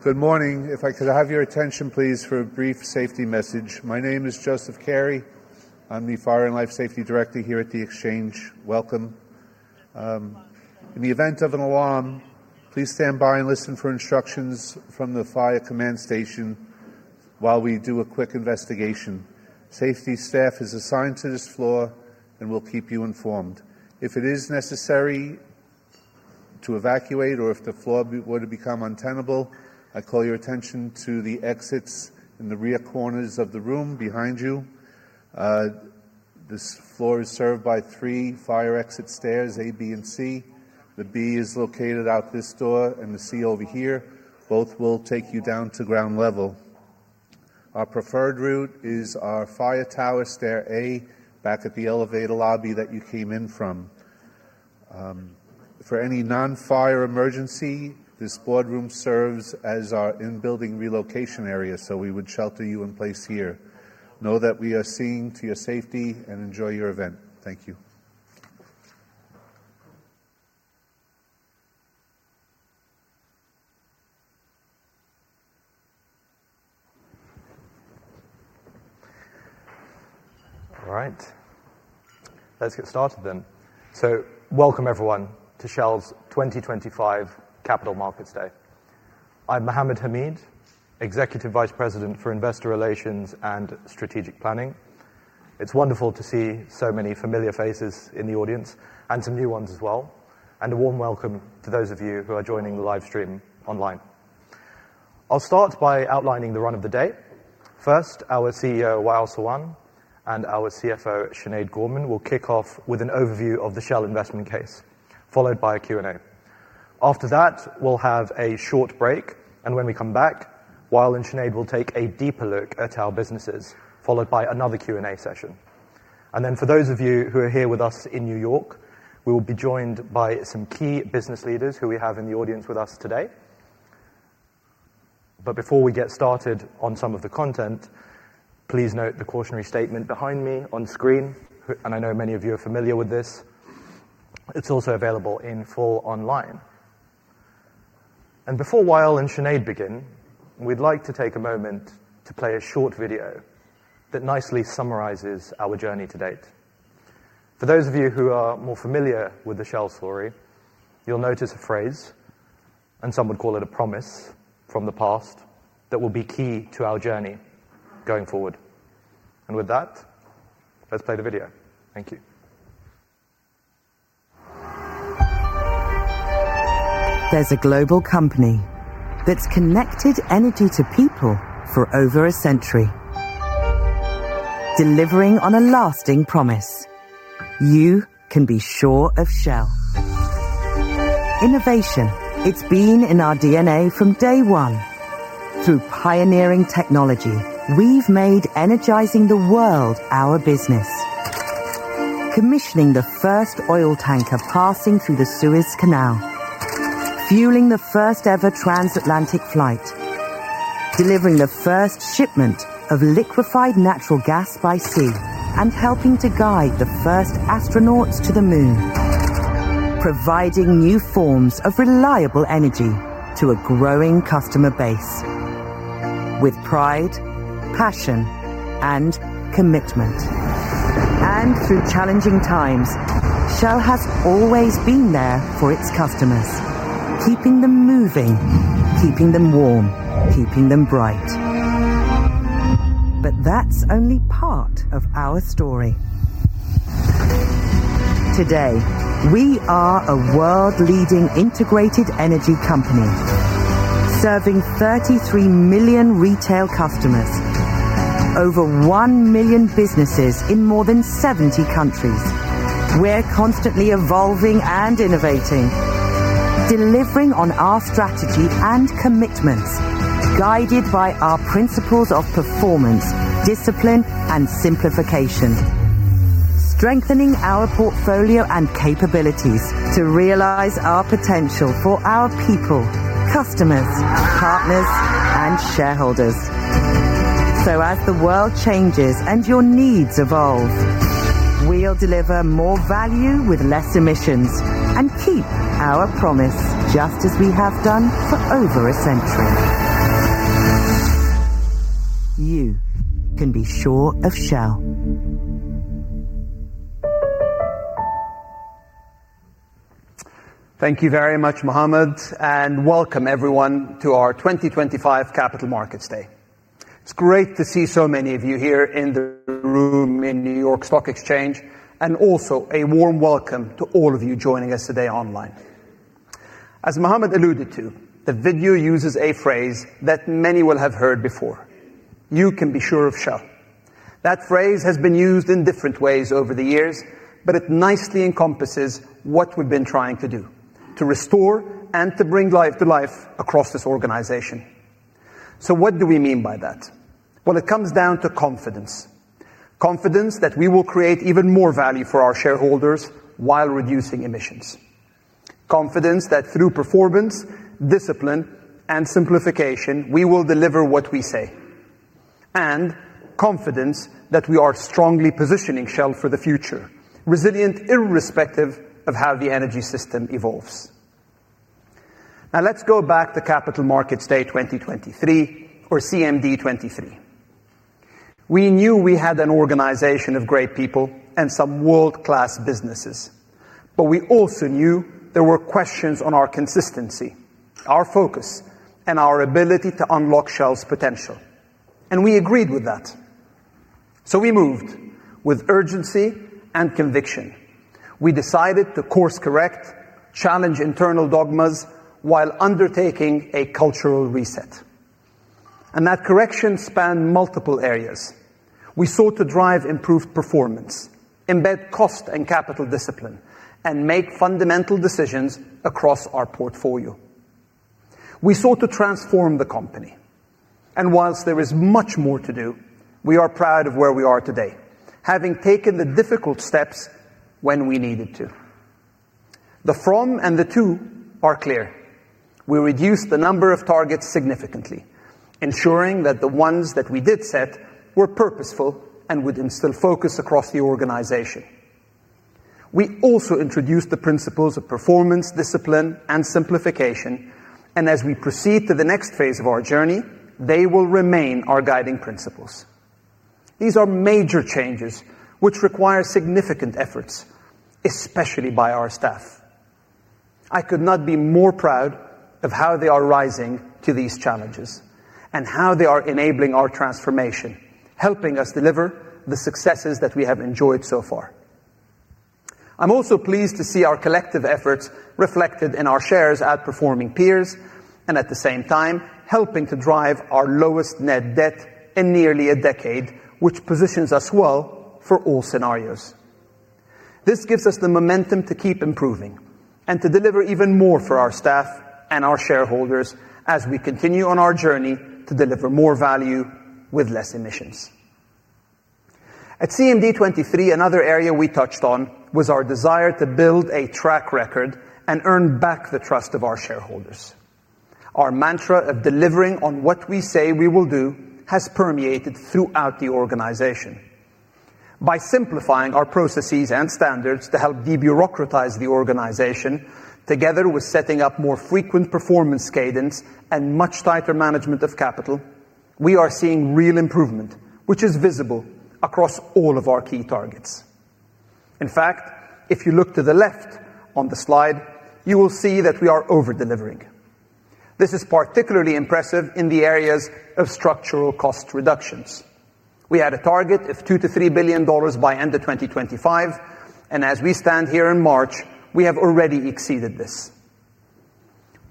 Good morning. If I could have your attention, please, for a brief safety message. My name is Joseph Carey. I'm the Fire and Life Safety Director here at The Exchange. Welcome. In the event of an alarm, please stand by and listen for instructions from the fire command station while we do a quick investigation. Safety staff is assigned to this floor, and we'll keep you informed. If it is necessary to evacuate or if the floor were to become untenable, I call your attention to the exits in the rear corners of the room behind you. This floor is served by three fire exit stairs, A, B, and C. The B is located out this door and the C over here. Both will take you down to ground level. Our preferred route is our fire tower stair A, back at the elevator lobby that you came in from. For any non-fire emergency, this boardroom serves as our in-building relocation area, so we would shelter you in place here. Know that we are singing to your safety and enjoy your event. Thank you. All right. Let's get started then. Welcome, everyone, to Shell's 2025 Capital Markets Day. I'm Mohammed Hamid, Executive Vice President for Investor Relations and Strategic Planning. It's wonderful to see so many familiar faces in the audience and some new ones as well. A warm welcome to those of you who are joining the live stream online. I'll start by outlining the run of the day. First, our CEO, Wael Sawan, and our CFO, Sinead Gorman, will kick off with an overview of the Shell investment case, followed by a Q&A. After that, we'll have a short break. When we come back, Wael and Sinead will take a deeper look at our businesses, followed by another Q&A session. For those of you who are here with us in New York, we will be joined by some key business leaders who we have in the audience with us today. Before we get started on some of the content, please note the cautionary statement behind me on screen. I know many of you are familiar with this. It is also available in full online. Before Wael and Sinead begin, we would like to take a moment to play a short video that nicely summarizes our journey to date. For those of you who are more familiar with the Shell story, you will notice a phrase, and some would call it a promise from the past, that will be key to our journey going forward. With that, let's play the video. Thank you. There's a global company that's connected energy to people for over a century, delivering on a lasting promise. You can be sure of Shell. Innovation, it's been in our DNA from day one. Through pioneering technology, we've made energizing the world our business. Commissioning the first oil tanker passing through the Suez Canal. Fueling the first ever transatlantic flight. Delivering the first shipment of liquefied natural gas by sea. And helping to guide the first astronauts to the moon. Providing new forms of reliable energy to a growing customer base. With pride, passion, and commitment. Through challenging times, Shell has always been there for its customers, keeping them moving, keeping them warm, keeping them bright. That's only part of our story. Today, we are a world-leading integrated energy company, serving 33 million retail customers, over 1 million businesses in more than 70 countries. We're constantly evolving and innovating, delivering on our strategy and commitments, guided by our principles of performance, discipline, and simplification, strengthening our portfolio and capabilities to realize our potential for our people, customers, partners, and shareholders. As the world changes and your needs evolve, we'll deliver more value with less emissions and keep our promise just as we have done for over a century. You can be sure of Shell. Thank you very much, Mohammed, and welcome everyone to our 2025 Capital Markets Day. It's great to see so many of you here in the room in New York Stock Exchange, and also a warm welcome to all of you joining us today online. As Mohammed alluded to, the video uses a phrase that many will have heard before. You can be sure of Shell. That phrase has been used in different ways over the years, but it nicely encompasses what we've been trying to do, to restore and to bring life to life across this organization. What do we mean by that? It comes down to confidence. Confidence that we will create even more value for our shareholders while reducing emissions. Confidence that through performance, discipline, and simplification, we will deliver what we say. Confidence that we are strongly positioning Shell for the future, resilient irrespective of how the energy system evolves. Now, let's go back to Capital Markets Day 2023, or CMD 2023. We knew we had an organization of great people and some world-class businesses, but we also knew there were questions on our consistency, our focus, and our ability to unlock Shell's potential. We agreed with that. We moved with urgency and conviction. We decided to course-correct, challenge internal dogmas while undertaking a cultural reset. That correction spanned multiple areas. We sought to drive improved performance, embed cost and capital discipline, and make fundamental decisions across our portfolio. We sought to transform the company. Whilst there is much more to do, we are proud of where we are today, having taken the difficult steps when we needed to. The from and the to are clear. We reduced the number of targets significantly, ensuring that the ones that we did set were purposeful and would instill focus across the organization. We also introduced the principles of performance, discipline, and simplification. As we proceed to the next phase of our journey, they will remain our guiding principles. These are major changes which require significant efforts, especially by our staff. I could not be more proud of how they are rising to these challenges and how they are enabling our transformation, helping us deliver the successes that we have enjoyed so far. I'm also pleased to see our collective efforts reflected in our shares outperforming peers and at the same time helping to drive our lowest net debt in nearly a decade, which positions us well for all scenarios. This gives us the momentum to keep improving and to deliver even more for our staff and our shareholders as we continue on our journey to deliver more value with less emissions. At CMD 2023, another area we touched on was our desire to build a track record and earn back the trust of our shareholders. Our mantra of delivering on what we say we will do has permeated throughout the organization. By simplifying our processes and standards to help debureaucratize the organization, together with setting up more frequent performance cadence and much tighter management of capital, we are seeing real improvement, which is visible across all of our key targets. In fact, if you look to the left on the slide, you will see that we are over-delivering. This is particularly impressive in the areas of structural cost reductions. We had a target of $2 billion-$3 billion by end of 2025, and as we stand here in March, we have already exceeded this.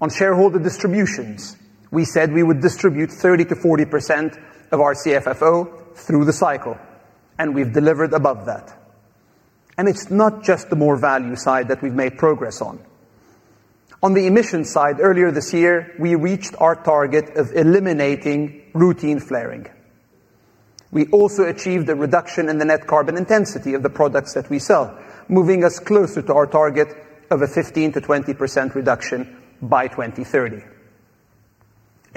On shareholder distributions, we said we would distribute 30%-40% of our CFFO through the cycle, and we've delivered above that. It is not just the more value side that we've made progress on. On the emissions side, earlier this year, we reached our target of eliminating routine flaring. We also achieved a reduction in the net carbon intensity of the products that we sell, moving us closer to our target of a 15%-20% reduction by 2030.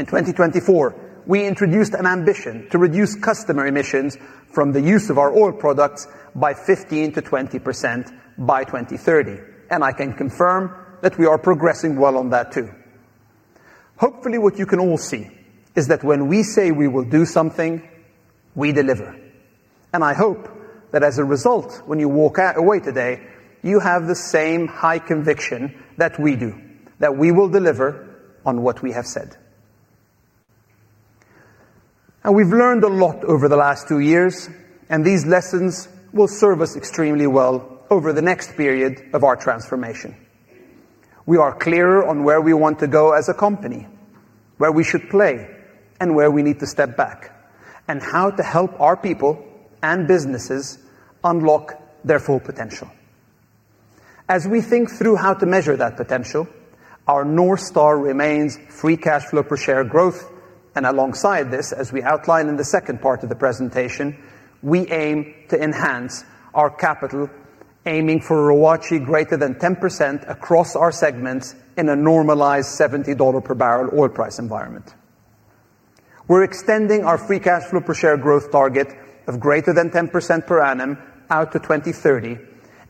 In 2024, we introduced an ambition to reduce customer emissions from the use of our oil products by 15%-20% by 2030. I can confirm that we are progressing well on that too. Hopefully, what you can all see is that when we say we will do something, we deliver. I hope that as a result, when you walk away today, you have the same high conviction that we do, that we will deliver on what we have said. We have learned a lot over the last two years, and these lessons will serve us extremely well over the next period of our transformation. We are clearer on where we want to go as a company, where we should play, and where we need to step back, and how to help our people and businesses unlock their full potential. As we think through how to measure that potential, our North Star remains free cash flow per share growth. Alongside this, as we outline in the second part of the presentation, we aim to enhance our capital, aiming for a ROACE greater than 10% across our segments in a normalized $70 per barrel oil price environment. We are extending our free cash flow per share growth target of greater than 10% per annum out to 2030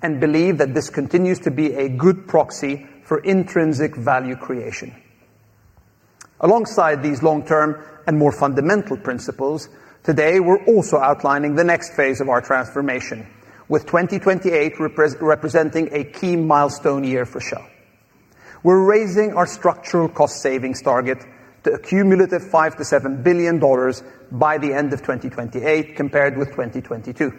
and believe that this continues to be a good proxy for intrinsic value creation. Alongside these long-term and more fundamental principles, today, we are also outlining the next phase of our transformation, with 2028 representing a key milestone year for Shell. We are raising our structural cost savings target to a cumulative $5 billion-$7 billion by the end of 2028 compared with 2022.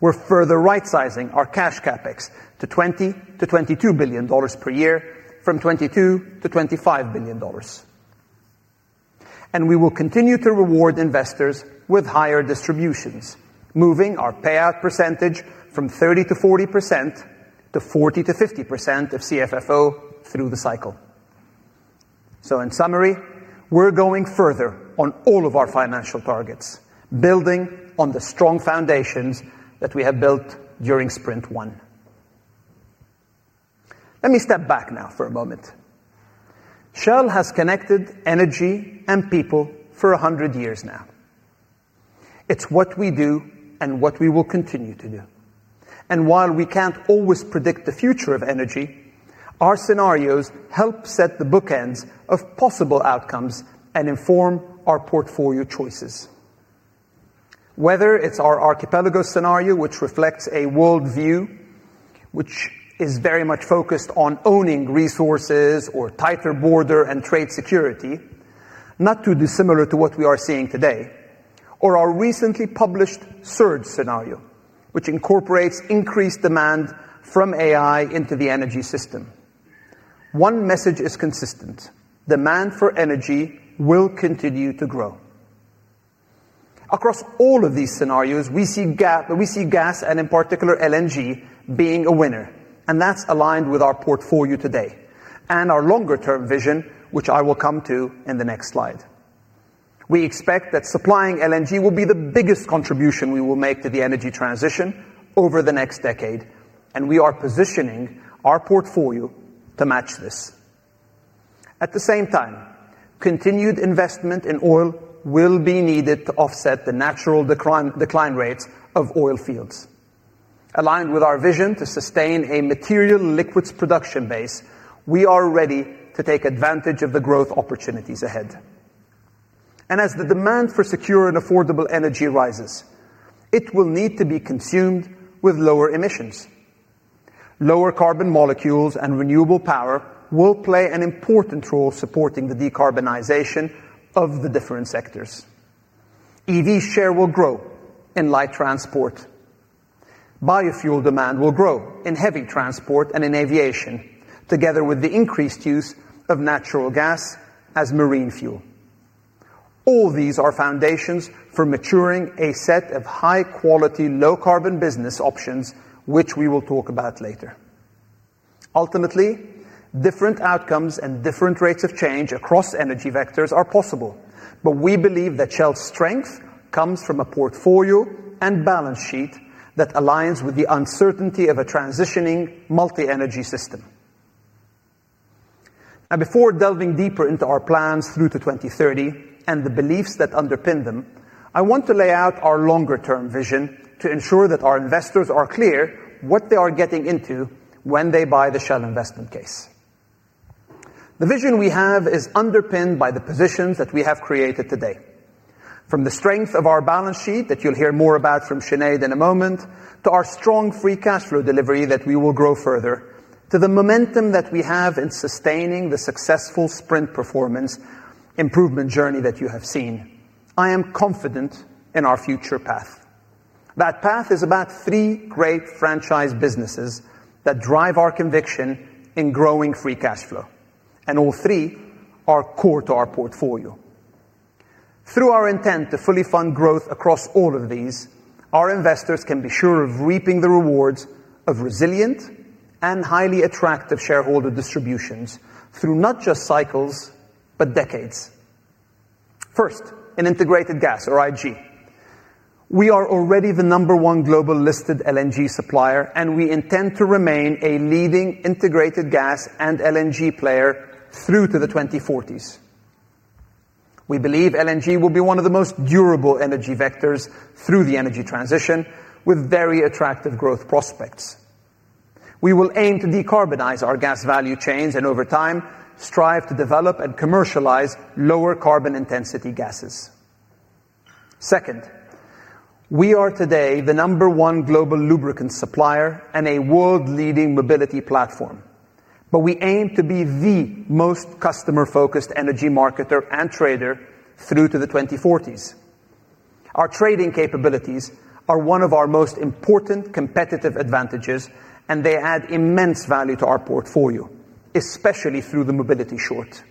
We are further right-sizing our cash CapEx to $20 billion-$22 billion per year, from $22 billion-$25 billion. We will continue to reward investors with higher distributions, moving our payout percentage from 30%-40% to 40%-50% of CFFO through the cycle. In summary, we are going further on all of our financial targets, building on the strong foundations that we have built during Sprint 1. Let me step back now for a moment. Shell has connected energy and people for 100 years now. It is what we do and what we will continue to do. While we cannot always predict the future of energy, our scenarios help set the bookends of possible outcomes and inform our portfolio choices. Whether it's our Archipelago scenario, which reflects a worldview which is very much focused on owning resources or tighter border and trade security, not too dissimilar to what we are seeing today, or our recently published Surge scenario, which incorporates increased demand from AI into the energy system, one message is consistent. Demand for energy will continue to grow. Across all of these scenarios, we see gas, and in particular, LNG, being a winner. That is aligned with our portfolio today and our longer-term vision, which I will come to in the next slide. We expect that supplying LNG will be the biggest contribution we will make to the energy transition over the next decade, and we are positioning our portfolio to match this. At the same time, continued investment in oil will be needed to offset the natural decline rates of oil fields. Aligned with our vision to sustain a material liquids production base, we are ready to take advantage of the growth opportunities ahead. As the demand for secure and affordable energy rises, it will need to be consumed with lower emissions. Lower carbon molecules and renewable power will play an important role supporting the decarbonization of the different sectors. EVs' share will grow in light transport. Biofuel demand will grow in heavy transport and in aviation, together with the increased use of natural gas as marine fuel. All these are foundations for maturing a set of high-quality, low-carbon business options, which we will talk about later. Ultimately, different outcomes and different rates of change across energy vectors are possible, but we believe that Shell's strength comes from a portfolio and balance sheet that aligns with the uncertainty of a transitioning multi-energy system. Now, before delving deeper into our plans through to 2030 and the beliefs that underpin them, I want to lay out our longer-term vision to ensure that our investors are clear what they are getting into when they buy the Shell investment case. The vision we have is underpinned by the positions that we have created today. From the strength of our balance sheet that you'll hear more about from Sinead in a moment, to our strong free cash flow delivery that we will grow further, to the momentum that we have in sustaining the successful Sprint performance improvement journey that you have seen, I am confident in our future path. That path is about three great franchise businesses that drive our conviction in growing free cash flow, and all three are core to our portfolio. Through our intent to fully fund growth across all of these, our investors can be sure of reaping the rewards of resilient and highly attractive shareholder distributions through not just cycles, but decades. First, in integrated gas, or IG. We are already the number one global listed LNG supplier, and we intend to remain a leading integrated gas and LNG player through to the 2040s. We believe LNG will be one of the most durable energy vectors through the energy transition, with very attractive growth prospects. We will aim to decarbonize our gas value chains and, over time, strive to develop and commercialize lower carbon intensity gases. Second, we are today the number one global lubricant supplier and a world-leading mobility platform, but we aim to be the most customer-focused energy marketer and trader through to the 2040s. Our trading capabilities are one of our most important competitive advantages, and they add immense value to our portfolio, especially through the mobility short.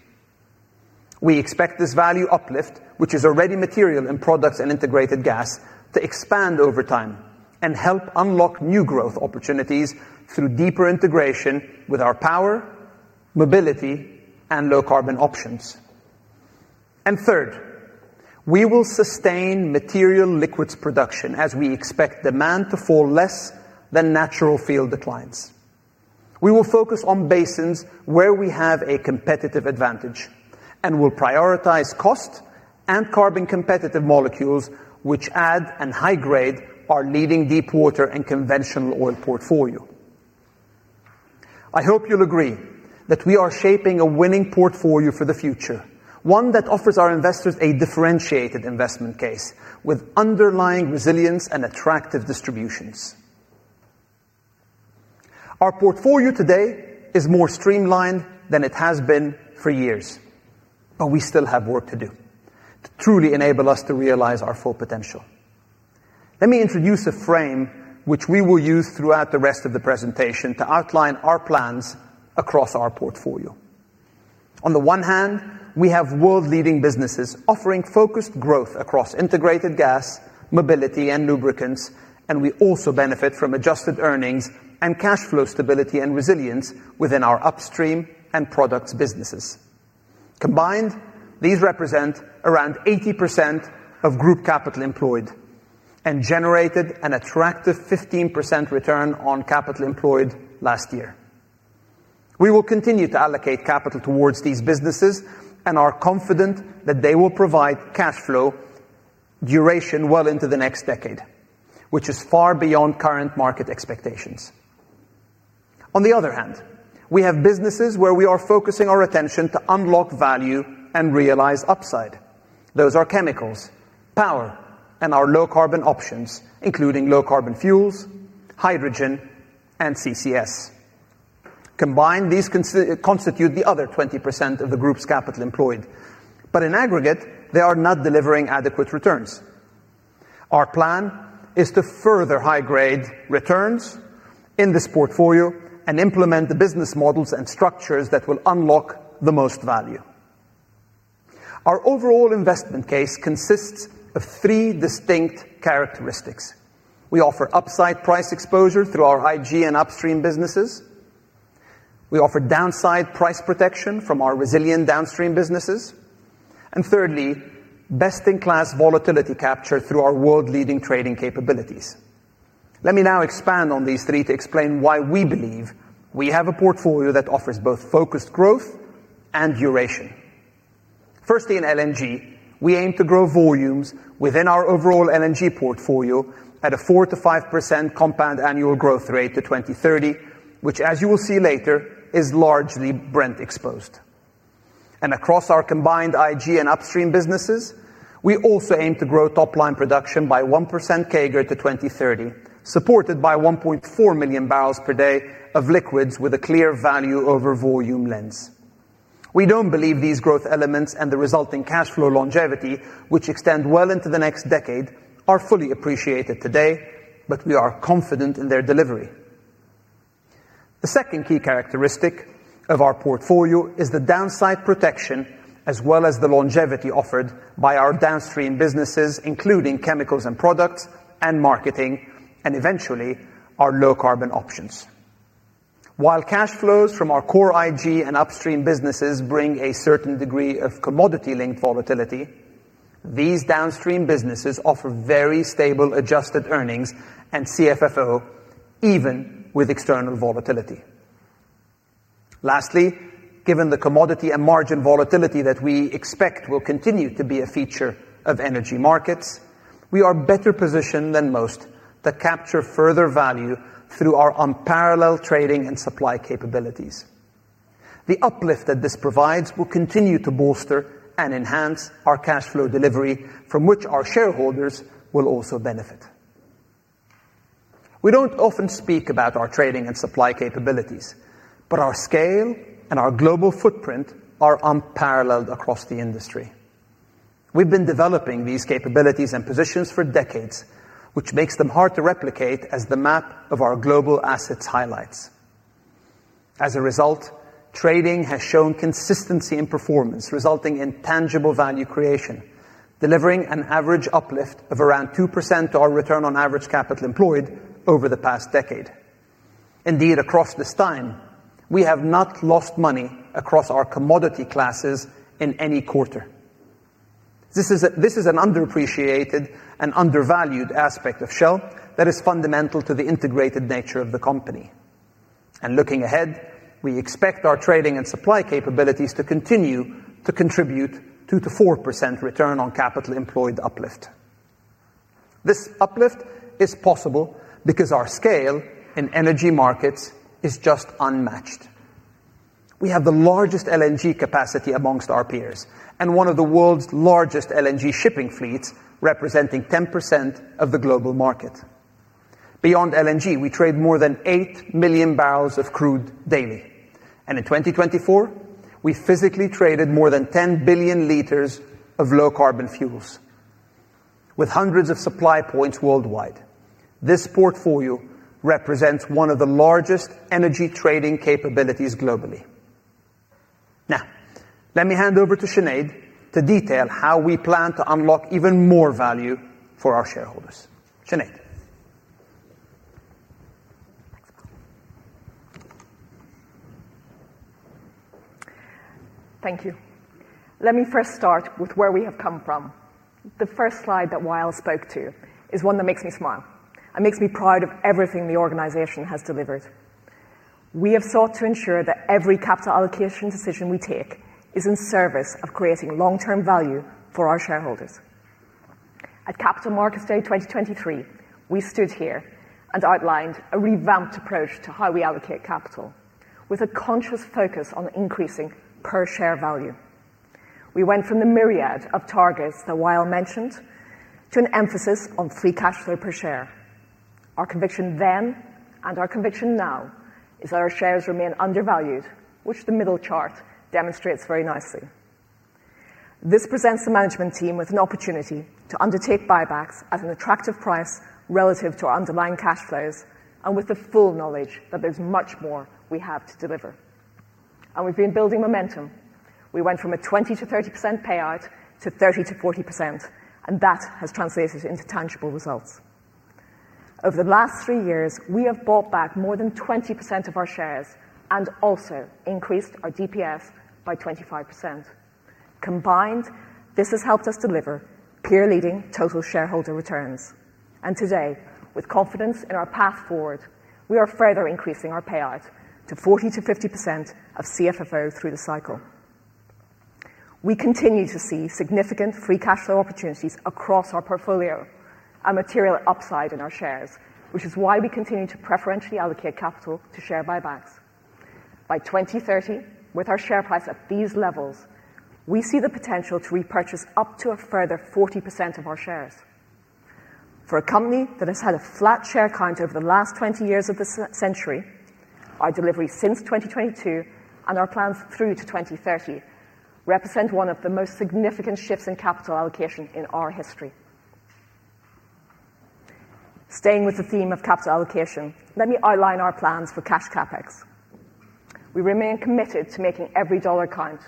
We expect this value uplift, which is already material in products and integrated gas, to expand over time and help unlock new growth opportunities through deeper integration with our power, mobility, and low-carbon options. Third, we will sustain material liquids production as we expect demand to fall less than natural field declines. We will focus on basins where we have a competitive advantage and will prioritize cost and carbon-competitive molecules, which add and high-grade our leading deep-water and conventional oil portfolio. I hope you'll agree that we are shaping a winning portfolio for the future, one that offers our investors a differentiated investment case with underlying resilience and attractive distributions. Our portfolio today is more streamlined than it has been for years, but we still have work to do to truly enable us to realize our full potential. Let me introduce a frame which we will use throughout the rest of the presentation to outline our plans across our portfolio. On the one hand, we have world-leading businesses offering focused growth across integrated gas, mobility, and lubricants, and we also benefit from adjusted earnings and cash flow stability and resilience within our upstream and products businesses. Combined, these represent around 80% of group capital employed and generated an attractive 15% return on capital employed last year. We will continue to allocate capital towards these businesses, and are confident that they will provide cash flow duration well into the next decade, which is far beyond current market expectations. On the other hand, we have businesses where we are focusing our attention to unlock value and realize upside. Those are chemicals, power, and our low-carbon options, including low-carbon fuels, hydrogen, and CCS. Combined, these constitute the other 20% of the group's capital employed, but in aggregate, they are not delivering adequate returns. Our plan is to further high-grade returns in this portfolio and implement the business models and structures that will unlock the most value. Our overall investment case consists of three distinct characteristics. We offer upside price exposure through our IG and upstream businesses. We offer downside price protection from our resilient downstream businesses. Thirdly, best-in-class volatility capture through our world-leading trading capabilities. Let me now expand on these three to explain why we believe we have a portfolio that offers both focused growth and duration. Firstly, in LNG, we aim to grow volumes within our overall LNG portfolio at a 4%-5% compound annual growth rate to 2030, which, as you will see later, is largely Brent-exposed. Across our combined IG and upstream businesses, we also aim to grow top-line production by 1% CAGR to 2030, supported by 1.4 MMbpd of liquids with a clear value over volume lens. We do not believe these growth elements and the resulting cash flow longevity, which extend well into the next decade, are fully appreciated today, but we are confident in their delivery. The second key characteristic of our portfolio is the downside protection as well as the longevity offered by our downstream businesses, including chemicals and products and marketing, and eventually, our low-carbon options. While cash flows from our core IG and upstream businesses bring a certain degree of commodity-linked volatility, these downstream businesses offer very stable adjusted earnings and CFFO even with external volatility. Lastly, given the commodity and margin volatility that we expect will continue to be a feature of energy markets, we are better positioned than most to capture further value through our unparalleled trading and supply capabilities. The uplift that this provides will continue to bolster and enhance our cash flow delivery, from which our shareholders will also benefit. We do not often speak about our trading and supply capabilities, but our scale and our global footprint are unparalleled across the industry. We have been developing these capabilities and positions for decades, which makes them hard to replicate as the map of our global assets highlights. As a result, trading has shown consistency in performance, resulting in tangible value creation, delivering an average uplift of around 2% to our return on average capital employed over the past decade. Indeed, across this time, we have not lost money across our commodity classes in any quarter. This is an underappreciated and undervalued aspect of Shell that is fundamental to the integrated nature of the company. Looking ahead, we expect our trading and supply capabilities to continue to contribute to the 2%-4% return on capital employed uplift. This uplift is possible because our scale in energy markets is just unmatched. We have the largest LNG capacity amongst our peers and one of the world's largest LNG shipping fleets, representing 10% of the global market. Beyond LNG, we trade more than 8 million barrels of crude daily. In 2024, we physically traded more than 10 billion liters of low-carbon fuels. With hundreds of supply points worldwide, this portfolio represents one of the largest energy trading capabilities globally. Now, let me hand over to Sinead to detail how we plan to unlock even more value for our shareholders. Sinead. Thank you. Let me first start with where we have come from. The first slide that Wael spoke to is one that makes me smile and makes me proud of everything the organization has delivered. We have sought to ensure that every capital allocation decision we take is in service of creating long-term value for our shareholders. At Capital Markets Day 2023, we stood here and outlined a revamped approach to how we allocate capital, with a conscious focus on increasing per-share value. We went from the myriad of targets that Wael mentioned to an emphasis on free cash flow per share. Our conviction then and our conviction now is that our shares remain undervalued, which the middle chart demonstrates very nicely. This presents the management team with an opportunity to undertake buybacks at an attractive price relative to our underlying cash flows and with the full knowledge that there is much more we have to deliver. We have been building momentum. We went from a 20%-30% payout to 30%-40%, and that has translated into tangible results. Over the last three years, we have bought back more than 20% of our shares and also increased our DPS by 25%. Combined, this has helped us deliver peer-leading total shareholder returns. Today, with confidence in our path forward, we are further increasing our payout to 40%-50% of CFFO through the cycle. We continue to see significant free cash flow opportunities across our portfolio and material upside in our shares, which is why we continue to preferentially allocate capital to share buybacks. By 2030, with our share price at these levels, we see the potential to repurchase up to a further 40% of our shares. For a company that has had a flat share count over the last 20 years of the century, our delivery since 2022 and our plans through to 2030 represent one of the most significant shifts in capital allocation in our history. Staying with the theme of capital allocation, let me outline our plans for cash CapEx. We remain committed to making every dollar count,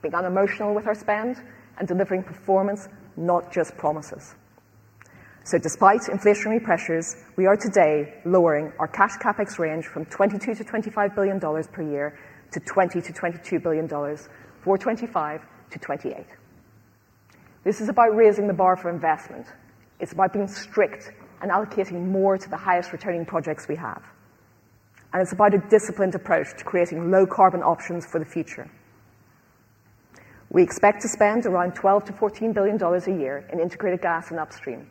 being unemotional with our spend, and delivering performance, not just promises. Despite inflationary pressures, we are today lowering our cash CapEx range from $22 billion-$25 billion per year to $20 billion-$22 billion for 2025 to 2028. This is about raising the bar for investment. It is about being strict and allocating more to the highest returning projects we have. It is about a disciplined approach to creating low-carbon options for the future. We expect to spend around $12 billion-$14 billion a year in integrated gas and upstream,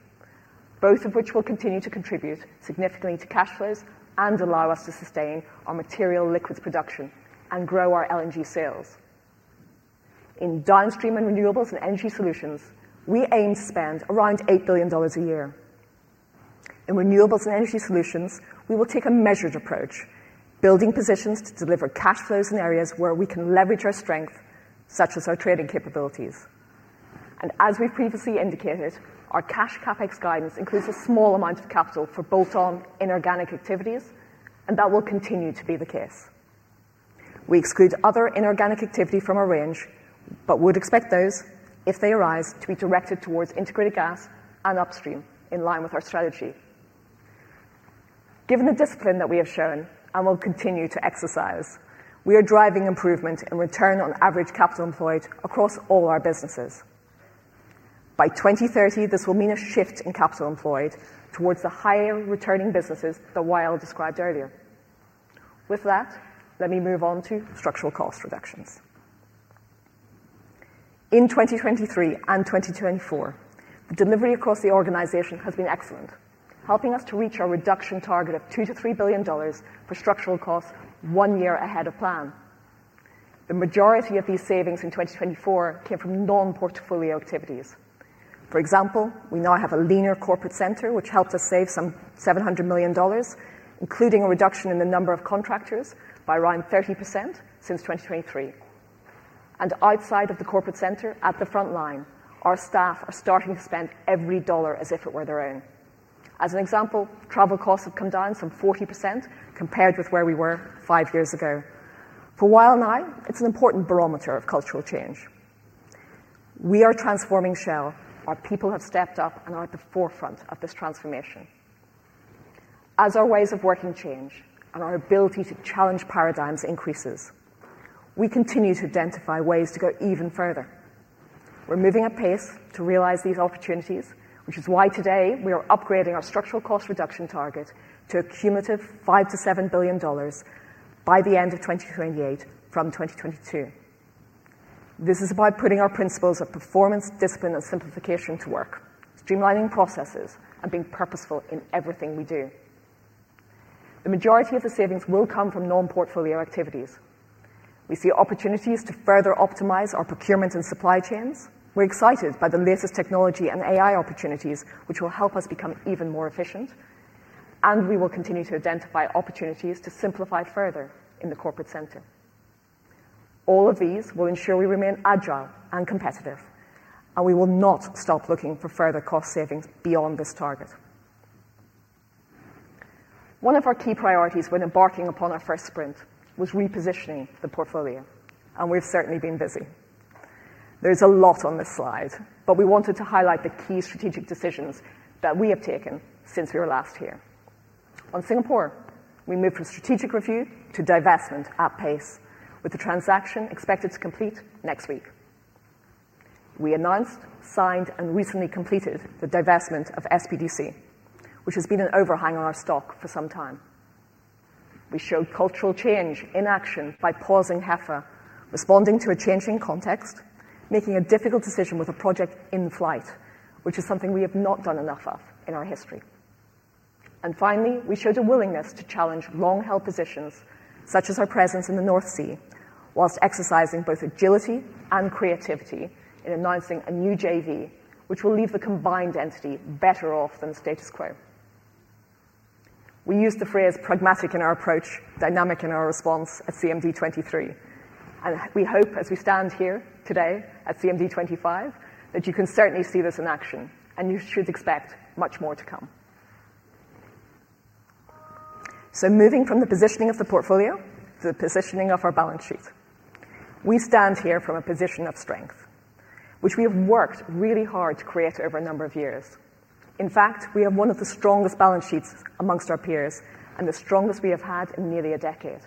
both of which will continue to contribute significantly to cash flows and allow us to sustain our material liquids production and grow our LNG sales. In downstream and renewables and energy solutions, we aim to spend around $8 billion a year. In renewables and energy solutions, we will take a measured approach, building positions to deliver cash flows in areas where we can leverage our strength, such as our trading capabilities. As we have previously indicated, our cash CapEx guidance includes a small amount of capital for bolt-on inorganic activities, and that will continue to be the case. We exclude other inorganic activity from our range, but would expect those, if they arise, to be directed towards integrated gas and upstream in line with our strategy. Given the discipline that we have shown and will continue to exercise, we are driving improvement in return on average capital employed across all our businesses. By 2030, this will mean a shift in capital employed towards the higher returning businesses that Wael described earlier. With that, let me move on to structural cost reductions. In 2023 and 2024, the delivery across the organization has been excellent, helping us to reach our reduction target of $2 billion-$3 billion for structural costs one year ahead of plan. The majority of these savings in 2024 came from non-portfolio activities. For example, we now have a leaner corporate center, which helped us save some $700 million, including a reduction in the number of contractors by around 30% since 2023. Outside of the corporate center, at the front line, our staff are starting to spend every dollar as if it were their own. As an example, travel costs have come down some 40% compared with where we were five years ago. For a while now, it's an important barometer of cultural change. We are transforming Shell. Our people have stepped up and are at the forefront of this transformation. As our ways of working change and our ability to challenge paradigms increases, we continue to identify ways to go even further. We're moving at pace to realize these opportunities, which is why today we are upgrading our structural cost reduction target to a cumulative $5 billion-$7 billion by the end of 2028 from 2022. This is about putting our principles of performance, discipline, and simplification to work, streamlining processes, and being purposeful in everything we do. The majority of the savings will come from non-portfolio activities. We see opportunities to further optimize our procurement and supply chains. We're excited by the latest technology and AI opportunities, which will help us become even more efficient. We will continue to identify opportunities to simplify further in the corporate center. All of these will ensure we remain agile and competitive, and we will not stop looking for further cost savings beyond this target. One of our key priorities when embarking upon our first sprint was repositioning the portfolio, and we've certainly been busy. There's a lot on this slide, but we wanted to highlight the key strategic decisions that we have taken since we were last here. On Singapore, we moved from strategic review to divestment at pace, with the transaction expected to complete next week. We announced, signed, and recently completed the divestment of SPDC, which has been an overhang on our stock for some time. We showed cultural change in action by pausing HEFA, responding to a changing context, making a difficult decision with a project in flight, which is something we have not done enough of in our history. Finally, we showed a willingness to challenge long-held positions, such as our presence in the North Sea, whilst exercising both agility and creativity in announcing a new JV, which will leave the combined entity better off than the status quo. We use the phrase pragmatic in our approach, dynamic in our response at CMD 2023. We hope, as we stand here today at CMD 2025, that you can certainly see this in action, and you should expect much more to come. Moving from the positioning of the portfolio to the positioning of our balance sheet, we stand here from a position of strength, which we have worked really hard to create over a number of years. In fact, we have one of the strongest balance sheets amongst our peers and the strongest we have had in nearly a decade.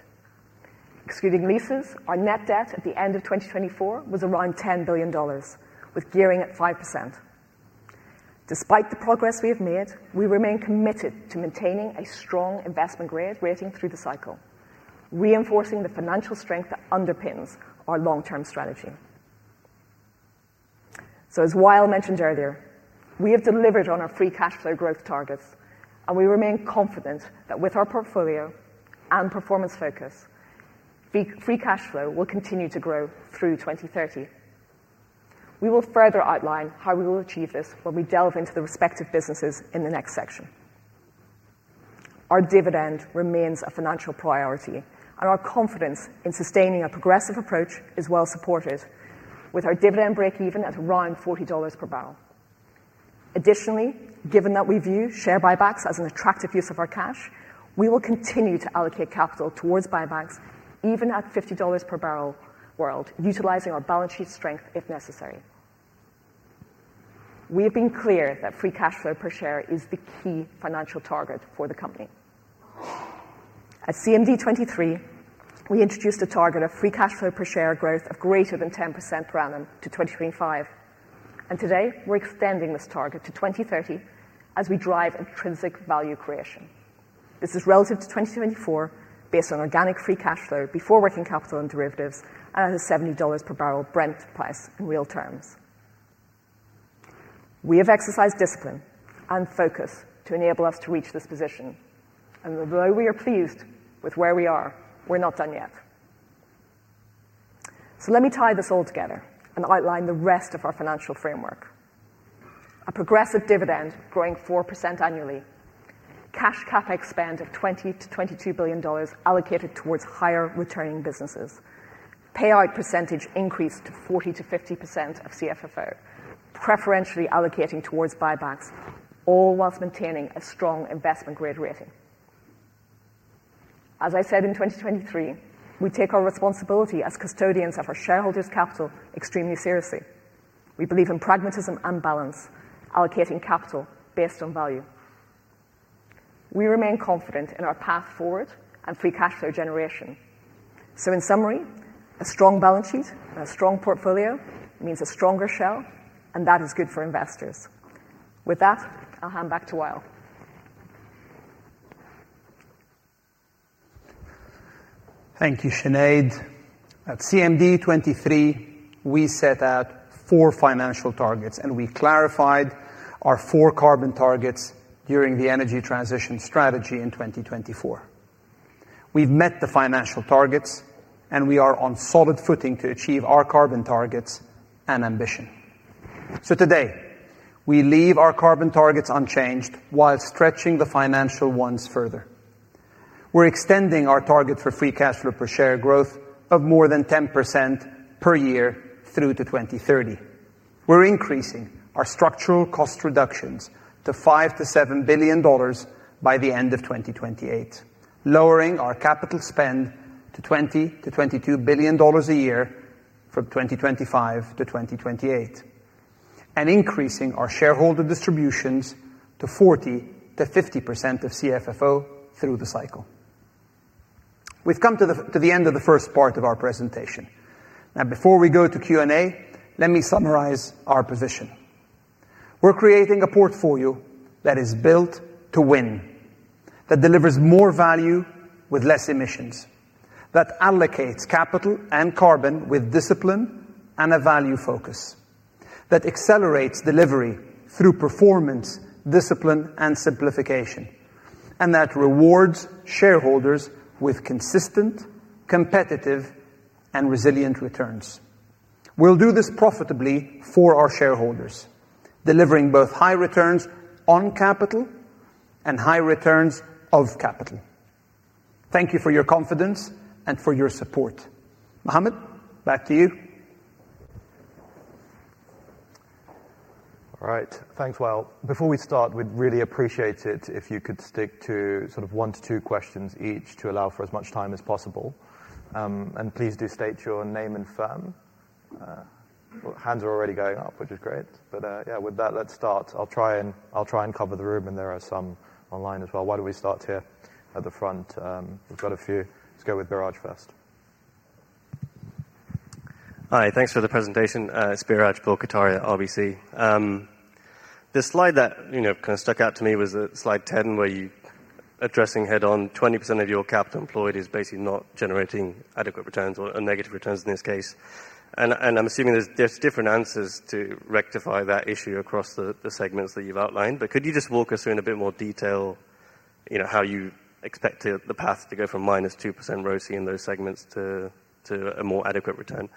Excluding leases, our net debt at the end of 2024 was around $10 billion, with gearing at 5%. Despite the progress we have made, we remain committed to maintaining a strong investment grade rating through the cycle, reinforcing the financial strength that underpins our long-term strategy. As Wael mentioned earlier, we have delivered on our free cash flow growth targets, and we remain confident that with our portfolio and performance focus, free cash flow will continue to grow through 2030. We will further outline how we will achieve this when we delve into the respective businesses in the next section. Our dividend remains a financial priority, and our confidence in sustaining a progressive approach is well supported, with our dividend break-even at around $40 per barrel. Additionally, given that we view share buybacks as an attractive use of our cash, we will continue to allocate capital towards buybacks even at a $50 per barrel world, utilizing our balance sheet strength if necessary. We have been clear that free cash flow per share is the key financial target for the company. At CMD 2023, we introduced a target of free cash flow per share growth of greater than 10% per annum to 2025. Today, we're extending this target to 2030 as we drive intrinsic value creation. This is relative to 2024 based on organic free cash flow before working capital and derivatives and at a $70 per barrel Brent price in real terms. We have exercised discipline and focus to enable us to reach this position. Although we are pleased with where we are, we're not done yet. Let me tie this all together and outline the rest of our financial framework. A progressive dividend growing 4% annually, cash CapEx spend of $20 billion-$22 billion allocated towards higher returning businesses, payout percentage increased to 40%-50% of CFFO, preferentially allocating towards buybacks, all whilst maintaining a strong investment grade rating. As I said in 2023, we take our responsibility as custodians of our shareholders' capital extremely seriously. We believe in pragmatism and balance, allocating capital based on value. We remain confident in our path forward and free cash flow generation. In summary, a strong balance sheet and a strong portfolio means a stronger Shell, and that is good for investors. With that, I'll hand back to Wael. Thank you, Sinead. At CMD 2023, we set out four financial targets, and we clarified our four carbon targets during the energy transition strategy in 2024. We've met the financial targets, and we are on solid footing to achieve our carbon targets and ambition. Today, we leave our carbon targets unchanged while stretching the financial ones further. We're extending our target for free cash flow per share growth of more than 10% per year through to 2030. We're increasing our structural cost reductions to $5 billion-$7 billion by the end of 2028, lowering our capital spend to $20 billion-$22 billion a year from 2025 to 2028, and increasing our shareholder distributions to 40%-50% of CFFO through the cycle. We've come to the end of the first part of our presentation. Now, before we go to Q&A, let me summarize our position. We're creating a portfolio that is built to win, that delivers more value with less emissions, that allocates capital and carbon with discipline and a value focus, that accelerates delivery through performance, discipline, and simplification, and that rewards shareholders with consistent, competitive, and resilient returns. We'll do this profitably for our shareholders, delivering both high returns on capital and high returns of capital. Thank you for your confidence and for your support. Mohammed, back to you. All right. Thanks, Wael. Before we start, we'd really appreciate it if you could stick to sort of one to two questions each to allow for as much time as possible. Please do state your name and firm. Hands are already going up, which is great. With that, let's start. I'll try and cover the room, and there are some online as well. Why don't we start here at the front? We've got a few. Let's go with Biraj first. Hi. Thanks for the presentation. It's Biraj Borkhataria, RBC. The slide that kind of stuck out to me was at slide 10, where you're addressing head-on 20% of your capital employed is basically not generating adequate returns or negative returns in this case. I'm assuming there's different answers to rectify that issue across the segments that you've outlined. Could you just walk us through in a bit more detail how you expect the path to go from minus 2% ROACE in those segments to a more adequate return?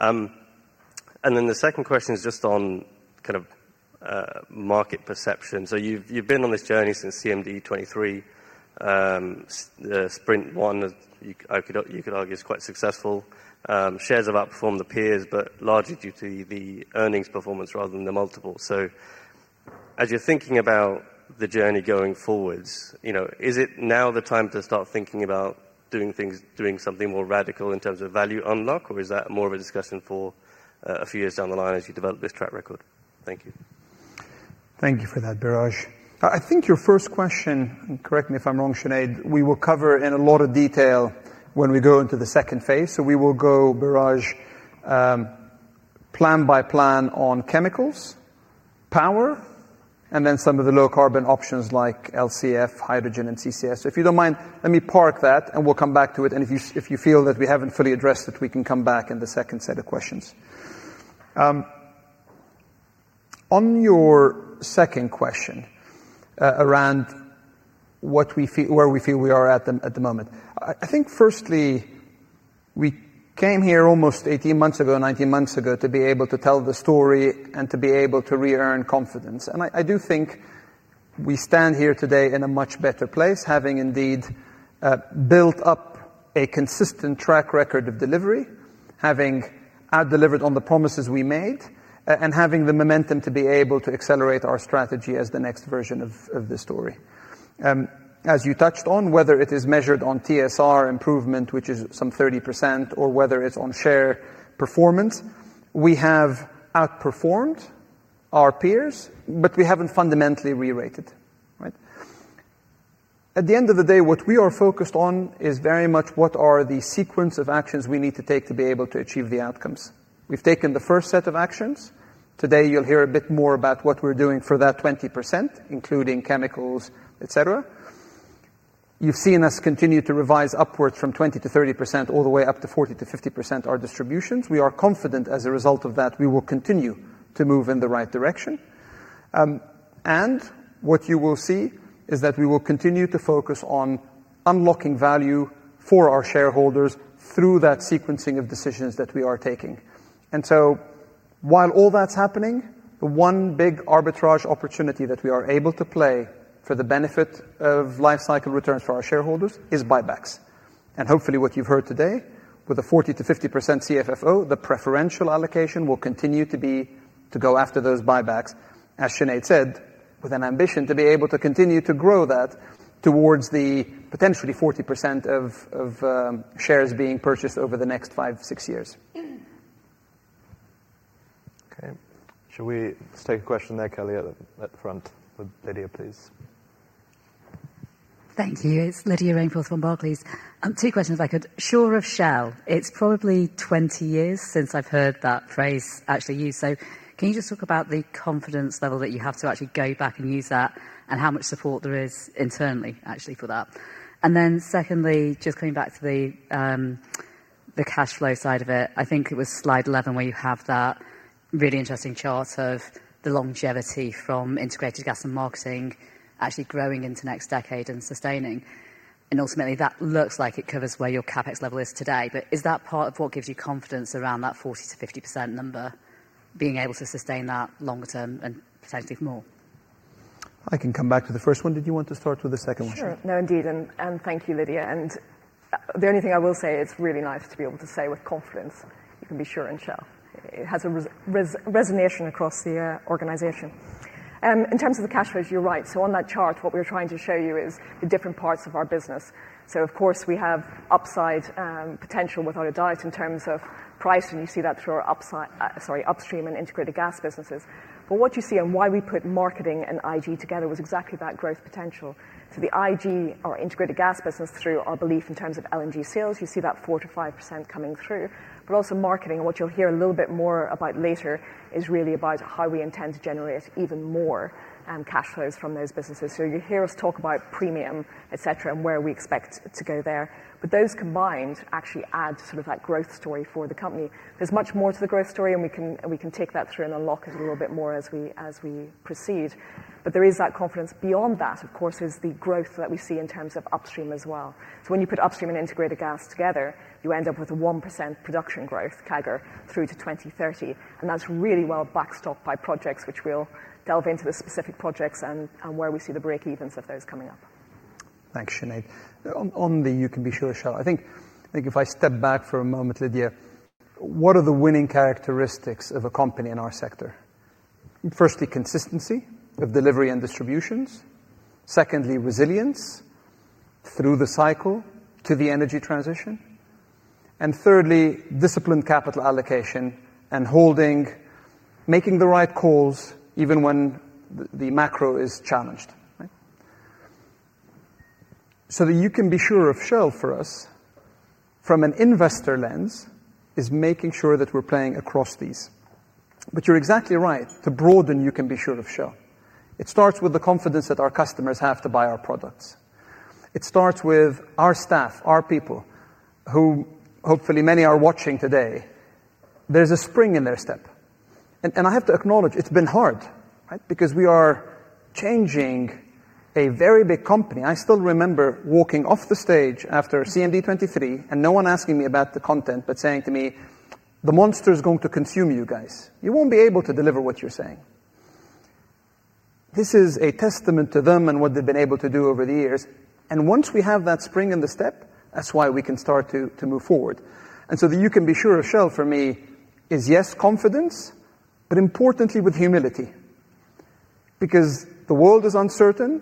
The second question is just on kind of market perception. You've been on this journey since CMD 2023. Sprint one, you could argue, is quite successful. Shares have outperformed the peers, but largely due to the earnings performance rather than the multiple. As you're thinking about the journey going forwards, is it now the time to start thinking about doing something more radical in terms of value unlock, or is that more of a discussion for a few years down the line as you develop this track record? Thank you. Thank you for that, Biraj. I think your first question, and correct me if I'm wrong, Sinead, we will cover in a lot of detail when we go into the second phase. We will go, Biraj, plan by plan on chemicals, power, and then some of the low-carbon options like LCF, hydrogen, and CCS. If you do not mind, let me park that, and we will come back to it. If you feel that we have not fully addressed it, we can come back in the second set of questions. On your second question around where we feel we are at the moment, I think, firstly, we came here almost 18 months ago, 19 months ago, to be able to tell the story and to be able to re-earn confidence. I do think we stand here today in a much better place, having indeed built up a consistent track record of delivery, having delivered on the promises we made, and having the momentum to be able to accelerate our strategy as the next version of the story. As you touched on, whether it is measured on TSR improvement, which is some 30%, or whether it's on share performance, we have outperformed our peers, but we haven't fundamentally re-rated. At the end of the day, what we are focused on is very much what are the sequence of actions we need to take to be able to achieve the outcomes. We've taken the first set of actions. Today, you'll hear a bit more about what we're doing for that 20%, including chemicals, et cetera. You've seen us continue to revise upwards from 20%-30% all the way up to 40%-50% our distributions. We are confident, as a result of that, we will continue to move in the right direction. What you will see is that we will continue to focus on unlocking value for our shareholders through that sequencing of decisions that we are taking. While all that's happening, the one big arbitrage opportunity that we are able to play for the benefit of lifecycle returns for our shareholders is buybacks. Hopefully, what you've heard today, with a 40%-50% CFFO, the preferential allocation will continue to be to go after those buybacks, as Sinead said, with an ambition to be able to continue to grow that towards the potentially 40% of shares being purchased over the next five, six years. Okay. Shall we take a question there, Kelly, at the front? Lydia, please. Thank you. It's Lydia Rainforth from Barclays. Two questions, if I could. Sure of Shell, it's probably 20 years since I've heard that phrase actually used. Can you just talk about the confidence level that you have to actually go back and use that, and how much support there is internally, actually, for that? Secondly, just coming back to the cash flow side of it, I think it was slide 11 where you have that really interesting chart of the longevity from integrated gas and marketing actually growing into next decade and sustaining. Ultimately, that looks like it covers where your CapEx level is today. Is that part of what gives you confidence around that 40%-50% number, being able to sustain that longer term and potentially more? I can come back to the first one. Did you want to start with the second one? Sure. No, indeed. Thank you, Lydia. The only thing I will say, it's really nice to be able to say with confidence, you can be sure in Shell. It has a resonation across the organization. In terms of the cash flows, you're right. On that chart, what we're trying to show you is the different parts of our business. Of course, we have upside potential with our diet in terms of price, and you see that through our upstream and integrated gas businesses. What you see and why we put marketing and IG together was exactly that growth potential. The IG, our integrated gas business, through our belief in terms of LNG sales, you see that 4%-5% coming through. But also marketing, and what you'll hear a little bit more about later is really about how we intend to generate even more cash flows from those businesses. You hear us talk about premium, et cetera, and where we expect to go there. Those combined actually add to sort of that growth story for the company. There is much more to the growth story, and we can take that through and unlock it a little bit more as we proceed. There is that confidence. Beyond that, of course, is the growth that we see in terms of upstream as well. When you put upstream and integrated gas together, you end up with a 1% production growth CAGR through to 2030. That is really well backstopped by projects, which we'll delve into, the specific projects and where we see the break-evens of those coming up. Thanks, Sinead. On the you can be sure Shell, I think if I step back for a moment, Lydia, what are the winning characteristics of a company in our sector? Firstly, consistency of delivery and distributions. Secondly, resilience through the cycle to the energy transition. Thirdly, disciplined capital allocation and holding, making the right calls even when the macro is challenged. The you can be sure of Shell for us, from an investor lens, is making sure that we're playing across these. You're exactly right. To broaden, you can be sure of Shell. It starts with the confidence that our customers have to buy our products. It starts with our staff, our people, who hopefully many are watching today. There's a spring in their step. I have to acknowledge it's been hard because we are changing a very big company. I still remember walking off the stage after CMD 2023 and no one asking me about the content, but saying to me, "The monster is going to consume you guys. You won't be able to deliver what you're saying." This is a testament to them and what they've been able to do over the years. Once we have that spring in the step, that's why we can start to move forward. The you can be sure of Shell for me is, yes, confidence, but importantly, with humility. Because the world is uncertain,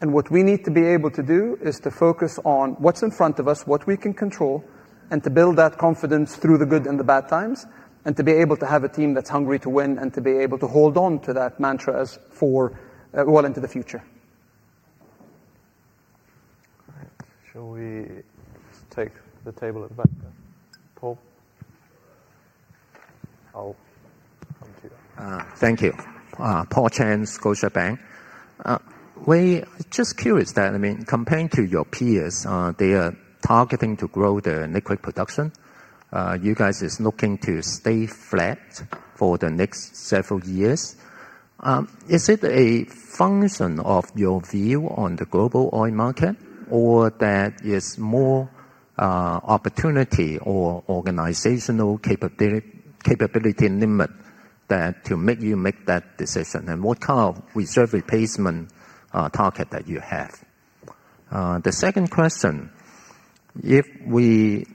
and what we need to be able to do is to focus on what's in front of us, what we can control, and to build that confidence through the good and the bad times, and to be able to have a team that's hungry to win and to be able to hold on to that mantra for well into the future. All right. Shall we take the table at the back? Paul. I'll come to you. Thank you. Paul Cheng, Scotiabank. We're just curious that, I mean, compared to your peers, they are targeting to grow their liquid production. You guys are looking to stay flat for the next several years. Is it a function of your view on the global oil market, or that is more opportunity or organizational capability limit that to make you make that decision? What kind of reserve replacement target that you have? The second question, if we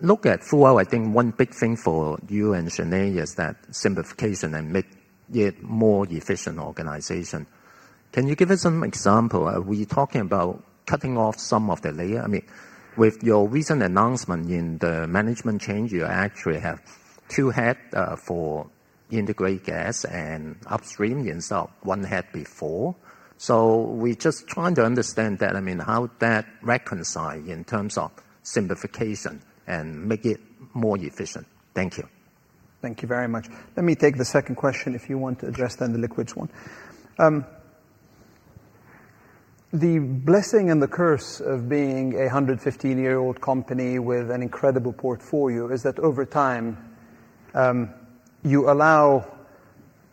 look at, for I think one big thing for you and Sinead is that simplification and make it more efficient organization. Can you give us an example? Are we talking about cutting off some of the layer? I mean, with your recent announcement in the management change, you actually have two heads for integrated gas and upstream. You installed one head before. We're just trying to understand that, I mean, how that reconciles in terms of simplification and make it more efficient. Thank you. Thank you very much. Let me take the second question if you want to address then the liquids one. The blessing and the curse of being a 115-year-old company with an incredible portfolio is that over time, you allow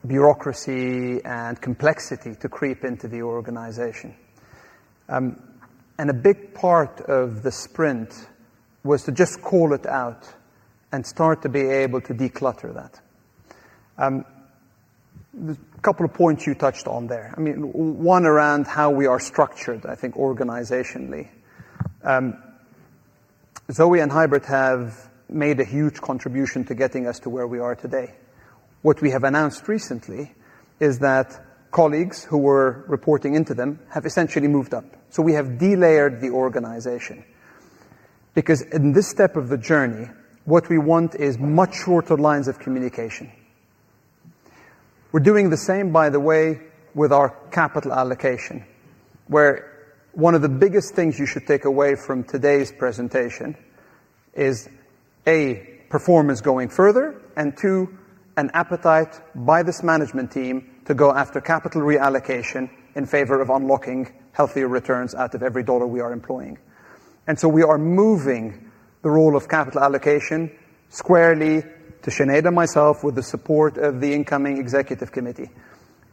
bureaucracy and complexity to creep into the organization. A big part of the sprint was to just call it out and start to be able to declutter that. There are a couple of points you touched on there. I mean, one around how we are structured, I think, organizationally. Zoe and Huibert have made a huge contribution to getting us to where we are today. What we have announced recently is that colleagues who were reporting into them have essentially moved up. We have delayered the organization. Because in this step of the journey, what we want is much shorter lines of communication. We're doing the same, by the way, with our capital allocation, where one of the biggest things you should take away from today's presentation is, A, performance going further, and two, an appetite by this management team to go after capital reallocation in favor of unlocking healthier returns out of every dollar we are employing. We are moving the role of capital allocation squarely to Sinead and myself with the support of the incoming executive committee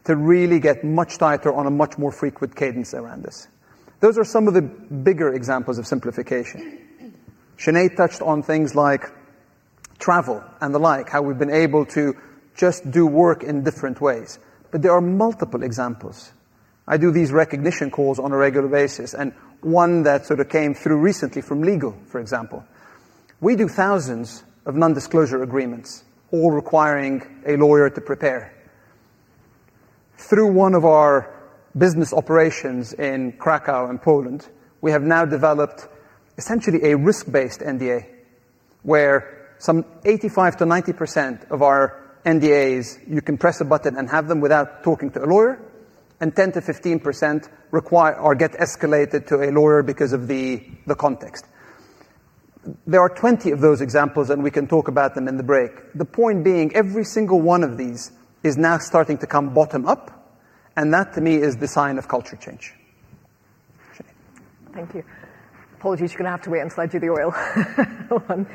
to really get much tighter on a much more frequent cadence around this. Those are some of the bigger examples of simplification. Sinead touched on things like travel and the like, how we've been able to just do work in different ways. There are multiple examples. I do these recognition calls on a regular basis, and one that sort of came through recently from legal, for example. We do thousands of non-disclosure agreements, all requiring a lawyer to prepare. Through one of our business operations in Krakow and Poland, we have now developed essentially a risk-based NDA, where some 85%-90% of our NDAs, you can press a button and have them without talking to a lawyer, and 10%-15% require or get escalated to a lawyer because of the context. There are 20 of those examples, and we can talk about them in the break. The point being, every single one of these is now starting to come bottom up, and that, to me, is the sign of culture change. Thank you. Apologies, you're going to have to wait until I do the oil one.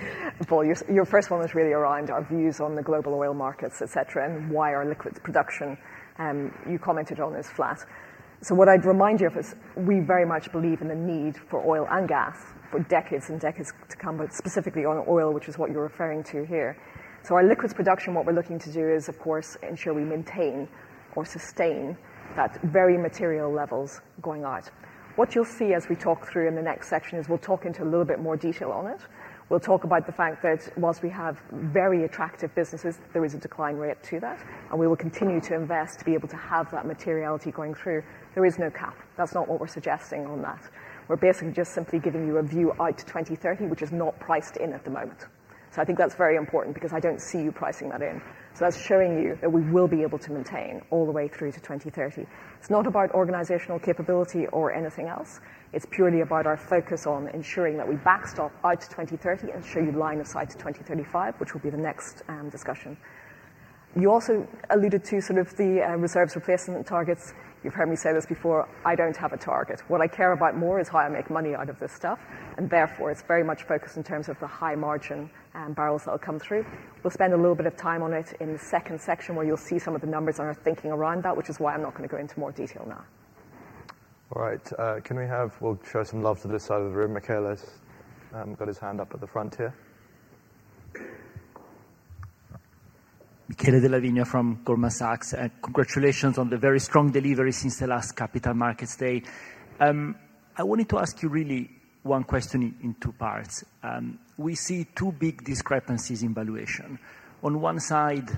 Paul, your first one was really around our views on the global oil markets, et cetera, and why our liquids production, you commented on, is flat. What I'd remind you of is we very much believe in the need for oil and gas for decades and decades to come, but specifically on oil, which is what you're referring to here. Our liquids production, what we're looking to do is, of course, ensure we maintain or sustain that very material levels going out. What you'll see as we talk through in the next section is we'll talk into a little bit more detail on it. We'll talk about the fact that whilst we have very attractive businesses, there is a decline rate to that, and we will continue to invest to be able to have that materiality going through. There is no cap. That's not what we're suggesting on that. We're basically just simply giving you a view out to 2030, which is not priced in at the moment. I think that's very important because I don't see you pricing that in. That's showing you that we will be able to maintain all the way through to 2030. It's not about organizational capability or anything else. It's purely about our focus on ensuring that we backstop out to 2030 and show you line of sight to 2035, which will be the next discussion. You also alluded to sort of the reserves replacement targets. You've heard me say this before. I don't have a target. What I care about more is how I make money out of this stuff. Therefore, it's very much focused in terms of the high margin barrels that will come through. We'll spend a little bit of time on it in the second section, where you'll see some of the numbers on our thinking around that, which is why I'm not going to go into more detail now. All right. Can we have, we'll show some love to this side of the room. Michele has got his hand up at the front here. Michele Della Vigna from Goldman Sachs. Congratulations on the very strong delivery since the last capital markets day. I wanted to ask you really one question in two parts. We see two big discrepancies in valuation. On one side,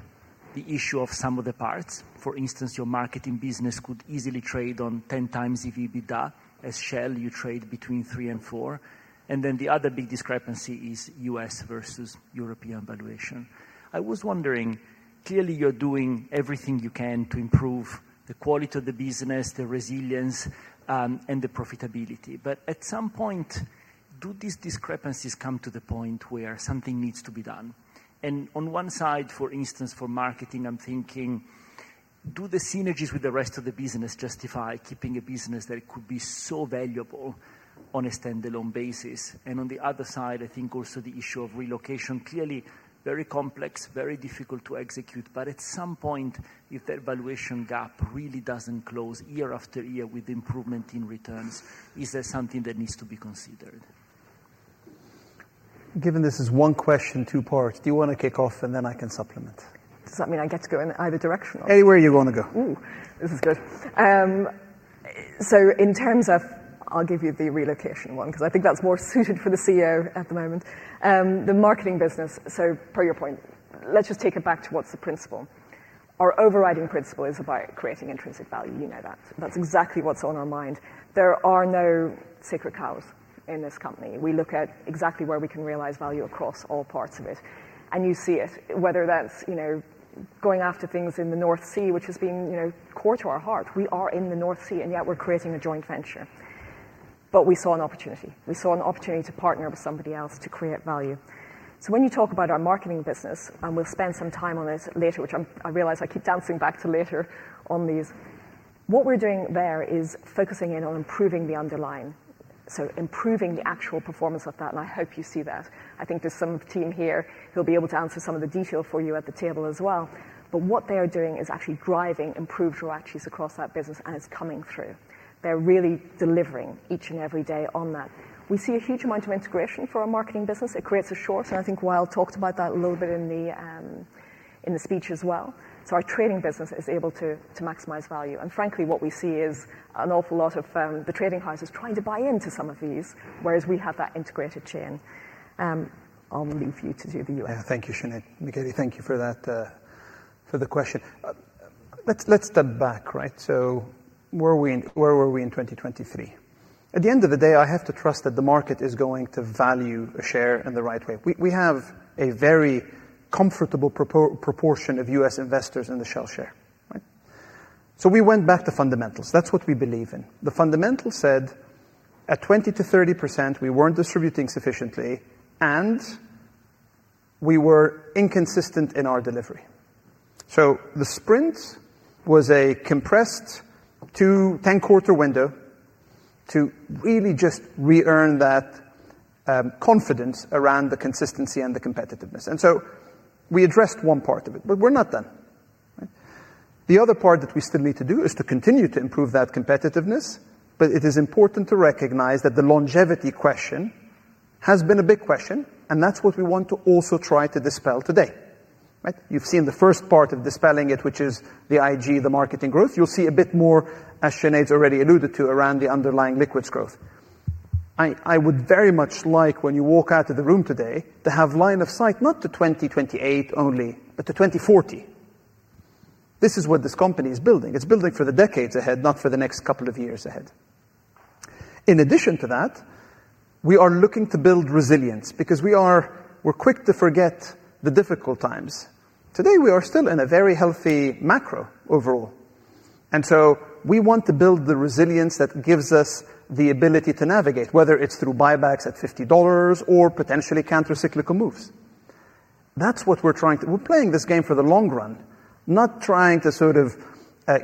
the issue of sum of the parts. For instance, your marketing business could easily trade on 10 times EBITDA, as Shell, you trade between three and four. The other big discrepancy is U.S. versus European valuation. I was wondering, clearly you're doing everything you can to improve the quality of the business, the resilience, and the profitability. At some point, do these discrepancies come to the point where something needs to be done? On one side, for instance, for marketing, I'm thinking, do the synergies with the rest of the business justify keeping a business that could be so valuable on a standalone basis? On the other side, I think also the issue of relocation, clearly very complex, very difficult to execute. At some point, if that valuation gap really does not close year after year with improvement in returns, is there something that needs to be considered? Given this is one question, two parts, do you want to kick off, and then I can supplement? Does that mean I get to go in either direction? Anywhere you want to go. This is good. In terms of I'll give you the relocation one, because I think that's more suited for the CEO at the moment. The marketing business, per your point, let's just take it back to what's the principle. Our overriding principle is about creating intrinsic value. You know that. That's exactly what's on our mind. There are no sacred cows in this company. We look at exactly where we can realize value across all parts of it. You see it, whether that's going after things in the North Sea, which has been core to our heart. We are in the North Sea, and yet we're creating a joint venture. We saw an opportunity. We saw an opportunity to partner with somebody else to create value. When you talk about our marketing business, and we'll spend some time on it later, which I realize I keep dancing back to later on these, what we're doing there is focusing in on improving the underlying. Improving the actual performance of that, and I hope you see that. I think there's some team here who'll be able to answer some of the detail for you at the table as well. What they are doing is actually driving improved ROACE across that business, and it's coming through. They're really delivering each and every day on that. We see a huge amount of integration for our marketing business. It creates a shorter, and I think Wael talked about that a little bit in the speech as well. Our trading business is able to maximize value. Frankly, what we see is an awful lot of the trading houses trying to buy into some of these, whereas we have that integrated chain. I'll leave you to do the U.S. Yeah, thank you, Sinead. Michele, thank you for that for the question. Let's step back, right? Where were we in 2023? At the end of the day, I have to trust that the market is going to value a share in the right way. We have a very comfortable proportion of U.S. investors in the Shell share. We went back to fundamentals. That's what we believe in. The fundamentals said at 20%-30%, we weren't distributing sufficiently, and we were inconsistent in our delivery. The sprint was a compressed 10-quarter window to really just re-earn that confidence around the consistency and the competitiveness. We addressed one part of it, but we're not done. The other part that we still need to do is to continue to improve that competitiveness, but it is important to recognize that the longevity question has been a big question, and that's what we want to also try to dispel today. You've seen the first part of dispelling it, which is the IG, the marketing growth. You'll see a bit more, as Sinead's already alluded to, around the underlying liquids growth. I would very much like when you walk out of the room today to have line of sight not to 2028 only, but to 2040. This is what this company is building. It's building for the decades ahead, not for the next couple of years ahead. In addition to that, we are looking to build resilience because we are quick to forget the difficult times. Today, we are still in a very healthy macro overall. We want to build the resilience that gives us the ability to navigate, whether it's through buybacks at $50 or potentially countercyclical moves. That's what we're trying to do. We're playing this game for the long run, not trying to sort of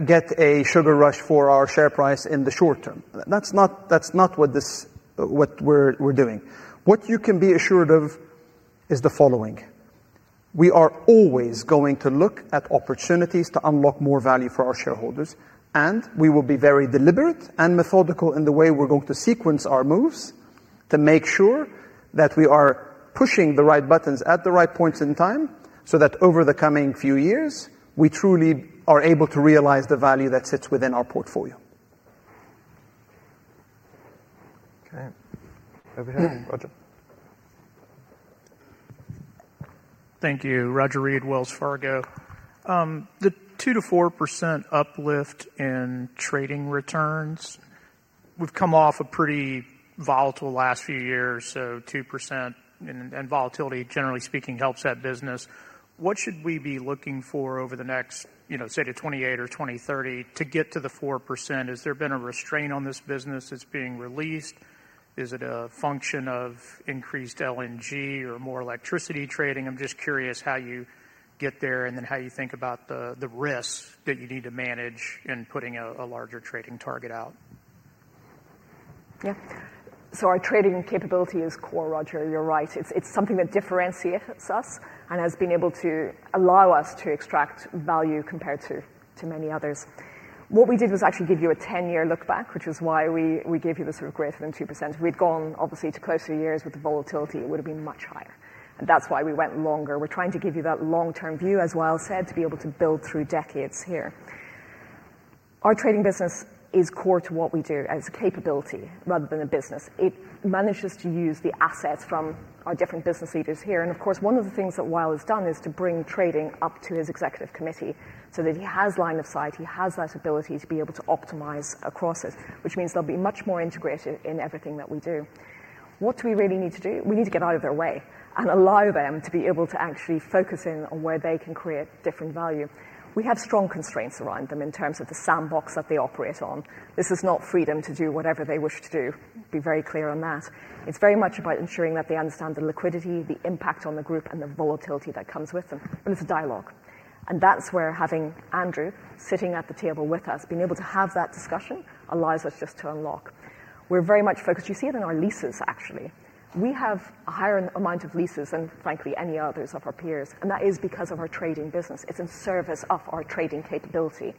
get a sugar rush for our share price in the short term. That's not what we're doing. What you can be assured of is the following. We are always going to look at opportunities to unlock more value for our shareholders, and we will be very deliberate and methodical in the way we're going to sequence our moves to make sure that we are pushing the right buttons at the right points in time so that over the coming few years, we truly are able to realize the value that sits within our portfolio. Okay. Over here, Roger. Thank you. Roger Read, Wells Fargo. The 2%-4% uplift in trading returns, we've come off a pretty volatile last few years, so 2% and volatility, generally speaking, helps that business. What should we be looking for over the next, say, to 2028 or 2030 to get to the 4%? Has there been a restraint on this business that's being released? Is it a function of increased LNG or more electricity trading? I'm just curious how you get there and then how you think about the risks that you need to manage in putting a larger trading target out. Yeah. Our trading capability is core, Roger. You're right. It's something that differentiates us and has been able to allow us to extract value compared to many others. What we did was actually give you a 10-year lookback, which is why we gave you the sort of greater than 2%. If we'd gone, obviously, to closer years with the volatility, it would have been much higher. That is why we went longer. We're trying to give you that long-term view, as Wael said, to be able to build through decades here. Our trading business is core to what we do as a capability rather than a business. It manages to use the assets from our different business leaders here. Of course, one of the things that Wael has done is to bring trading up to his executive committee so that he has line of sight. He has that ability to be able to optimize across it, which means they'll be much more integrated in everything that we do. What do we really need to do? We need to get out of their way and allow them to be able to actually focus in on where they can create different value. We have strong constraints around them in terms of the sandbox that they operate on. This is not freedom to do whatever they wish to do. Be very clear on that. It is very much about ensuring that they understand the liquidity, the impact on the group, and the volatility that comes with them. It is a dialogue. That is where having Andrew sitting at the table with us, being able to have that discussion, allows us just to unlock. We are very much focused. You see it in our leases, actually. We have a higher amount of leases than, frankly, any others of our peers. That is because of our trading business. It is in service of our trading capability.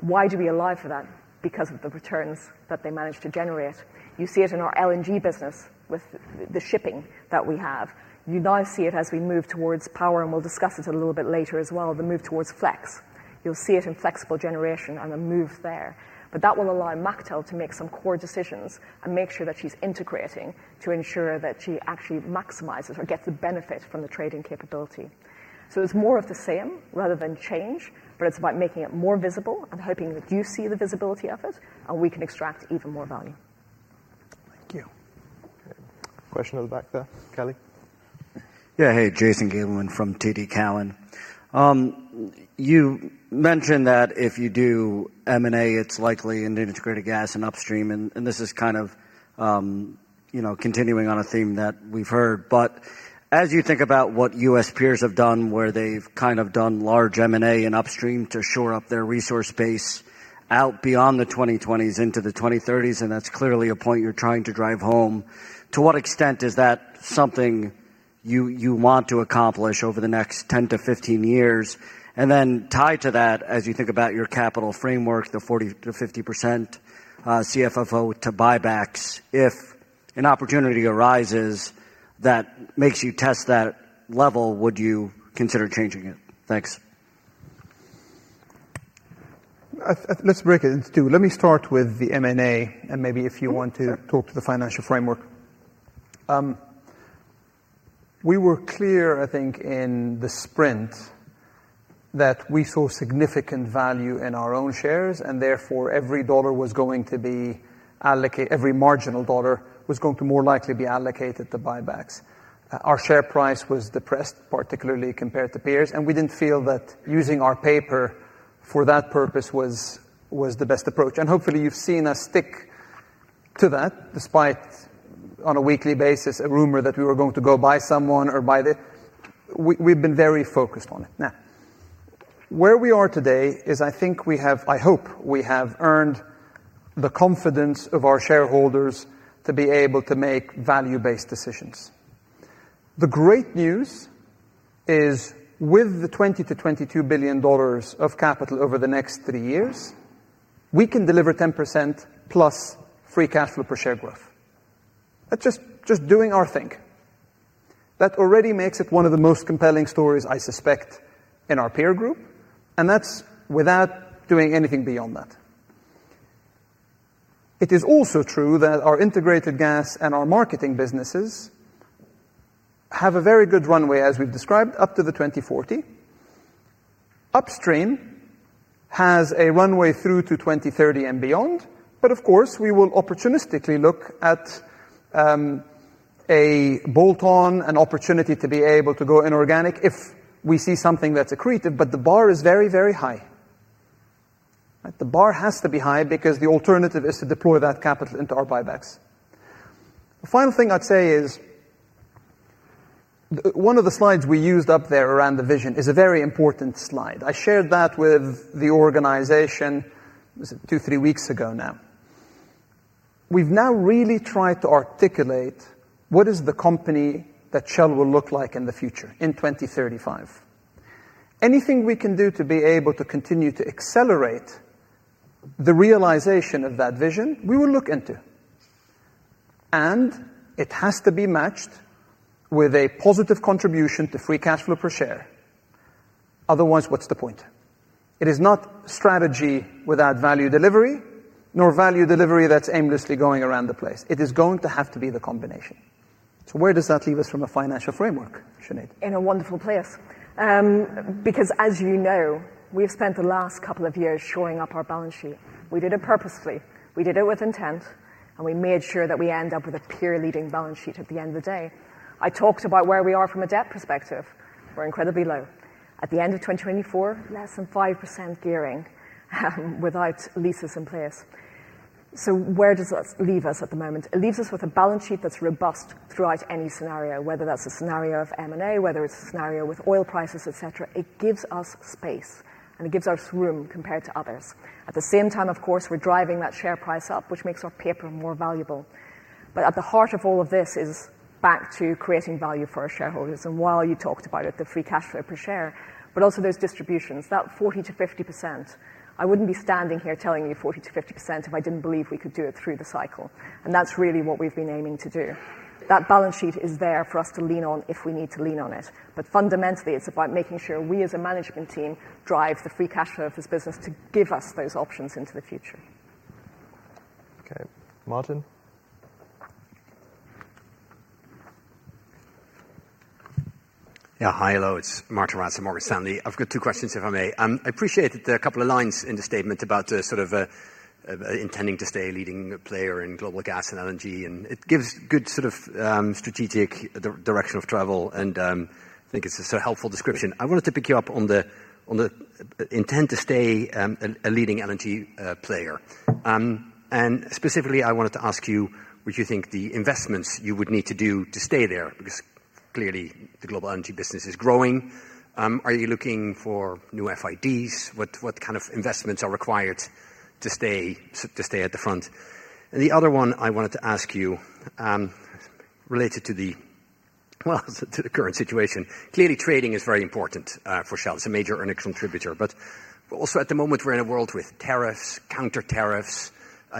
Why do we allow for that? Because of the returns that they manage to generate. You see it in our LNG business with the shipping that we have. You now see it as we move towards power, and we will discuss it a little bit later as well, the move towards flex. You will see it in flexible generation and the move there. That will allow Machteld to make some core decisions and make sure that she is integrating to ensure that she actually maximizes or gets the benefit from the trading capability. It is more of the same rather than change, but it is about making it more visible and hoping that you see the visibility of it, and we can extract even more value. Thank you. Question over the back there. Kelly. Yeah, hey, Jason Gabelman from TD Cowen. You mentioned that if you do M&A, it's likely in the integrated gas and upstream. This is kind of continuing on a theme that we've heard. As you think about what U.S. peers have done, where they've kind of done large M&A in upstream to shore up their resource base out beyond the 2020s into the 2030s, and that's clearly a point you're trying to drive home, to what extent is that something you want to accomplish over the next 10-15 years? Then tied to that, as you think about your capital framework, the 40%-50% CFFO to buybacks, if an opportunity arises that makes you test that level, would you consider changing it? Thanks. Let's break it into two. Let me start with the M&A and maybe if you want to talk to the financial framework. We were clear, I think, in the Sprint that we saw significant value in our own shares, and therefore every dollar was going to be allocated, every marginal dollar was going to more likely be allocated to buybacks. Our share price was depressed, particularly compared to peers, and we did not feel that using our paper for that purpose was the best approach. Hopefully, you have seen us stick to that despite, on a weekly basis, a rumor that we were going to go buy someone or buy the, we have been very focused on it. Now, where we are today is I think we have, I hope we have earned the confidence of our shareholders to be able to make value-based decisions. The great news is with the $20-$22 billion of capital over the next three years, we can deliver 10% plus free cash flow per share growth. That's just doing our thing. That already makes it one of the most compelling stories, I suspect, in our peer group, and that's without doing anything beyond that. It is also true that our integrated gas and our marketing businesses have a very good runway, as we've described, up to 2040. Upstream has a runway through to 2030 and beyond, of course, we will opportunistically look at a bolt-on, an opportunity to be able to go inorganic if we see something that's accretive, but the bar is very, very high. The bar has to be high because the alternative is to deploy that capital into our buybacks. The final thing I'd say is one of the slides we used up there around the vision is a very important slide. I shared that with the organization two, three weeks ago now. We've now really tried to articulate what is the company that Shell will look like in the future in 2035. Anything we can do to be able to continue to accelerate the realization of that vision, we will look into. It has to be matched with a positive contribution to free cash flow per share. Otherwise, what's the point? It is not strategy without value delivery, nor value delivery that's aimlessly going around the place. It is going to have to be the combination. Where does that leave us from a financial framework, Sinead? In a wonderful place. Because as you know, we've spent the last couple of years shoring up our balance sheet. We did it purposefully. We did it with intent, and we made sure that we end up with a peer-leading balance sheet at the end of the day. I talked about where we are from a debt perspective. We're incredibly low. At the end of 2024, less than 5% gearing without leases in place. Where does that leave us at the moment? It leaves us with a balance sheet that's robust throughout any scenario, whether that's a scenario of M&A, whether it's a scenario with oil prices, et cetera. It gives us space, and it gives us room compared to others. At the same time, of course, we're driving that share price up, which makes our paper more valuable. At the heart of all of this is back to creating value for our shareholders. While you talked about it, the free cash flow per share, but also those distributions, that 40%-50%, I would not be standing here telling you 40%-50% if I did not believe we could do it through the cycle. That is really what we have been aiming to do. That balance sheet is there for us to lean on if we need to lean on it. Fundamentally, it is about making sure we as a management team drive the free cash flow of this business to give us those options into the future. Okay. Martin? Yeah, hi. Hello. It's Martin Russell, Morgan Stanley. I've got two questions, if I may. I appreciated a couple of lines in the statement about sort of intending to stay a leading player in global gas and LNG. It gives good sort of strategic direction of travel, and I think it's a helpful description. I wanted to pick you up on the intent to stay a leading LNG player. Specifically, I wanted to ask you, would you think the investments you would need to do to stay there? Because clearly, the global LNG business is growing. Are you looking for new FIDs? What kind of investments are required to stay at the front? The other one I wanted to ask you related to the, well, to the current situation. Clearly, trading is very important for Shell. It's a major earnings contributor. Also, at the moment, we're in a world with tariffs, counter-tariffs.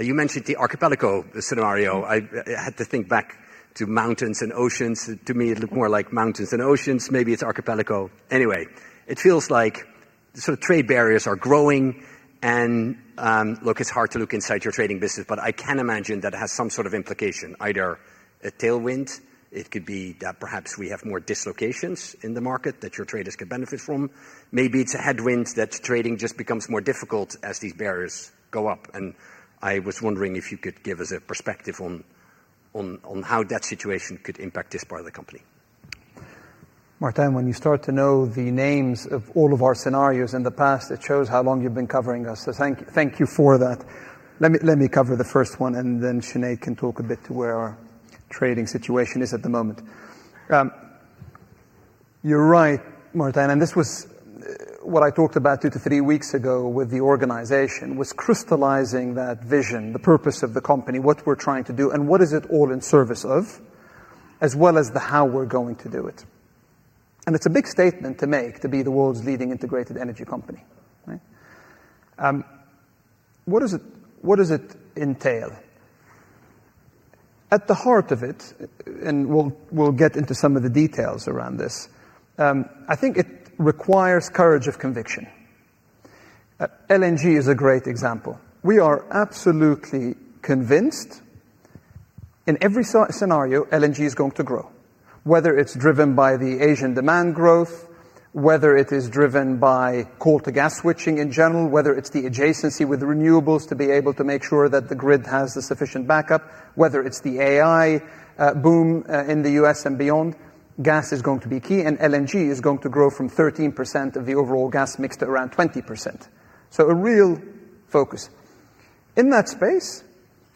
You mentioned the Archipelago scenario. I had to think back to mountains and oceans. To me, it looked more like mountains and oceans. Maybe it's Archipelago. Anyway, it feels like sort of trade barriers are growing. Look, it's hard to look inside your trading business, but I can imagine that it has some sort of implication, either a tailwind. It could be that perhaps we have more dislocations in the market that your traders could benefit from. Maybe it's a headwind that trading just becomes more difficult as these barriers go up. I was wondering if you could give us a perspective on how that situation could impact this part of the company. Martin, when you start to know the names of all of our scenarios in the past, it shows how long you've been covering us. Thank you for that. Let me cover the first one, and then Sinead can talk a bit to where our trading situation is at the moment. You're right, Martin, and this was what I talked about two to three weeks ago with the organization, was crystallizing that vision, the purpose of the company, what we're trying to do, and what is it all in service of, as well as the how we're going to do it. It's a big statement to make to be the world's leading integrated energy company. What does it entail? At the heart of it, and we'll get into some of the details around this, I think it requires courage of conviction. LNG is a great example. We are absolutely convinced in every scenario, LNG is going to grow, whether it's driven by the Asian demand growth, whether it is driven by coal-to-gas switching in general, whether it's the adjacency with renewables to be able to make sure that the grid has the sufficient backup, whether it's the AI boom in the U.S. and beyond. Gas is going to be key, and LNG is going to grow from 13% of the overall gas mix to around 20%. A real focus. In that space,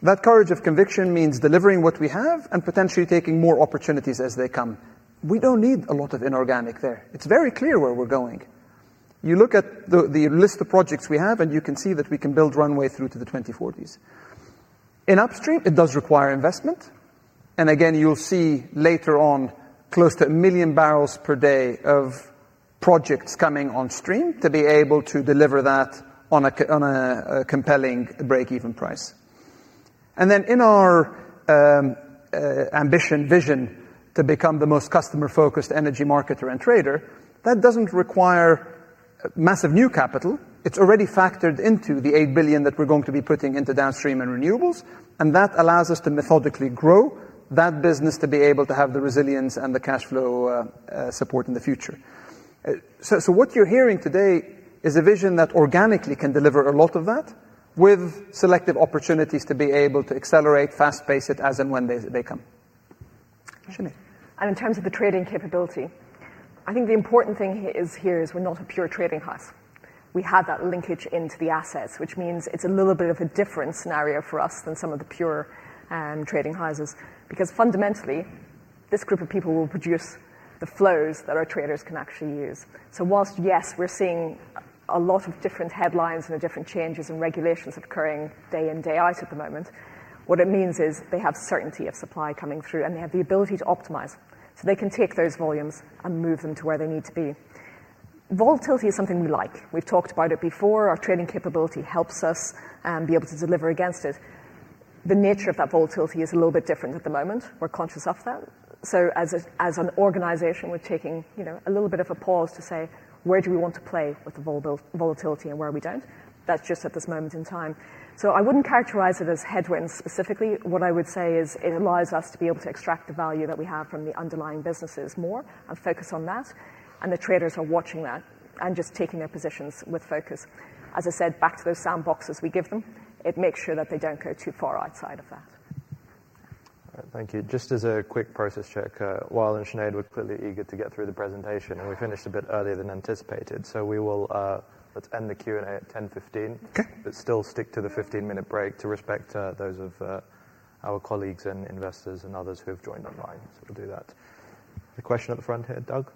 that courage of conviction means delivering what we have and potentially taking more opportunities as they come. We do not need a lot of inorganic there. It is very clear where we are going. You look at the list of projects we have, and you can see that we can build runway through to the 2040s. In upstream, it does require investment. You will see later on close to 1 MMbpd of projects coming on stream to be able to deliver that on a compelling break-even price. In our ambition vision to become the most customer-focused energy marketer and trader, that does not require massive new capital. It is already factored into the $8 billion that we are going to be putting into downstream and renewables. That allows us to methodically grow that business to be able to have the resilience and the cash flow support in the future. What you are hearing today is a vision that organically can deliver a lot of that with selective opportunities to be able to accelerate, fast-paced it as and when they come. Sinead? In terms of the trading capability, I think the important thing here is we're not a pure trading house. We have that linkage into the assets, which means it's a little bit of a different scenario for us than some of the pure trading houses. Because fundamentally, this group of people will produce the flows that our traders can actually use. Whilst, yes, we're seeing a lot of different headlines and different changes and regulations occurring day in, day out at the moment, what it means is they have certainty of supply coming through, and they have the ability to optimize. They can take those volumes and move them to where they need to be. Volatility is something we like. We've talked about it before. Our trading capability helps us be able to deliver against it. The nature of that volatility is a little bit different at the moment. We're conscious of that. As an organization, we're taking a little bit of a pause to say, where do we want to play with the volatility and where we don't? That's just at this moment in time. I wouldn't characterize it as headwinds specifically. What I would say is it allows us to be able to extract the value that we have from the underlying businesses more and focus on that. The traders are watching that and just taking their positions with focus. As I said, back to those sandboxes we give them, it makes sure that they don't go too far outside of that. Thank you. Just as a quick process check, while Sinead was clearly eager to get through the presentation, and we finished a bit earlier than anticipated, we will end the Q&A at 10:15, but still stick to the 15-minute break to respect those of our colleagues and investors and others who have joined online. We will do that. A question at the front here, Doug?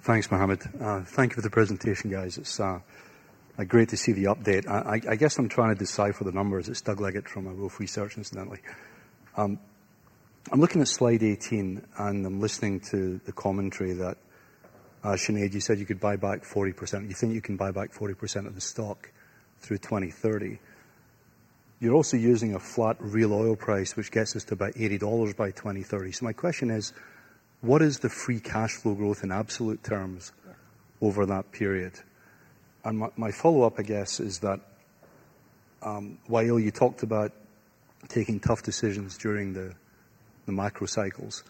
Thanks, Mohammed. Thank you for the presentation, guys. It's great to see the update. I guess I'm trying to decipher the numbers. It's Doug Leggate from Wolfe Research, incidentally. I'm looking at slide 18, and I'm listening to the commentary that Sinead, you said you could buy back 40%. You think you can buy back 40% of the stock through 2030. You're also using a flat real oil price, which gets us to about $80 by 2030. My question is, what is the free cash flow growth in absolute terms over that period? My follow-up, I guess, is that while you talked about taking tough decisions during the macro cycles,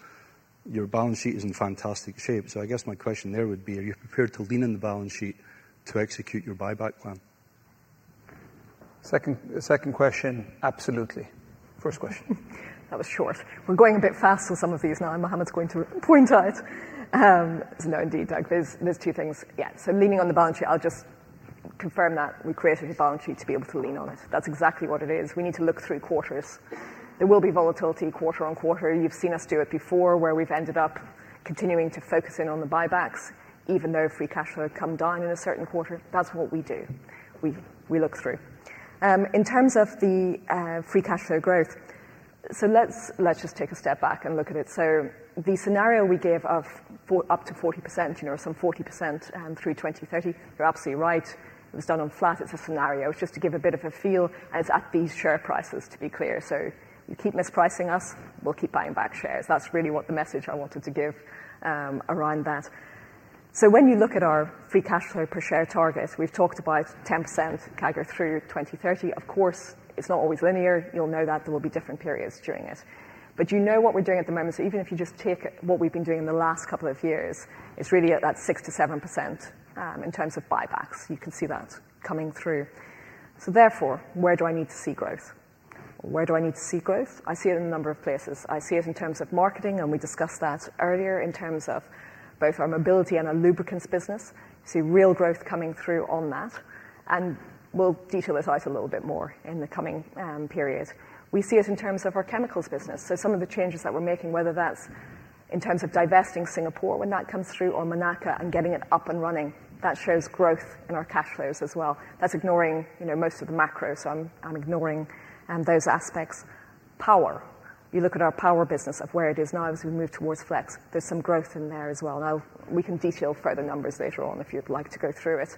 your balance sheet is in fantastic shape. I guess my question there would be, are you prepared to lean in the balance sheet to execute your buyback plan? Second question, absolutely. First question. That was short. We're going a bit fast on some of these now, and Mohammed's going to point out. No, indeed, Doug, there's two things. Yeah, so leaning on the balance sheet, I'll just confirm that we created a balance sheet to be able to lean on it. That's exactly what it is. We need to look through quarters. There will be volatility quarter-on-quarter. You've seen us do it before, where we've ended up continuing to focus in on the buybacks, even though free cash flow had come down in a certain quarter. That's what we do. We look through. In terms of the free cash flow growth, let's just take a step back and look at it. The scenario we gave of up to 40%, or some 40% through 2030, you're absolutely right. It was done on flat. It's a scenario. It's just to give a bit of a feel. And it's at these share prices, to be clear. You keep mispricing us. We'll keep buying back shares. That's really what the message I wanted to give around that. When you look at our free cash flow per share target, we've talked about 10% CAGR through 2030. Of course, it's not always linear. You'll know that there will be different periods during it. You know what we're doing at the moment. Even if you just take what we've been doing in the last couple of years, it's really at that 6%-7% in terms of buybacks. You can see that coming through. Therefore, where do I need to see growth? Where do I need to see growth? I see it in a number of places. I see it in terms of marketing, and we discussed that earlier in terms of both our mobility and our lubricants business. You see real growth coming through on that. We will detail it out a little bit more in the coming period. We see it in terms of our chemicals business. Some of the changes that we are making, whether that is in terms of divesting Singapore when that comes through or Monaca and getting it up and running, that shows growth in our cash flows as well. That is ignoring most of the macro, so I am ignoring those aspects. Power. You look at our power business of where it is now as we move towards flex. There is some growth in there as well. We can detail further numbers later on if you would like to go through it.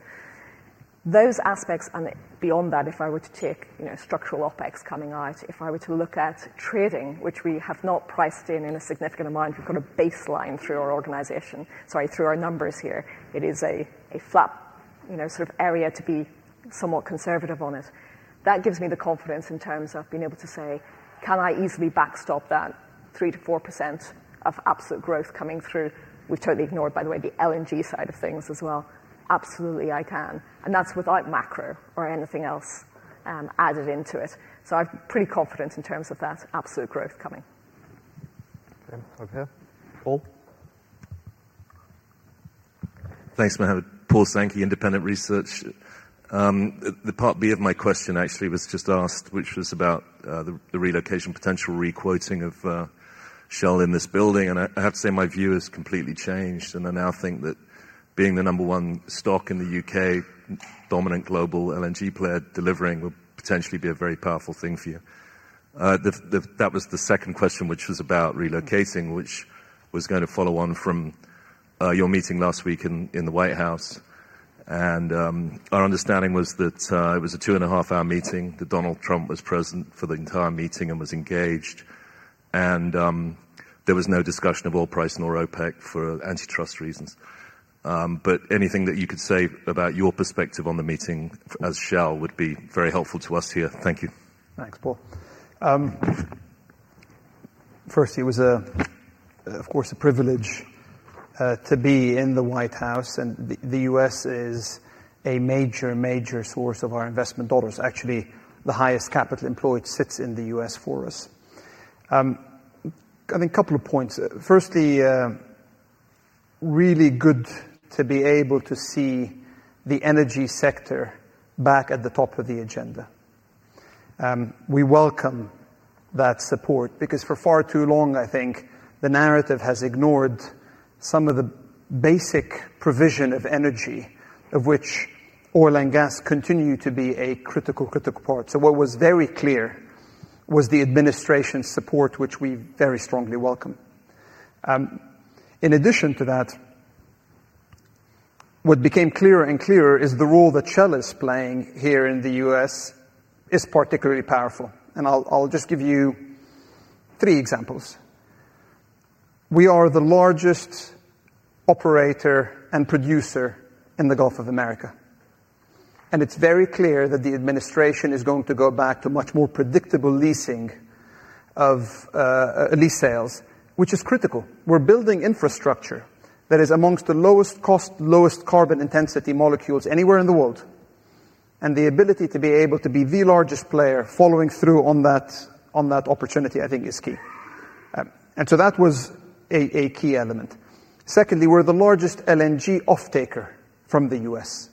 Those aspects, and beyond that, if I were to take structural OpEx coming out, if I were to look at trading, which we have not priced in in a significant amount, we have got a baseline through our organization, sorry, through our numbers here. It is a flat sort of area to be somewhat conservative on it. That gives me the confidence in terms of being able to say, can I easily backstop that 3%-4% of absolute growth coming through? We have totally ignored, by the way, the LNG side of things as well. Absolutely, I can. That is without macro or anything else added into it. I am pretty confident in terms of that absolute growth coming. Okay. Paul? Thanks, Mohammed. Paul Sankey, Independent Research. The part B of my question actually was just asked, which was about the relocation potential re-quoting of Shell in this building. I have to say my view has completely changed. I now think that being the number one stock in the U.K., dominant global LNG player delivering will potentially be a very powerful thing for you. That was the second question, which was about relocating, which was going to follow on from your meeting last week in the White House. Our understanding was that it was a two-and-a-half-hour meeting, that Donald Trump was present for the entire meeting and was engaged. There was no discussion of oil price nor OPEC for antitrust reasons. Anything that you could say about your perspective on the meeting as Shell would be very helpful to us here. Thank you. Thanks, Paul. Firstly, it was, of course, a privilege to be in the White House. The U.S. is a major, major source of our investment dollars. Actually, the highest capital employed sits in the U.S. for us. I think a couple of points. Firstly, really good to be able to see the energy sector back at the top of the agenda. We welcome that support because for far too long, I think, the narrative has ignored some of the basic provision of energy, of which oil and gas continue to be a critical, critical part. What was very clear was the administration's support, which we very strongly welcome. In addition to that, what became clearer and clearer is the role that Shell is playing here in the U.S. is particularly powerful. I'll just give you three examples. We are the largest operator and producer in the Gulf of America. It is very clear that the administration is going to go back to much more predictable leasing of lease sales, which is critical. We are building infrastructure that is amongst the lowest cost, lowest carbon intensity molecules anywhere in the world. The ability to be able to be the largest player following through on that opportunity, I think, is key. That was a key element. Secondly, we are the largest LNG off-taker from the U.S.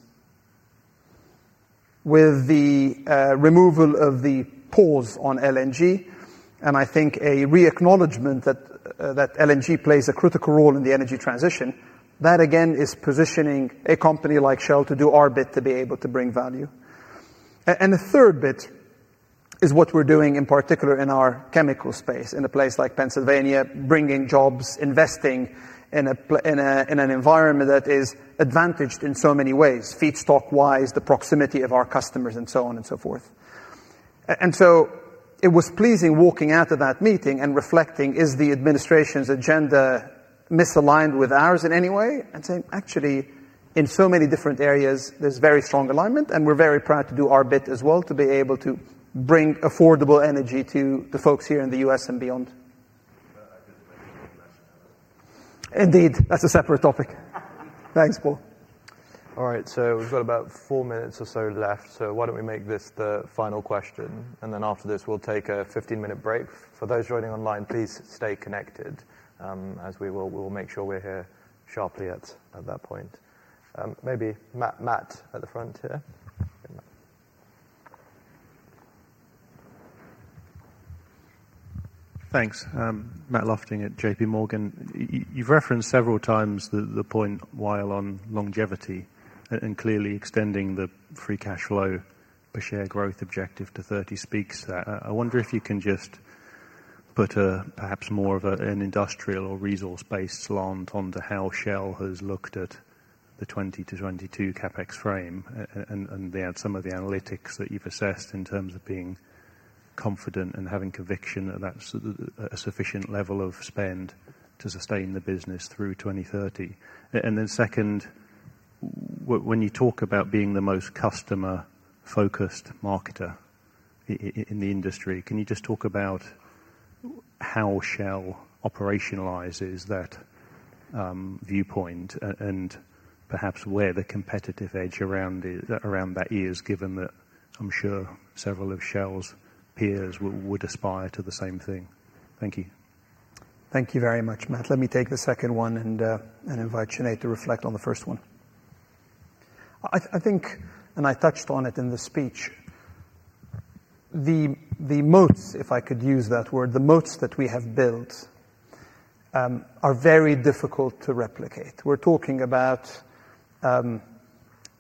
with the removal of the pause on LNG, and I think a re-acknowledgement that LNG plays a critical role in the energy transition. That, again, is positioning a company like Shell to do our bit to be able to bring value. The third bit is what we're doing in particular in our chemical space in a place like Pennsylvania, bringing jobs, investing in an environment that is advantaged in so many ways, feedstock-wise, the proximity of our customers, and so on and so forth. It was pleasing walking out of that meeting and reflecting, is the administration's agenda misaligned with ours in any way? Actually, in so many different areas, there's very strong alignment. We're very proud to do our bit as well to be able to bring affordable energy to the folks here in the U.S. and beyond. I didn't make a quick question. Indeed. That's a separate topic. Thanks, Paul. All right. We have about four minutes or so left. Why don't we make this the final question? After this, we will take a 15-minute break. For those joining online, please stay connected as we will make sure we are here sharply at that point. Maybe Matt at the front here. Thanks. Matt Lofting at JPMorgan. You've referenced several times the point while on longevity and clearly extending the free cash flow per share growth objective to 2030 speaks. I wonder if you can just put a perhaps more of an industrial or resource-based slant onto how Shell has looked at the 2020 to 2022 CapEx frame and some of the analytics that you've assessed in terms of being confident and having conviction that that's a sufficient level of spend to sustain the business through 2030. Then, when you talk about being the most customer-focused marketer in the industry, can you just talk about how Shell operationalizes that viewpoint and perhaps where the competitive edge around that is, given that I'm sure several of Shell's peers would aspire to the same thing? Thank you. Thank you very much, Matt. Let me take the second one and invite Sinead to reflect on the first one. I think, and I touched on it in the speech, the moats, if I could use that word, the moats that we have built are very difficult to replicate. We're talking about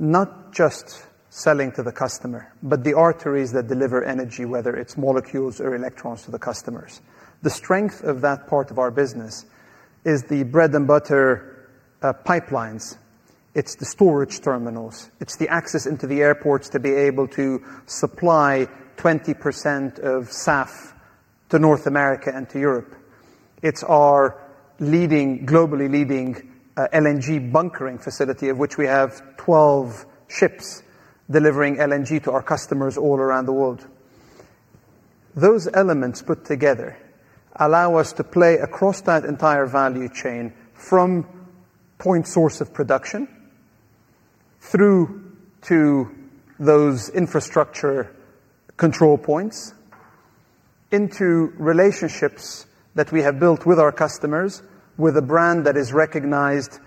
not just selling to the customer, but the arteries that deliver energy, whether it's molecules or electrons to the customers. The strength of that part of our business is the bread-and-butter pipelines. It's the storage terminals. It's the access into the airports to be able to supply 20% of SAF to North America and to Europe. It's our leading, globally leading LNG bunkering facility, of which we have 12 ships delivering LNG to our customers all around the world. Those elements put together allow us to play across that entire value chain from point source of production through to those infrastructure control points into relationships that we have built with our customers, with a brand that is recognized,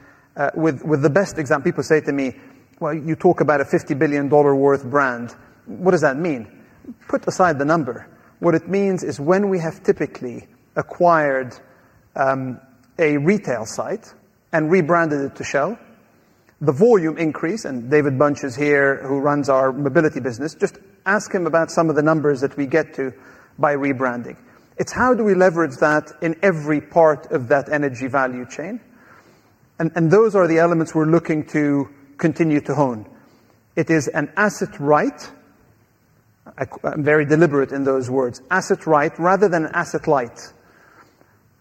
with the best example. People say to me, well, you talk about a $50 billion worth brand. What does that mean? Put aside the number. What it means is when we have typically acquired a retail site and rebranded it to Shell, the volume increase, and David Bunch is here who runs our mobility business. Just ask him about some of the numbers that we get to by rebranding. It is how do we leverage that in every part of that energy value chain. Those are the elements we are looking to continue to hone. It is an asset right, I'm very deliberate in those words, asset right rather than an asset light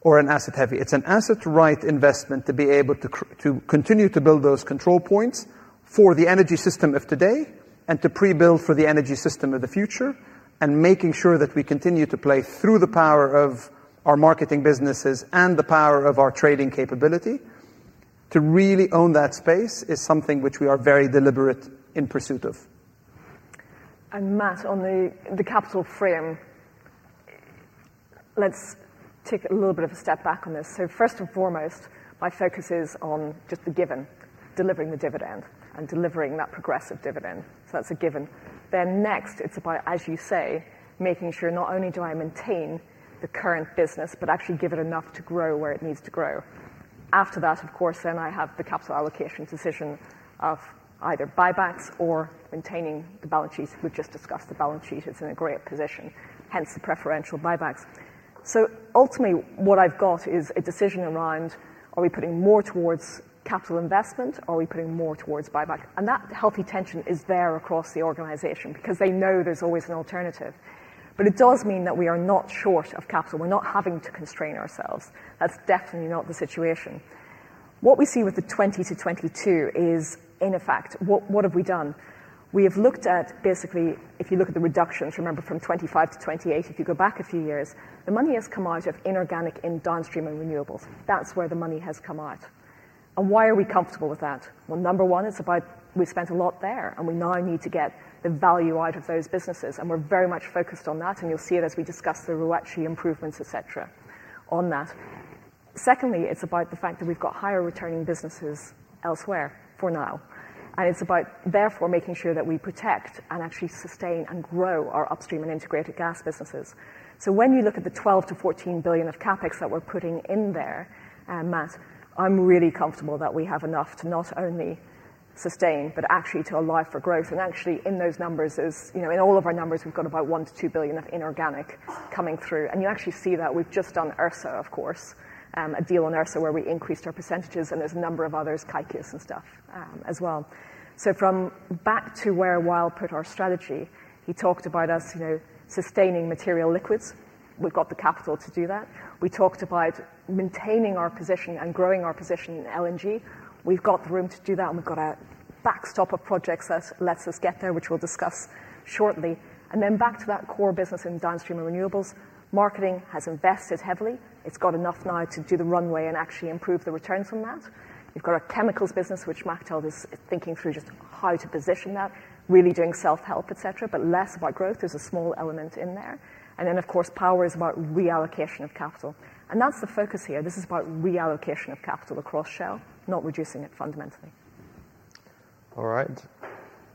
or an asset heavy. It's an asset right investment to be able to continue to build those control points for the energy system of today and to pre-build for the energy system of the future and making sure that we continue to play through the power of our marketing businesses and the power of our trading capability to really own that space is something which we are very deliberate in pursuit of. Matt, on the capital frame, let's take a little bit of a step back on this. First and foremost, my focus is on just the given, delivering the dividend and delivering that progressive dividend. That's a given. Next, it's about, as you say, making sure not only do I maintain the current business, but actually give it enough to grow where it needs to grow. After that, of course, I have the capital allocation decision of either buybacks or maintaining the balance sheet. We've just discussed the balance sheet. It's in a great position, hence the preferential buybacks. Ultimately, what I've got is a decision around, are we putting more towards capital investment? Are we putting more towards buyback? That healthy tension is there across the organization because they know there's always an alternative. It does mean that we are not short of capital. We're not having to constrain ourselves. That's definitely not the situation. What we see with the 20-22 is, in effect, what have we done? We have looked at basically, if you look at the reductions, remember from 25-28, if you go back a few years, the money has come out of inorganic in downstream and renewables. That's where the money has come out. Why are we comfortable with that? Number one, it's about we spent a lot there, and we now need to get the value out of those businesses. We're very much focused on that. You'll see it as we discuss the ROACE improvements, et cetera, on that. Secondly, it's about the fact that we've got higher returning businesses elsewhere for now. It is about, therefore, making sure that we protect and actually sustain and grow our upstream and integrated gas businesses. When you look at the $12 billion-$14 billion of CapEx that we are putting in there, Matt, I am really comfortable that we have enough to not only sustain, but actually to allow for growth. Actually, in those numbers, in all of our numbers, we have got about $1 billion-$2 billion of inorganic coming through. You actually see that we have just done Ursa, of course, a deal on Ursa where we increased our percentages. There are a number of others, Kaikias and stuff as well. Back to where Wael put our strategy, he talked about us sustaining material liquids. We have got the capital to do that. We talked about maintaining our position and growing our position in LNG. We have got the room to do that. We have a backstop of projects that lets us get there, which we will discuss shortly. Back to that core business in downstream and renewables, marketing has invested heavily. It has enough now to do the runway and actually improve the returns on that. You have a chemicals business, which Machteld is thinking through just how to position that, really doing self-help, et cetera, but less about growth. There is a small element in there. Of course, power is about reallocation of capital. That is the focus here. This is about reallocation of capital across Shell, not reducing it fundamentally. All right.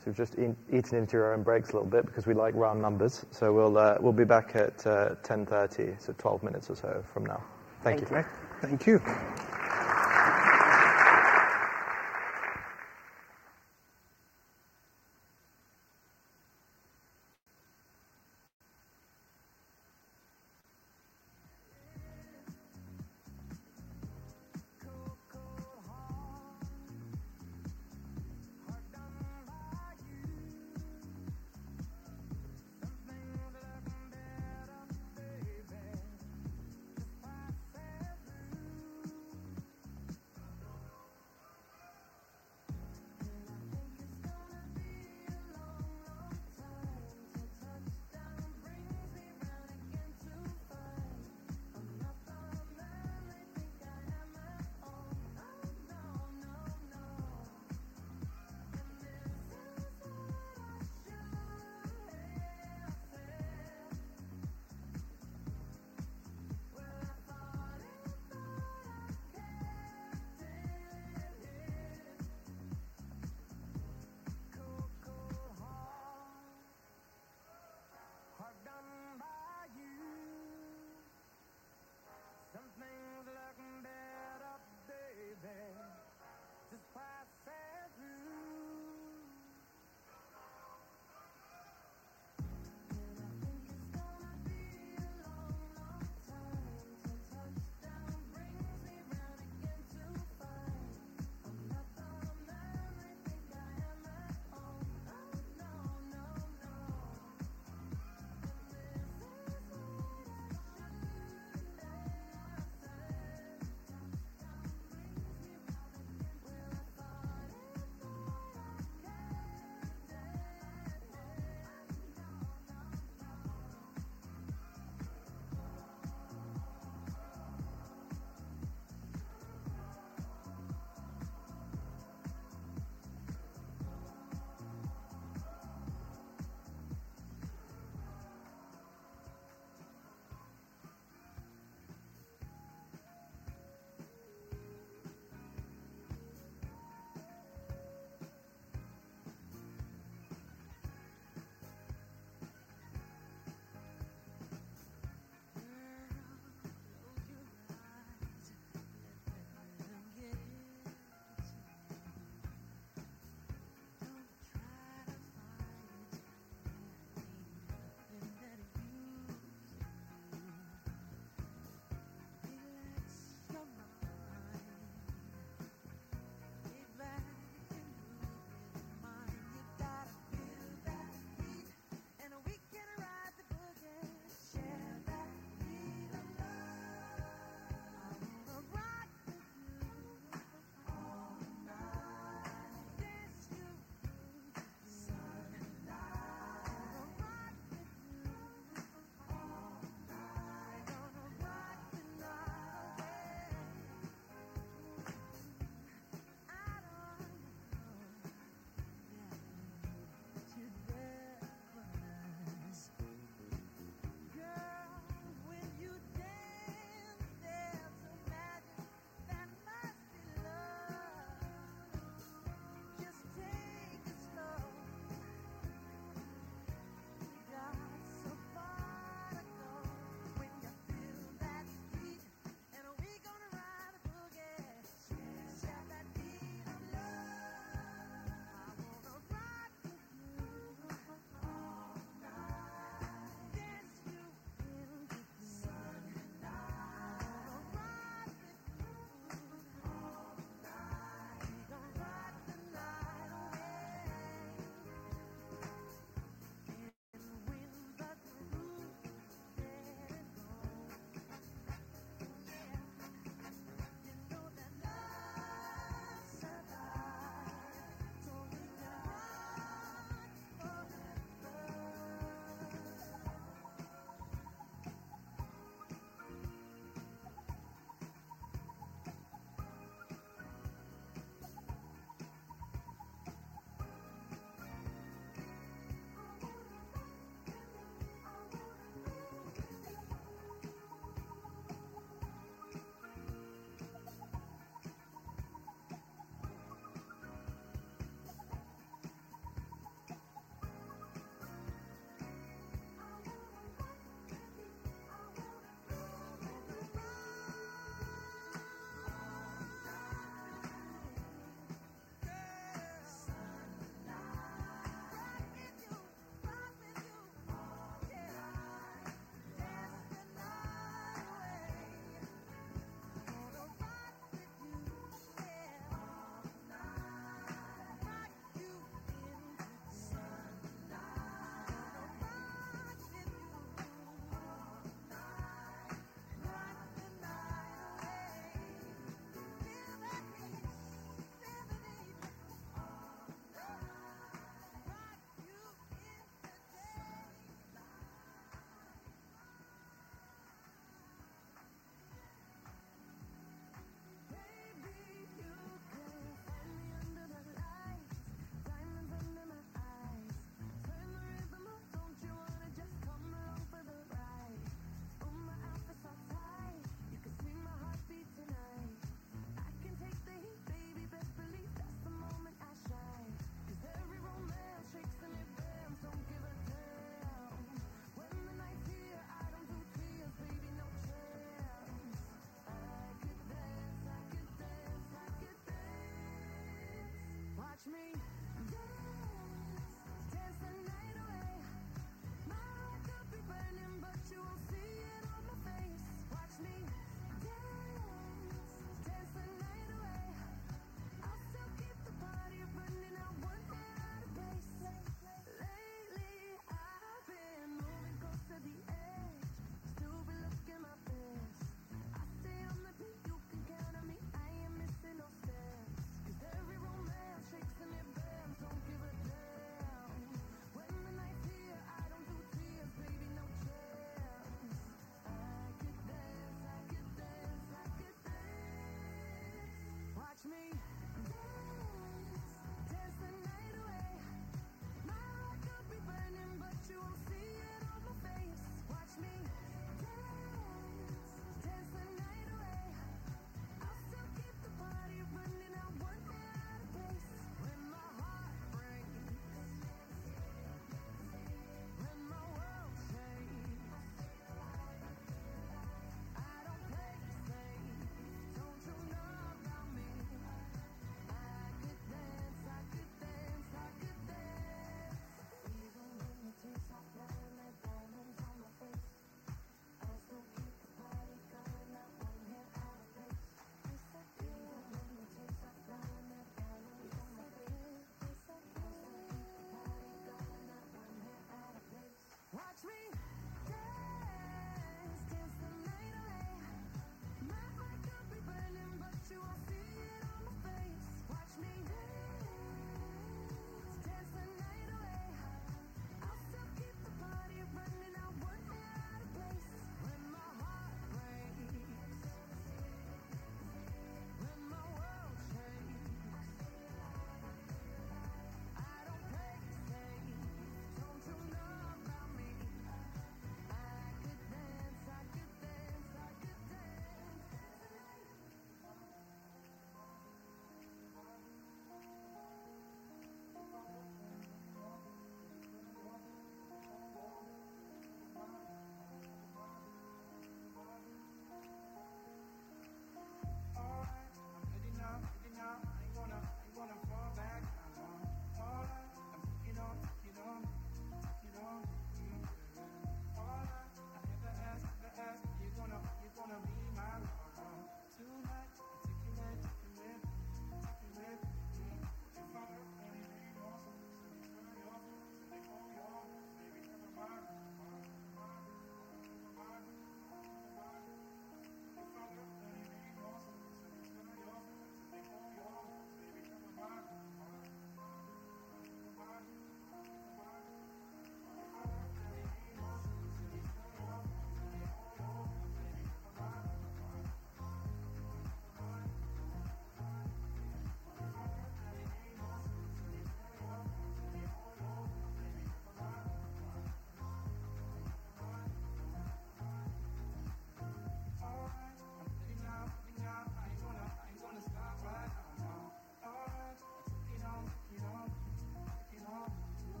So we've just eaten into our own breaks a little bit because we like round numbers. So we'll be back at 10:30, so 12 minutes or so from now. Thank you. Thank you.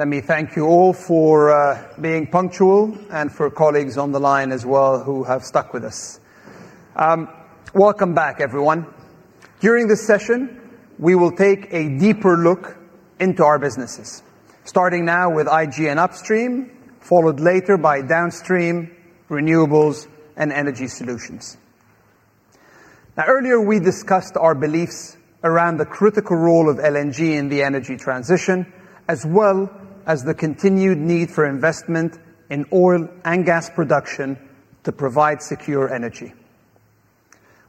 All right. Let me thank you all for being punctual and for colleagues on the line as well who have stuck with us. Welcome back, everyone. During this session, we will take a deeper look into our businesses, starting now with IG and upstream, followed later by downstream renewables and energy solutions. Now, earlier, we discussed our beliefs around the critical role of LNG in the energy transition, as well as the continued need for investment in oil and gas production to provide secure energy.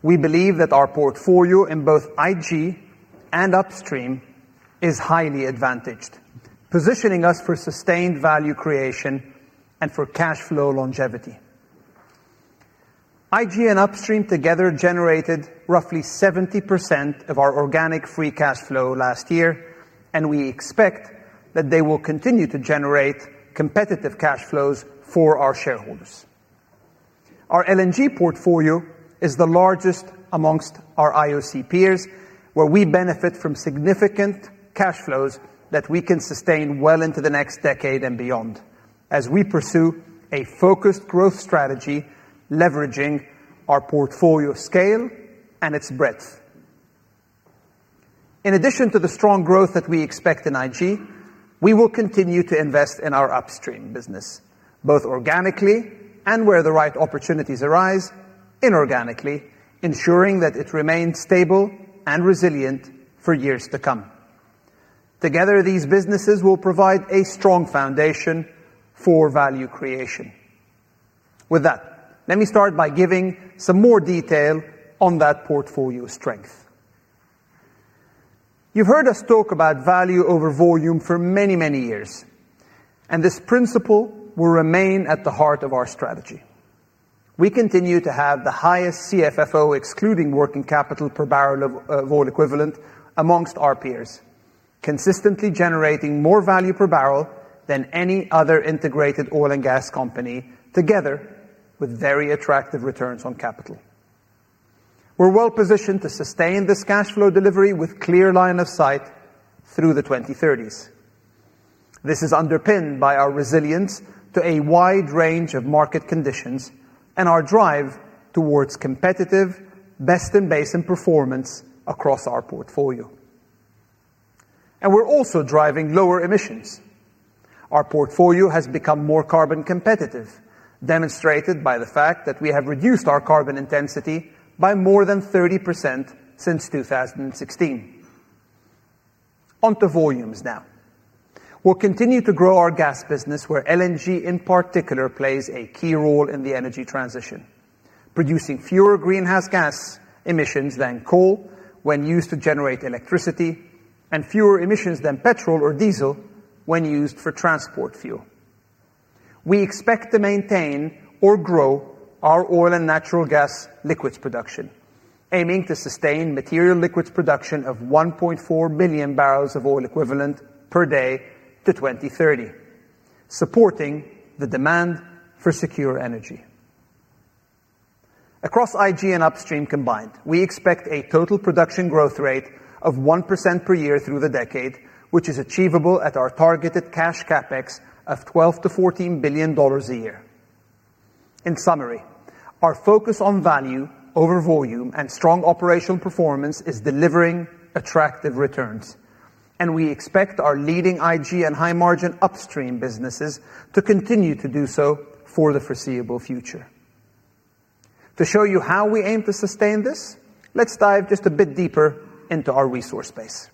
We believe that our portfolio in both IG and upstream is highly advantaged, positioning us for sustained value creation and for cash flow longevity. IG and upstream together generated roughly 70% of our organic free cash flow last year, and we expect that they will continue to generate competitive cash flows for our shareholders. Our LNG portfolio is the largest amongst our IOC peers, where we benefit from significant cash flows that we can sustain well into the next decade and beyond as we pursue a focused growth strategy leveraging our portfolio scale and its breadth. In addition to the strong growth that we expect in IG, we will continue to invest in our upstream business, both organically and where the right opportunities arise inorganically, ensuring that it remains stable and resilient for years to come. Together, these businesses will provide a strong foundation for value creation. With that, let me start by giving some more detail on that portfolio strength. You've heard us talk about value over volume for many, many years, and this principle will remain at the heart of our strategy. We continue to have the highest CFFO, excluding working capital per barrel of oil equivalent, amongst our peers, consistently generating more value per barrel than any other integrated oil and gas company, together with very attractive returns on capital. We're well positioned to sustain this cash flow delivery with a clear line of sight through the 2030s. This is underpinned by our resilience to a wide range of market conditions and our drive towards competitive best-in-basin performance across our portfolio. We are also driving lower emissions. Our portfolio has become more carbon competitive, demonstrated by the fact that we have reduced our carbon intensity by more than 30% since 2016. Onto volumes now. We will continue to grow our gas business, where LNG in particular plays a key role in the energy transition, producing fewer greenhouse gas emissions than coal when used to generate electricity and fewer emissions than petrol or diesel when used for transport fuel. We expect to maintain or grow our oil and natural gas liquids production, aiming to sustain material liquids production of 1.4 million barrels of oil equivalent per day to 2030, supporting the demand for secure energy. Across IG and upstream combined, we expect a total production growth rate of 1% per year through the decade, which is achievable at our targeted cash CapEx of $12 billion-$14 billion a year. In summary, our focus on value over volume and strong operational performance is delivering attractive returns, and we expect our leading IG and high-margin upstream businesses to continue to do so for the foreseeable future. To show you how we aim to sustain this, let's dive just a bit deeper into our resource base.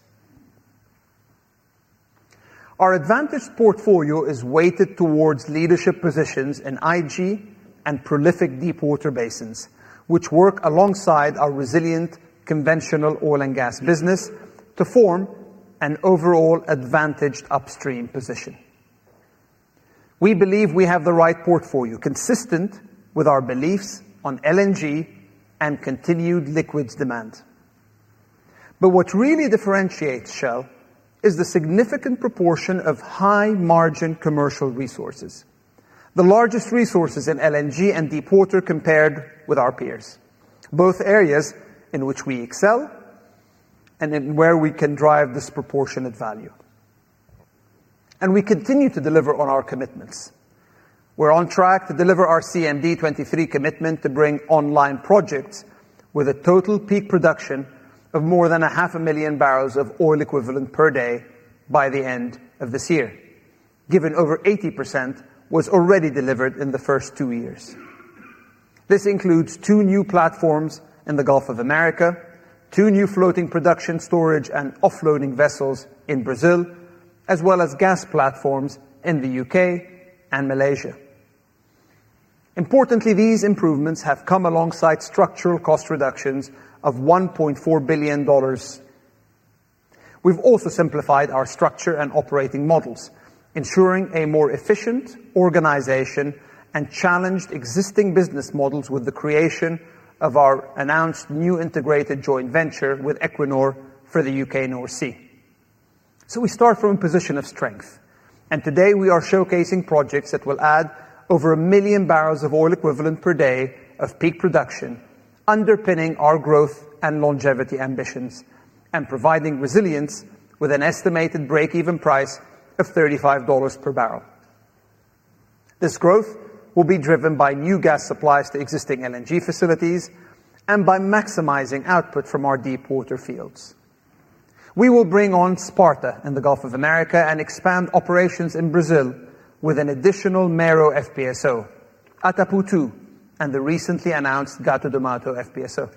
Our advantaged portfolio is weighted towards leadership positions in IG and prolific deep-water basins, which work alongside our resilient conventional oil and gas business to form an overall advantaged upstream position. We believe we have the right portfolio, consistent with our beliefs on LNG and continued liquids demand. What really differentiates Shell is the significant proportion of high-margin commercial resources, the largest resources in LNG and deep-water compared with our peers, both areas in which we excel and in where we can drive this proportionate value. We continue to deliver on our commitments. We are on track to deliver our CMD 2023 commitment to bring online projects with a total peak production of more than 500,000 barrels of oil equivalent per day by the end of this year, given over 80% was already delivered in the first two years. This includes two new platforms in the Gulf of America, two new floating production storage and offloading vessels in Brazil, as well as gas platforms in the U.K. and Malaysia. Importantly, these improvements have come alongside structural cost reductions of $1.4 billion. have also simplified our structure and operating models, ensuring a more efficient organization and challenged existing business models with the creation of our announced new integrated joint venture with Equinor for the U.K. North Sea. We start from a position of strength, and today we are showcasing projects that will add over 1 million barrels of oil equivalent per day of peak production, underpinning our growth and longevity ambitions and providing resilience with an estimated break-even price of $35 per barrel. This growth will be driven by new gas supplies to existing LNG facilities and by maximizing output from our deep-water fields. We will bring on Sparta in the Gulf of America and expand operations in Brazil with an additional Mero FPSO, Atapu-2, and the recently announced Gato do Mato FPSO.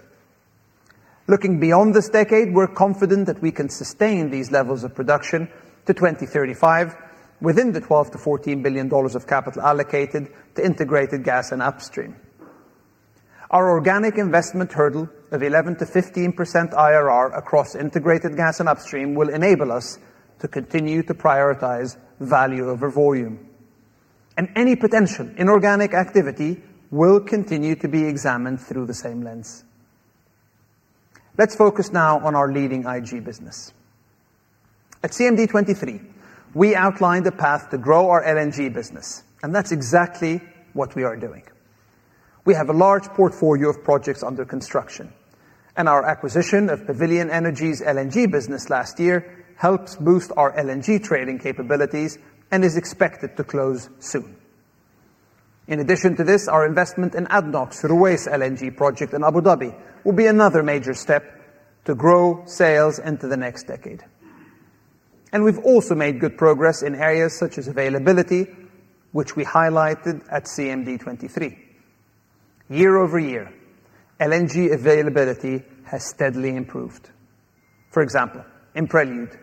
Looking beyond this decade, we're confident that we can sustain these levels of production to 2035 within the $12 billion-$14 billion of capital allocated to integrated gas and upstream. Our organic investment hurdle of 11%-15% IRR across integrated gas and upstream will enable us to continue to prioritize value over volume, and any potential inorganic activity will continue to be examined through the same lens. Let's focus now on our leading IG business. At CMD 2023, we outlined a path to grow our LNG business, and that's exactly what we are doing. We have a large portfolio of projects under construction, and our acquisition of Pavilion Energy's LNG business last year helps boost our LNG trading capabilities and is expected to close soon. In addition to this, our investment in ADNOC's Ruwais LNG project in Abu Dhabi will be another major step to grow sales into the next decade. We have also made good progress in areas such as availability, which we highlighted at CMD 2023. Year-over-year, LNG availability has steadily improved. For example, in Prelude,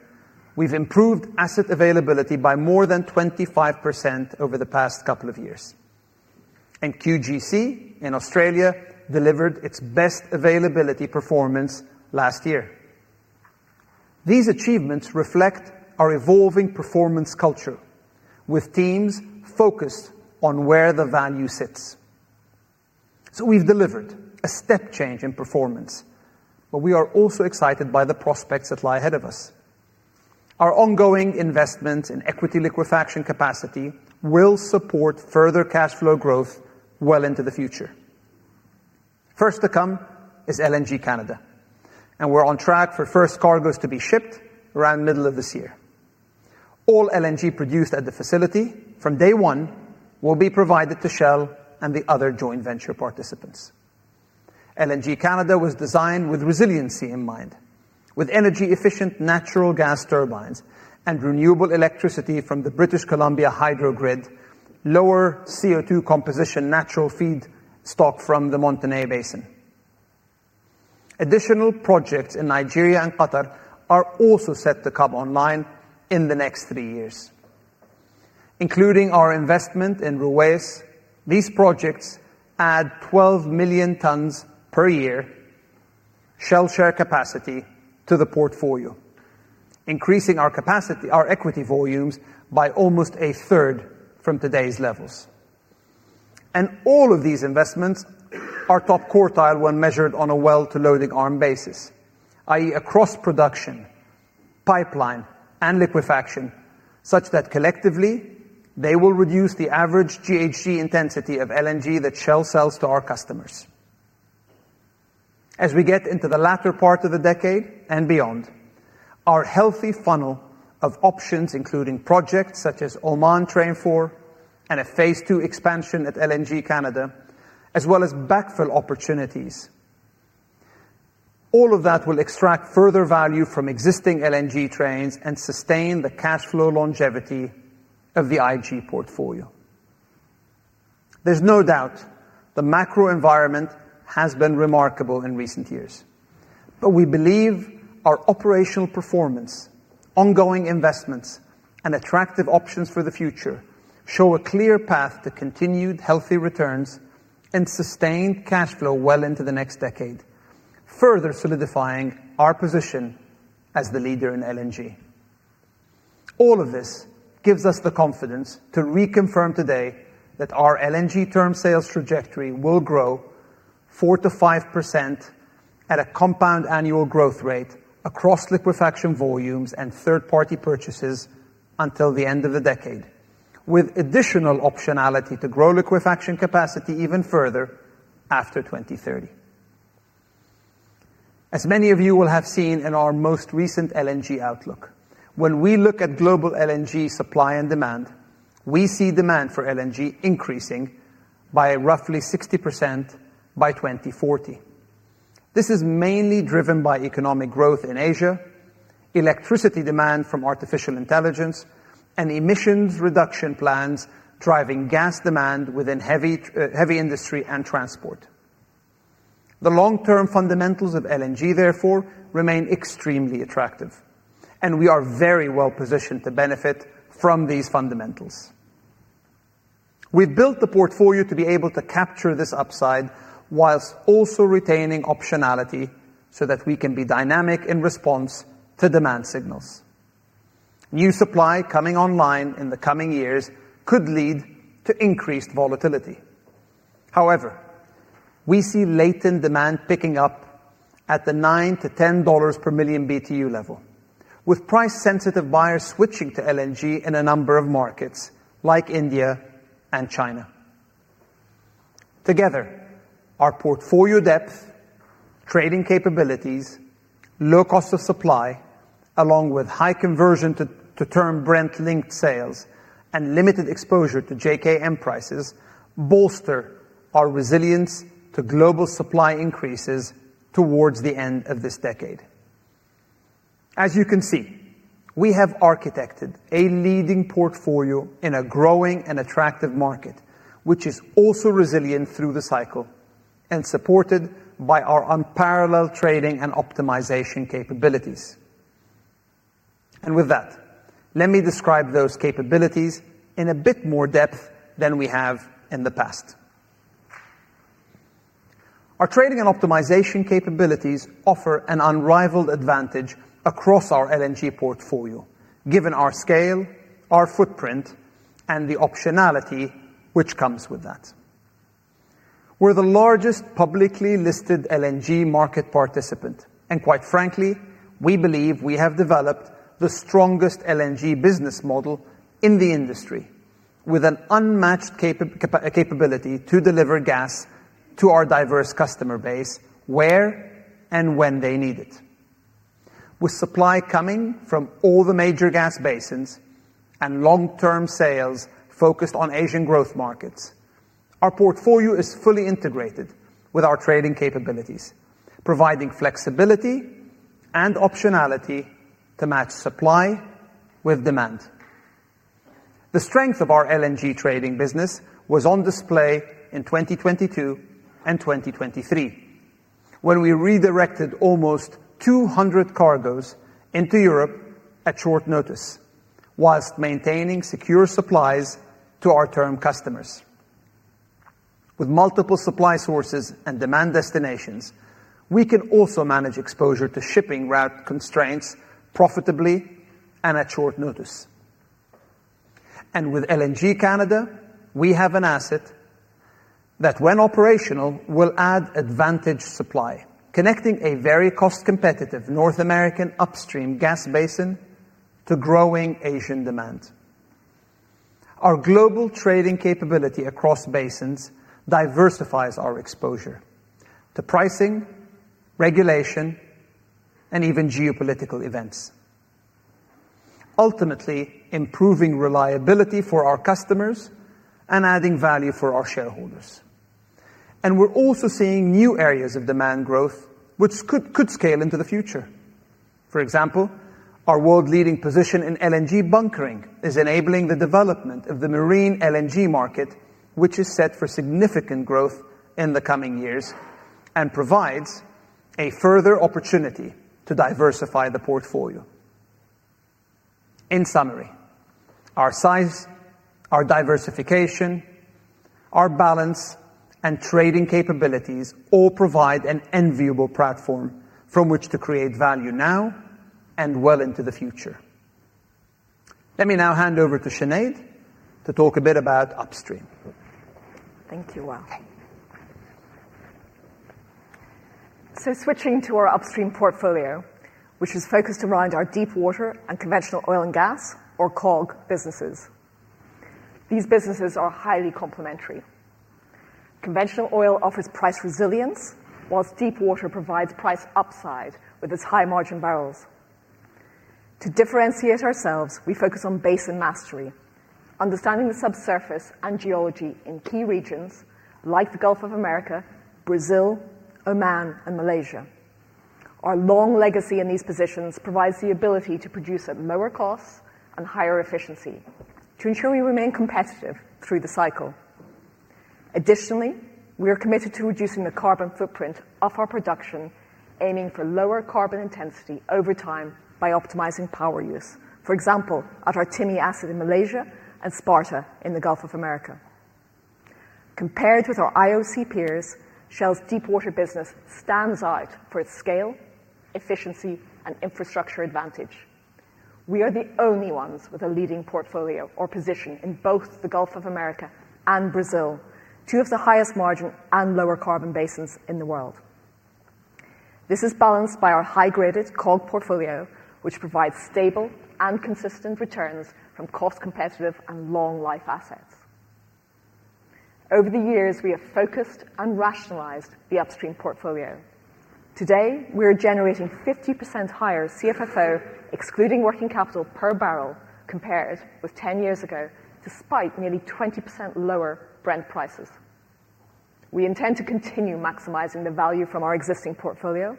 we have improved asset availability by more than 25% over the past couple of years. QGC in Australia delivered its best availability performance last year. These achievements reflect our evolving performance culture, with teams focused on where the value sits. We have delivered a step change in performance, and we are also excited by the prospects that lie ahead of us. Our ongoing investment in equity liquefaction capacity will support further cash flow growth well into the future. First to come is LNG Canada, and we're on track for first cargoes to be shipped around the middle of this year. All LNG produced at the facility from day one will be provided to Shell and the other joint venture participants. LNG Canada was designed with resiliency in mind, with energy-efficient natural gas turbines and renewable electricity from the British Columbia Hydro Grid, lower CO2 composition natural feed stock from the Montney Basin. Additional projects in Nigeria and Qatar are also set to come online in the next three years, including our investment in Ruwais. These projects add 12 million tons per year Shell share capacity to the portfolio, increasing our equity volumes by almost a third from today's levels. All of these investments are top quartile when measured on a well-to-loading arm basis, i.e., across production, pipeline, and liquefaction, such that collectively they will reduce the average GHG intensity of LNG that Shell sells to our customers. As we get into the latter part of the decade and beyond, our healthy funnel of options, including projects such as Oman Train 4 and a phase two expansion at LNG Canada, as well as backfill opportunities, all of that will extract further value from existing LNG trains and sustain the cash flow longevity of the IG portfolio. There is no doubt the macro environment has been remarkable in recent years, but we believe our operational performance, ongoing investments, and attractive options for the future show a clear path to continued healthy returns and sustained cash flow well into the next decade, further solidifying our position as the leader in LNG. All of this gives us the confidence to reconfirm today that our LNG term sales trajectory will grow 4%-5% at a compound annual growth rate across liquefaction volumes and third-party purchases until the end of the decade, with additional optionality to grow liquefaction capacity even further after 2030. As many of you will have seen in our most recent LNG outlook, when we look at global LNG supply and demand, we see demand for LNG increasing by roughly 60% by 2040. This is mainly driven by economic growth in Asia, electricity demand from artificial intelligence, and emissions reduction plans driving gas demand within heavy industry and transport. The long-term fundamentals of LNG, therefore, remain extremely attractive, and we are very well positioned to benefit from these fundamentals. We've built the portfolio to be able to capture this upside whilst also retaining optionality so that we can be dynamic in response to demand signals. New supply coming online in the coming years could lead to increased volatility. However, we see latent demand picking up at the $9-$10 per million BTU level, with price-sensitive buyers switching to LNG in a number of markets like India and China. Together, our portfolio depth, trading capabilities, low cost of supply, along with high conversion to term Brent-linked sales and limited exposure to JKM prices, bolster our resilience to global supply increases towards the end of this decade. As you can see, we have architected a leading portfolio in a growing and attractive market, which is also resilient through the cycle and supported by our unparalleled trading and optimization capabilities. Let me describe those capabilities in a bit more depth than we have in the past. Our trading and optimization capabilities offer an unrivaled advantage across our LNG portfolio, given our scale, our footprint, and the optionality which comes with that. We're the largest publicly listed LNG market participant, and quite frankly, we believe we have developed the strongest LNG business model in the industry with an unmatched capability to deliver gas to our diverse customer base where and when they need it. With supply coming from all the major gas basins and long-term sales focused on Asian growth markets, our portfolio is fully integrated with our trading capabilities, providing flexibility and optionality to match supply with demand. The strength of our LNG trading business was on display in 2022 and 2023 when we redirected almost 200 cargoes into Europe at short notice, whilst maintaining secure supplies to our term customers. With multiple supply sources and demand destinations, we can also manage exposure to shipping route constraints profitably and at short notice. With LNG Canada, we have an asset that, when operational, will add advantage supply, connecting a very cost-competitive North American upstream gas basin to growing Asian demand. Our global trading capability across basins diversifies our exposure to pricing, regulation, and even geopolitical events, ultimately improving reliability for our customers and adding value for our shareholders. We are also seeing new areas of demand growth, which could scale into the future. For example, our world-leading position in LNG bunkering is enabling the development of the marine LNG market, which is set for significant growth in the coming years and provides a further opportunity to diversify the portfolio. In summary, our size, our diversification, our balance, and trading capabilities all provide an enviable platform from which to create value now and well into the future. Let me now hand over to Sinead to talk a bit about upstream. Thank you Wael. Switching to our upstream portfolio, which is focused around our deep-water and conventional oil and gas, or COG, businesses. These businesses are highly complementary. Conventional oil offers price resilience, whilst deep-water provides price upside with its high-margin barrels. To differentiate ourselves, we focus on basin mastery, understanding the subsurface and geology in key regions like the Gulf of America, Brazil, Oman, and Malaysia. Our long legacy in these positions provides the ability to produce at lower costs and higher efficiency to ensure we remain competitive through the cycle. Additionally, we are committed to reducing the carbon footprint of our production, aiming for lower carbon intensity over time by optimizing power use, for example, at our Timi asset in Malaysia and Sparta in the Gulf of America. Compared with our IOC peers, Shell's deep-water business stands out for its scale, efficiency, and infrastructure advantage. We are the only ones with a leading portfolio or position in both the Gulf of America and Brazil, two of the highest margin and lower carbon basins in the world. This is balanced by our high-graded COG portfolio, which provides stable and consistent returns from cost-competitive and long-life assets. Over the years, we have focused and rationalized the upstream portfolio. Today, we are generating 50% higher CFFO, excluding working capital per barrel, compared with 10 years ago, despite nearly 20% lower Brent prices. We intend to continue maximizing the value from our existing portfolio,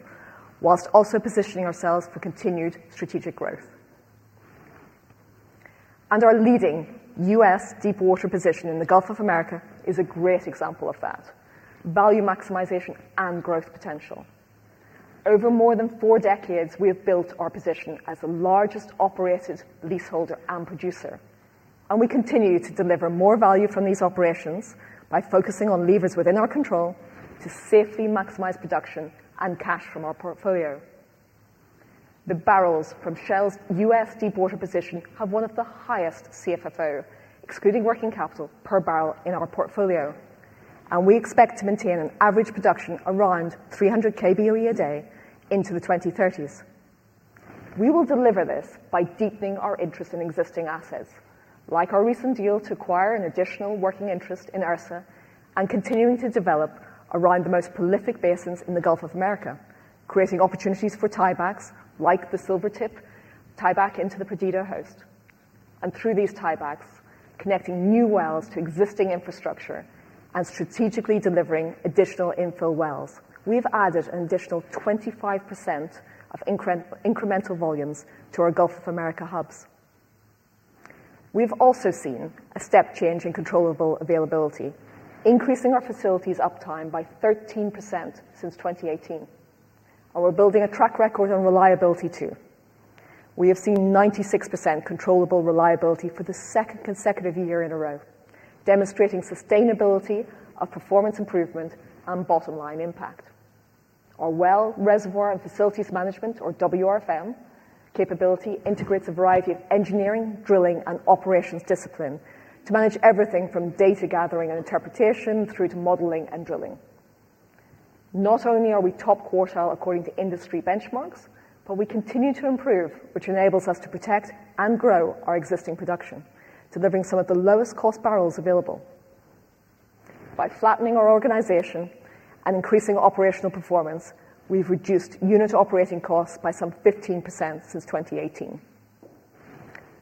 whilst also positioning ourselves for continued strategic growth. Our leading U.S. deep-water position in the Gulf of America is a great example of that: value maximization and growth potential. Over more than four decades, we have built our position as the largest operated leaseholder and producer, and we continue to deliver more value from these operations by focusing on levers within our control to safely maximize production and cash from our portfolio. The barrels from Shell's U.S. deep-water position have one of the highest CFFO, excluding working capital per barrel, in our portfolio, and we expect to maintain an average production around 300,000 boe/d into the 2030s. We will deliver this by deepening our interest in existing assets, like our recent deal to acquire an additional working interest in Ursa and continuing to develop around the most prolific basins in the Gulf of America, creating opportunities for tiebacks like the Silvertip tieback into the Perdido host, and through these tiebacks, connecting new wells to existing infrastructure and strategically delivering additional infill wells. We have added an additional 25% of incremental volumes to our Gulf of America hubs. We have also seen a step change in controllable availability, increasing our facilities uptime by 13% since 2018. We are building a track record on reliability too. We have seen 96% controllable reliability for the second consecutive year in a row, demonstrating sustainability of performance improvement and bottom line impact. Our Well Reservoir and Facilities Management, or WRFM capability, integrates a variety of engineering, drilling, and operations discipline to manage everything from data gathering and interpretation through to modeling and drilling. Not only are we top quartile according to industry benchmarks, but we continue to improve, which enables us to protect and grow our existing production, delivering some of the lowest cost barrels available. By flattening our organization and increasing operational performance, we've reduced unit operating costs by some 15% since 2018.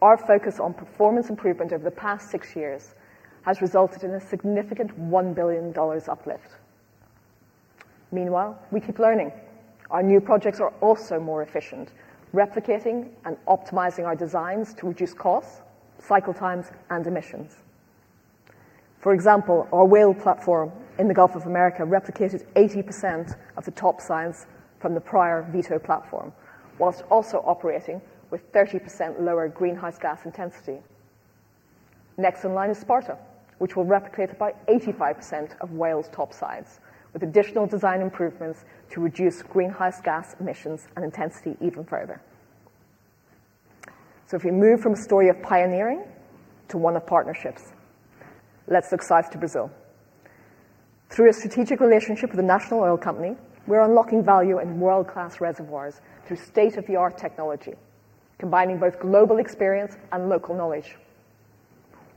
Our focus on performance improvement over the past six years has resulted in a significant $1 billion uplift. Meanwhile, we keep learning. Our new projects are also more efficient, replicating and optimizing our designs to reduce costs, cycle times, and emissions. For example, our Whale platform in the Gulf of America replicated 80% of the topside from the prior Vito platform, whilst also operating with 30% lower greenhouse gas intensity. Next in line is Sparta, which will replicate about 85% of Whale's topsides with additional design improvements to reduce greenhouse gas emissions and intensity even further. If we move from a story of pioneering to one of partnerships, let's look south to Brazil. Through a strategic relationship with the national oil company, we're unlocking value in world-class reservoirs through state-of-the-art technology, combining both global experience and local knowledge.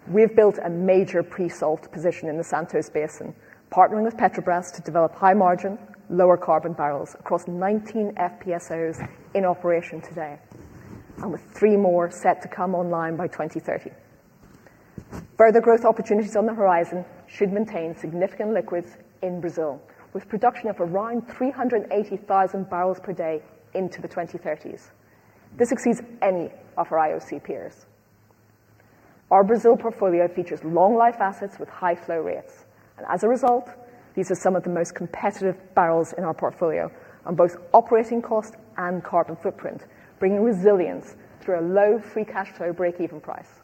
We've built a major pre-salt position in the Santos basin, partnering with Petrobras to develop high-margin, lower-carbon barrels across 19 FPSOs in operation today, and with three more set to come online by 2030. Further growth opportunities on the horizon should maintain significant liquids in Brazil, with production of around 380,000 bpd into the 2030s. This exceeds any of our IOC peers. Our Brazil portfolio features long-life assets with high flow rates, and as a result, these are some of the most competitive barrels in our portfolio on both operating cost and carbon footprint, bringing resilience through a low free cash flow break-even price.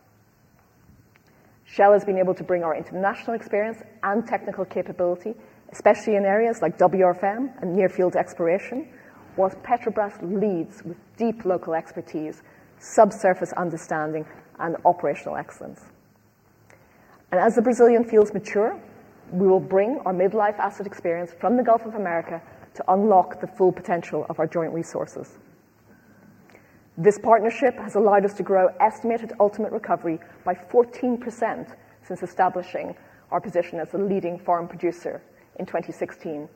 Shell has been able to bring our international experience and technical capability, especially in areas like WRFM and near-field exploration, whilst Petrobras leads with deep local expertise, subsurface understanding, and operational excellence. As the Brazilian fields mature, we will bring our mid-life asset experience from the Gulf of America to unlock the full potential of our joint resources. This partnership has allowed us to grow estimated ultimate recovery by 14% since establishing our position as a leading foreign producer in 2016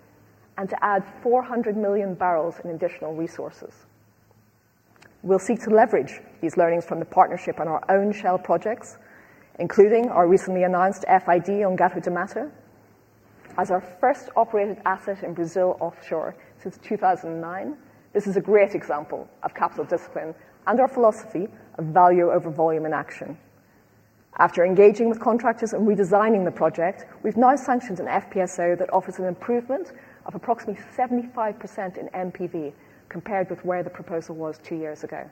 and to add 400 million barrels in additional resources. We'll seek to leverage these learnings from the partnership on our own Shell projects, including our recently announced FID on Gato do Mato. As our first operated asset in Brazil offshore since 2009, this is a great example of capital discipline and our philosophy of value over volume in action. After engaging with contractors and redesigning the project, we've now sanctioned an FPSO that offers an improvement of approximately 75% in NPV compared with where the proposal was two years ago.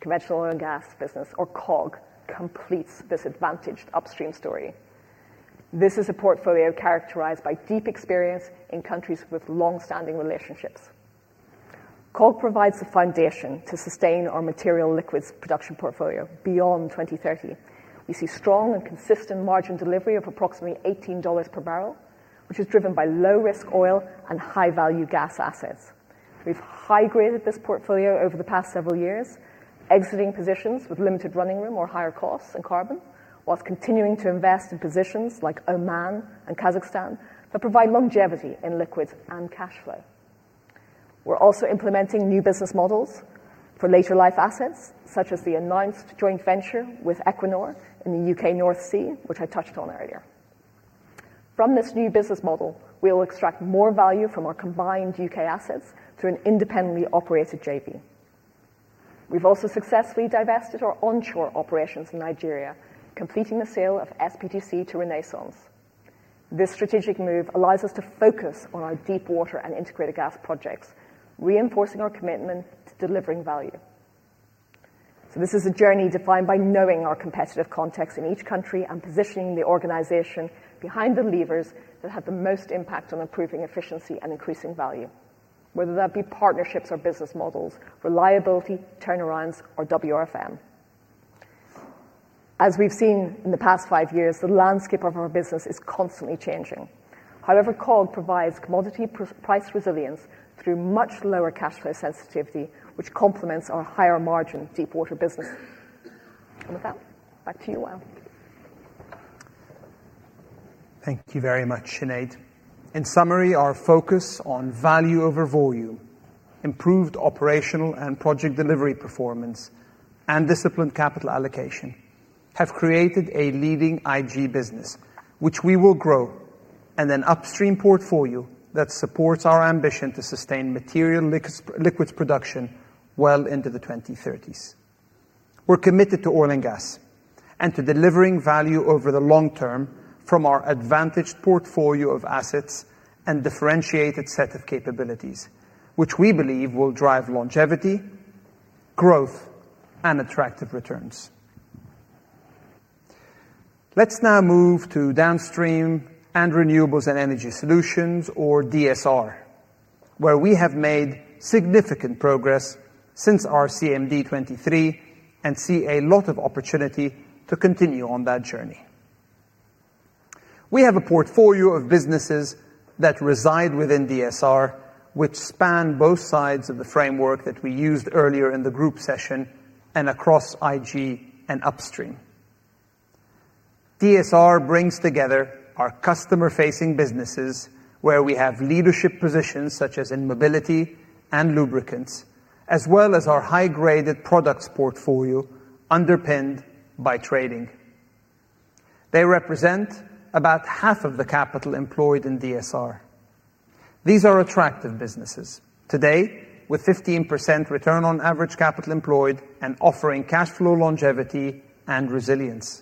Conventional oil and gas business, or COG, completes this advantaged upstream story. This is a portfolio characterized by deep experience in countries with long-standing relationships. COG provides the foundation to sustain our material liquids production portfolio beyond 2030. We see strong and consistent margin delivery of approximately $18 per barrel, which is driven by low-risk oil and high-value gas assets. We've high-graded this portfolio over the past several years, exiting positions with limited running room or higher costs and carbon, whilst continuing to invest in positions like Oman and Kazakhstan that provide longevity in liquids and cash flow. We're also implementing new business models for later-life assets, such as the announced joint venture with Equinor in the U.K. North Sea, which I touched on earlier. From this new business model, we'll extract more value from our combined U.K. assets through an independently operated JV. We've also successfully divested our onshore operations in Nigeria, completing the sale of SPDC to Renaissance. This strategic move allows us to focus on our deep-water and integrated gas projects, reinforcing our commitment to delivering value. This is a journey defined by knowing our competitive context in each country and positioning the organization behind the levers that have the most impact on improving efficiency and increasing value, whether that be partnerships or business models, reliability, turnarounds, or WRFM. As we've seen in the past five years, the landscape of our business is constantly changing. However, COG provides commodity price resilience through much lower cash flow sensitivity, which complements our higher-margin deep-water business. With that, back to you, Wael. Thank you very much, Sinead. In summary, our focus on value over volume, improved operational and project delivery performance, and disciplined capital allocation have created a leading IG business, which we will grow, and an upstream portfolio that supports our ambition to sustain material liquids production well into the 2030s. We're committed to oil and gas and to delivering value over the long term from our advantaged portfolio of assets and differentiated set of capabilities, which we believe will drive longevity, growth, and attractive returns. Let's now move to downstream and renewables and energy solutions, or DSR, where we have made significant progress since our CMD 2023 and see a lot of opportunity to continue on that journey. We have a portfolio of businesses that reside within DSR, which span both sides of the framework that we used earlier in the group session and across IG and upstream. DSR brings together our customer-facing businesses, where we have leadership positions such as in mobility and lubricants, as well as our high-graded products portfolio underpinned by trading. They represent about half of the capital employed in DSR. These are attractive businesses today, with 15% return on average capital employed and offering cash flow longevity and resilience.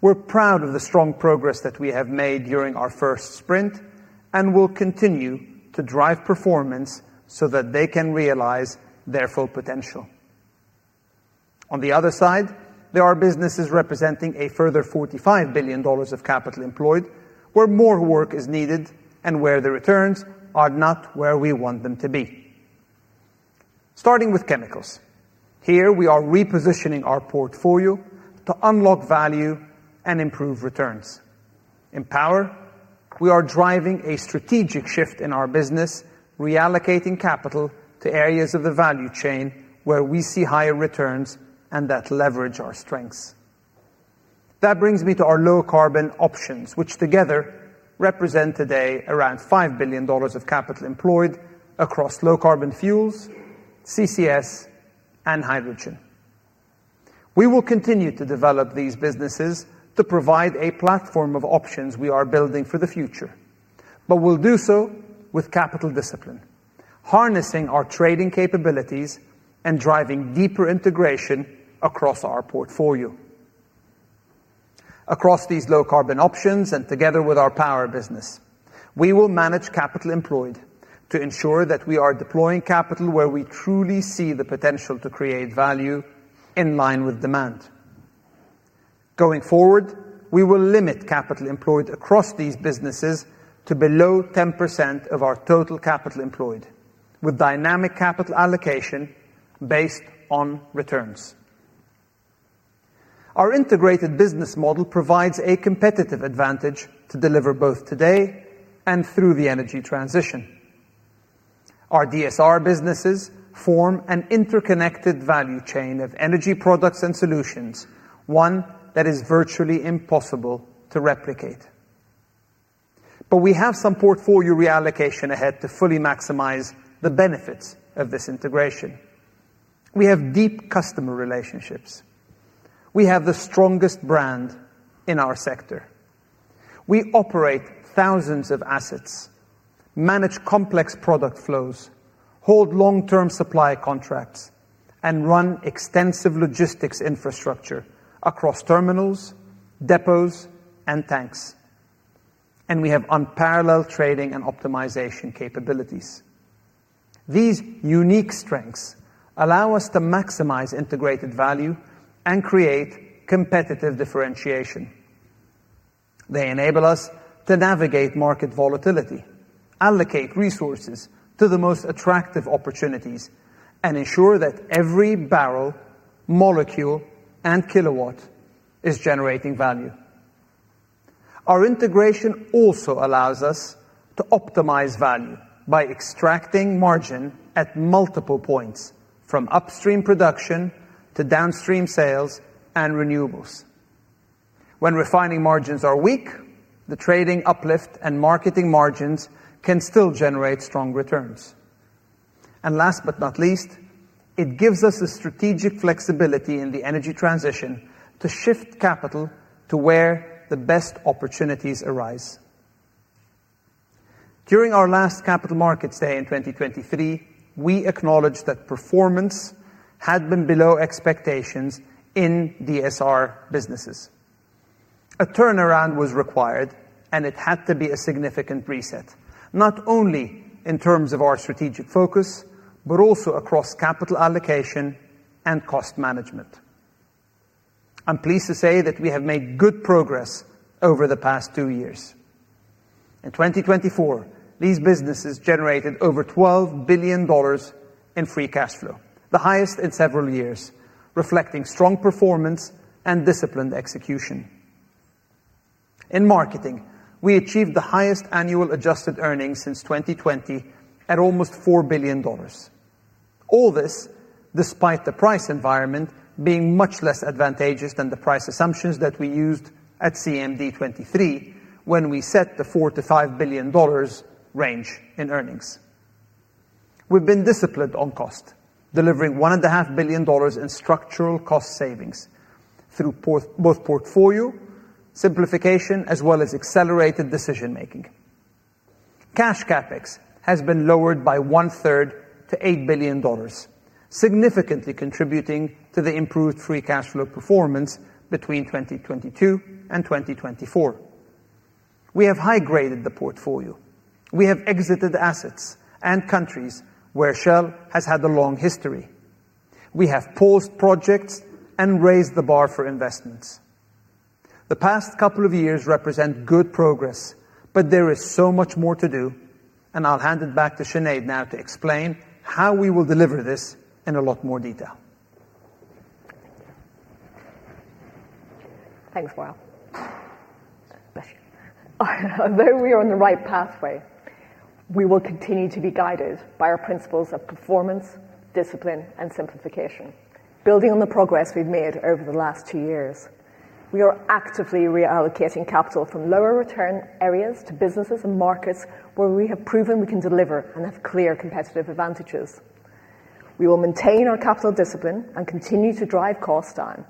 We're proud of the strong progress that we have made during our first sprint and will continue to drive performance so that they can realize their full potential. On the other side, there are businesses representing a further $45 billion of capital employed, where more work is needed and where the returns are not where we want them to be. Starting with chemicals, here we are repositioning our portfolio to unlock value and improve returns. In power, we are driving a strategic shift in our business, reallocating capital to areas of the value chain where we see higher returns and that leverage our strengths. That brings me to our low-carbon options, which together represent today around $5 billion of capital employed across low-carbon fuels, CCS, and hydrogen. We will continue to develop these businesses to provide a platform of options we are building for the future, but we'll do so with capital discipline, harnessing our trading capabilities and driving deeper integration across our portfolio. Across these low-carbon options and together with our power business, we will manage capital employed to ensure that we are deploying capital where we truly see the potential to create value in line with demand. Going forward, we will limit capital employed across these businesses to below 10% of our total capital employed, with dynamic capital allocation based on returns. Our integrated business model provides a competitive advantage to deliver both today and through the energy transition. Our DSR businesses form an interconnected value chain of energy products and solutions, one that is virtually impossible to replicate. We have some portfolio reallocation ahead to fully maximize the benefits of this integration. We have deep customer relationships. We have the strongest brand in our sector. We operate thousands of assets, manage complex product flows, hold long-term supply contracts, and run extensive logistics infrastructure across terminals, depots, and tanks. We have unparalleled trading and optimization capabilities. These unique strengths allow us to maximize integrated value and create competitive differentiation. They enable us to navigate market volatility, allocate resources to the most attractive opportunities, and ensure that every barrel, molecule, and kilowatt is generating value. Our integration also allows us to optimize value by extracting margin at multiple points from upstream production to downstream sales and renewables. When refining margins are weak, the trading uplift and marketing margins can still generate strong returns. Last but not least, it gives us the strategic flexibility in the energy transition to shift capital to where the best opportunities arise. During our last Capital Markets Day in 2023, we acknowledged that performance had been below expectations in DSR businesses. A turnaround was required, and it had to be a significant reset, not only in terms of our strategic focus, but also across capital allocation and cost management. I'm pleased to say that we have made good progress over the past two years. In 2024, these businesses generated over $12 billion in free cash flow, the highest in several years, reflecting strong performance and disciplined execution. In marketing, we achieved the highest annual adjusted earnings since 2020 at almost $4 billion. All this despite the price environment being much less advantageous than the price assumptions that we used at CMD 2023 when we set the $4-$5 billion range in earnings. We've been disciplined on cost, delivering $1.5 billion in structural cost savings through both portfolio simplification as well as accelerated decision-making. Cash CapEx has been lowered by one-third to $8 billion, significantly contributing to the improved free cash flow performance between 2022 and 2024. We have high-graded the portfolio. We have exited assets and countries where Shell has had a long history. We have paused projects and raised the bar for investments. The past couple of years represent good progress, but there is so much more to do, and I'll hand it back to Sinead now to explain how we will deliver this in a lot more detail. Thanks, Wael. Bless you. Although we are on the right pathway, we will continue to be guided by our principles of performance, discipline, and simplification, building on the progress we've made over the last two years. We are actively reallocating capital from lower-return areas to businesses and markets where we have proven we can deliver and have clear competitive advantages. We will maintain our capital discipline and continue to drive cost down,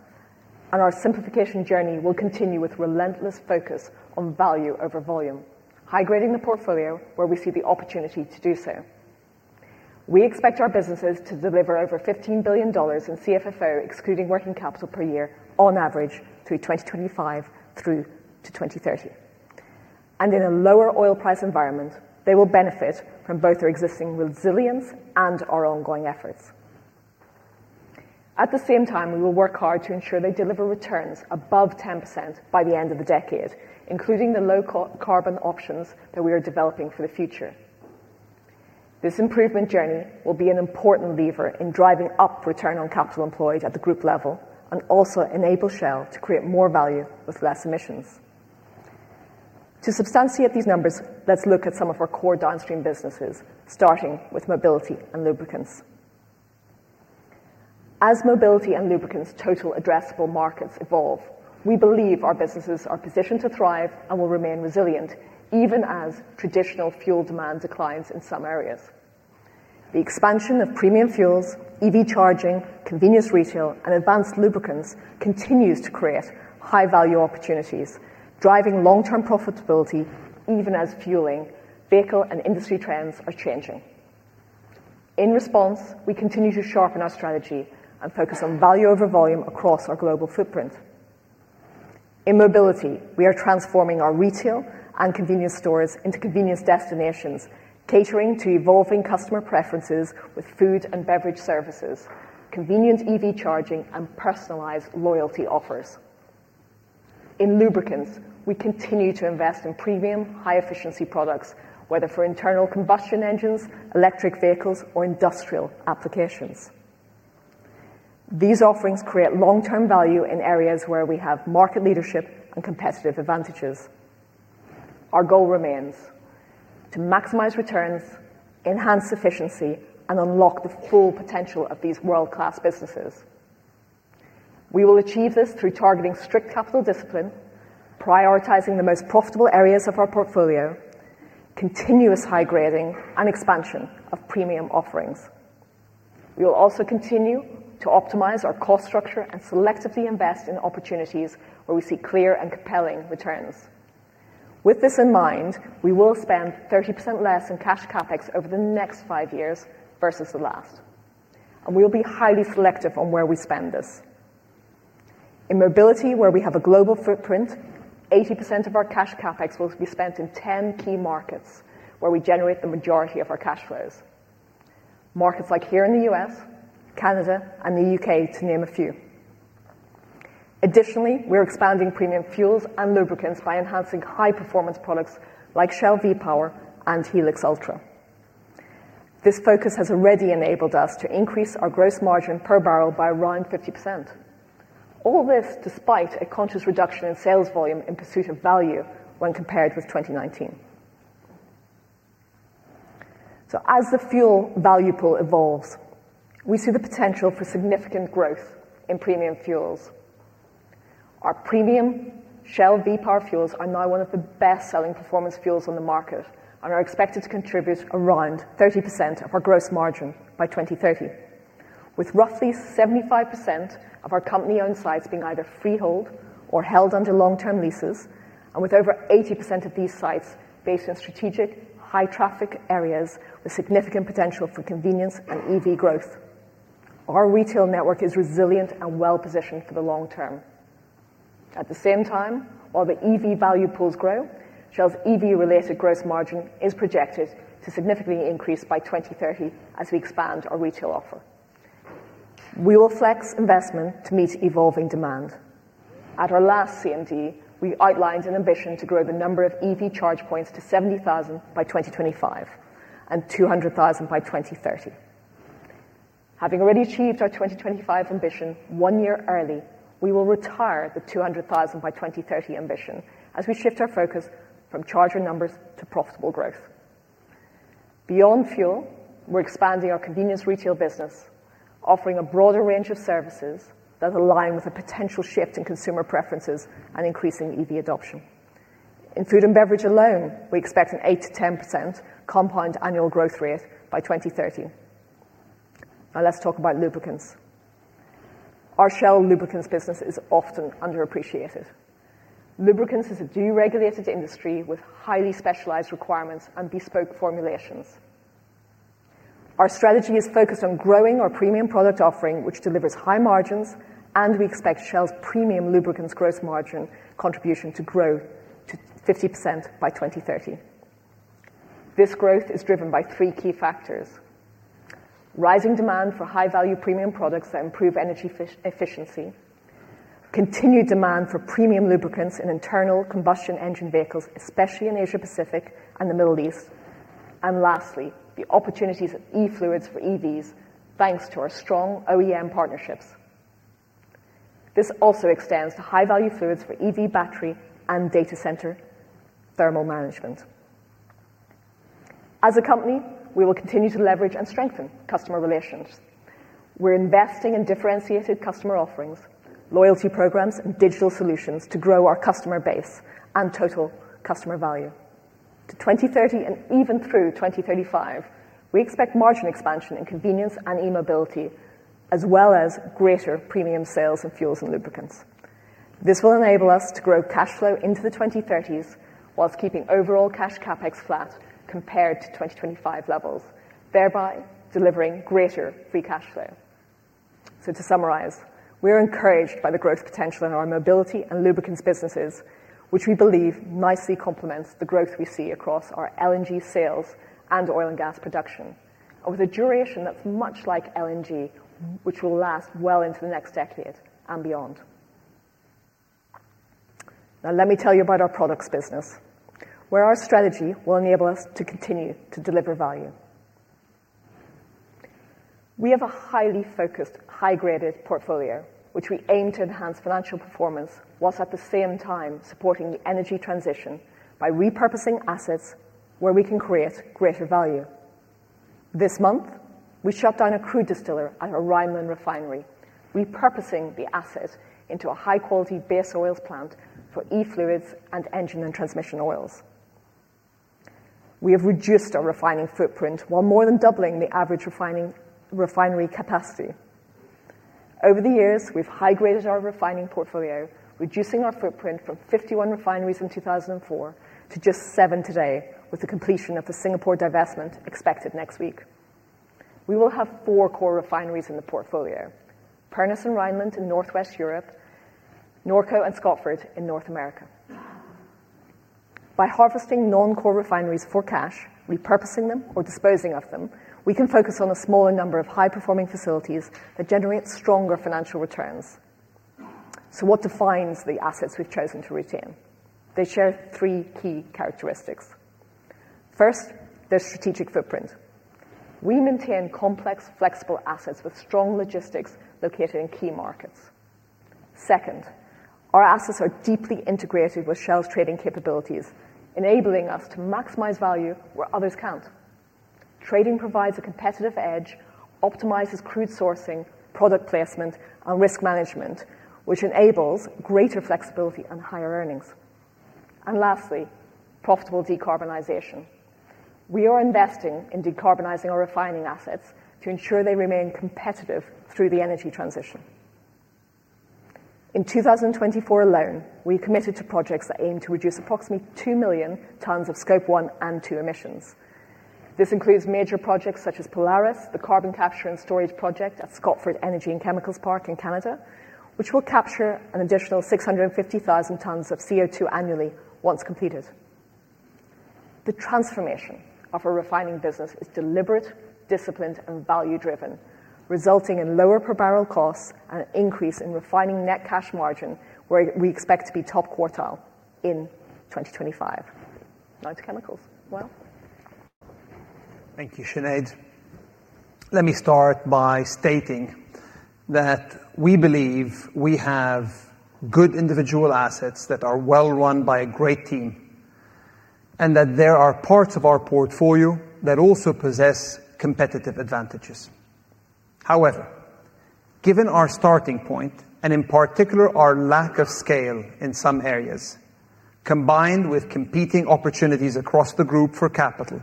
and our simplification journey will continue with relentless focus on value over volume, high-grading the portfolio where we see the opportunity to do so. We expect our businesses to deliver over $15 billion in CFFO, excluding working capital per year, on average through 2025 through to 2030. In a lower oil price environment, they will benefit from both our existing resilience and our ongoing efforts. At the same time, we will work hard to ensure they deliver returns above 10% by the end of the decade, including the low-carbon options that we are developing for the future. This improvement journey will be an important lever in driving up return on capital employed at the group level and also enable Shell to create more value with less emissions. To substantiate these numbers, let's look at some of our core downstream businesses, starting with mobility and lubricants. As mobility and lubricants' total addressable markets evolve, we believe our businesses are positioned to thrive and will remain resilient even as traditional fuel demand declines in some areas. The expansion of premium fuels, EV charging, convenience retail, and advanced lubricants continues to create high-value opportunities, driving long-term profitability even as fueling, vehicle, and industry trends are changing. In response, we continue to sharpen our strategy and focus on value over volume across our global footprint. In mobility, we are transforming our retail and convenience stores into convenience destinations, catering to evolving customer preferences with food and beverage services, convenient EV charging, and personalized loyalty offers. In lubricants, we continue to invest in premium, high-efficiency products, whether for internal combustion engines, electric vehicles, or industrial applications. These offerings create long-term value in areas where we have market leadership and competitive advantages. Our goal remains to maximize returns, enhance efficiency, and unlock the full potential of these world-class businesses. We will achieve this through targeting strict capital discipline, prioritizing the most profitable areas of our portfolio, continuous high-grading, and expansion of premium offerings. We will also continue to optimize our cost structure and selectively invest in opportunities where we see clear and compelling returns. With this in mind, we will spend 30% less in cash CapEx over the next five years versus the last, and we will be highly selective on where we spend this. In mobility, where we have a global footprint, 80% of our cash CapEx will be spent in 10 key markets where we generate the majority of our cash flows, markets like here in the U.S., Canada, and the U.K., to name a few. Additionally, we're expanding premium fuels and lubricants by enhancing high-performance products like Shell V-Power and Helix Ultra. This focus has already enabled us to increase our gross margin per barrel by around 50%, all this despite a conscious reduction in sales volume in pursuit of value when compared with 2019. As the fuel value pool evolves, we see the potential for significant growth in premium fuels. Our premium Shell V-Power fuels are now one of the best-selling performance fuels on the market and are expected to contribute around 30% of our gross margin by 2030, with roughly 75% of our company-owned sites being either freehold or held under long-term leases, and with over 80% of these sites based in strategic, high-traffic areas with significant potential for convenience and EV growth. Our retail network is resilient and well-positioned for the long term. At the same time, while the EV value pools grow, Shell's EV-related gross margin is projected to significantly increase by 2030 as we expand our retail offer. We will flex investment to meet evolving demand. At our last CMD, we outlined an ambition to grow the number of EV charge points to 70,000 by 2025 and 200,000 by 2030. Having already achieved our 2025 ambition one year early, we will retire the 200,000 by 2030 ambition as we shift our focus from charger numbers to profitable growth. Beyond fuel, we're expanding our convenience retail business, offering a broader range of services that align with a potential shift in consumer preferences and increasing EV adoption. In food and beverage alone, we expect an 8-10% compound annual growth rate by 2030. Now, let's talk about lubricants. Our Shell lubricants business is often underappreciated. Lubricants is a deregulated industry with highly specialized requirements and bespoke formulations. Our strategy is focused on growing our premium product offering, which delivers high margins, and we expect Shell's premium lubricants' gross margin contribution to grow to 50% by 2030. This growth is driven by three key factors: rising demand for high-value premium products that improve energy efficiency, continued demand for premium lubricants in internal combustion engine vehicles, especially in Asia-Pacific and the Middle East, and lastly, the opportunities of e-fluids for EVs, thanks to our strong OEM partnerships. This also extends to high-value fluids for EV battery and data center thermal management. As a company, we will continue to leverage and strengthen customer relations. We're investing in differentiated customer offerings, loyalty programs, and digital solutions to grow our customer base and total customer value. To 2030 and even through 2035, we expect margin expansion in convenience and e-mobility, as well as greater premium sales in fuels and lubricants. This will enable us to grow cash flow into the 2030s whilst keeping overall cash CapEx flat compared to 2025 levels, thereby delivering greater free cash flow. To summarize, we are encouraged by the growth potential in our mobility and lubricants businesses, which we believe nicely complements the growth we see across our LNG sales and oil and gas production, with a duration that's much like LNG, which will last well into the next decade and beyond. Now, let me tell you about our products business, where our strategy will enable us to continue to deliver value. We have a highly focused, high-graded portfolio, which we aim to enhance financial performance whilst at the same time supporting the energy transition by repurposing assets where we can create greater value. This month, we shut down a crude distiller at a Rheinland refinery, repurposing the asset into a high-quality base oils plant for e-fluids and engine and transmission oils. We have reduced our refining footprint while more than doubling the average refining refinery capacity. Over the years, we've high-graded our refining portfolio, reducing our footprint from 51 refineries in 2004 to just seven today, with the completion of the Singapore divestment expected next week. We will have four core refineries in the portfolio: Pernis and Rheinland in Northwest Europe, Norco and Scotford in North America. By harvesting non-core refineries for cash, repurposing them, or disposing of them, we can focus on a smaller number of high-performing facilities that generate stronger financial returns. What defines the assets we've chosen to retain? They share three key characteristics. First, their strategic footprint. We maintain complex, flexible assets with strong logistics located in key markets. Second, our assets are deeply integrated with Shell's trading capabilities, enabling us to maximize value where others can't. Trading provides a competitive edge, optimizes crude sourcing, product placement, and risk management, which enables greater flexibility and higher earnings. Lastly, profitable decarbonization. We are investing in decarbonizing our refining assets to ensure they remain competitive through the energy transition. In 2024 alone, we committed to projects that aim to reduce approximately 2 million tons of Scope 1 and 2 emissions. This includes major projects such as Polaris, the carbon capture and storage project at Scotford Energy and Chemicals Park in Canada, which will capture an additional 650,000 tons of CO2 annually once completed. The transformation of our refining business is deliberate, disciplined, and value-driven, resulting in lower per barrel costs and an increase in refining net cash margin where we expect to be top quartile in 2025. Now to chemicals. Thank you, Sinead. Let me start by stating that we believe we have good individual assets that are well run by a great team, and that there are parts of our portfolio that also possess competitive advantages. However, given our starting point, and in particular our lack of scale in some areas, combined with competing opportunities across the group for capital,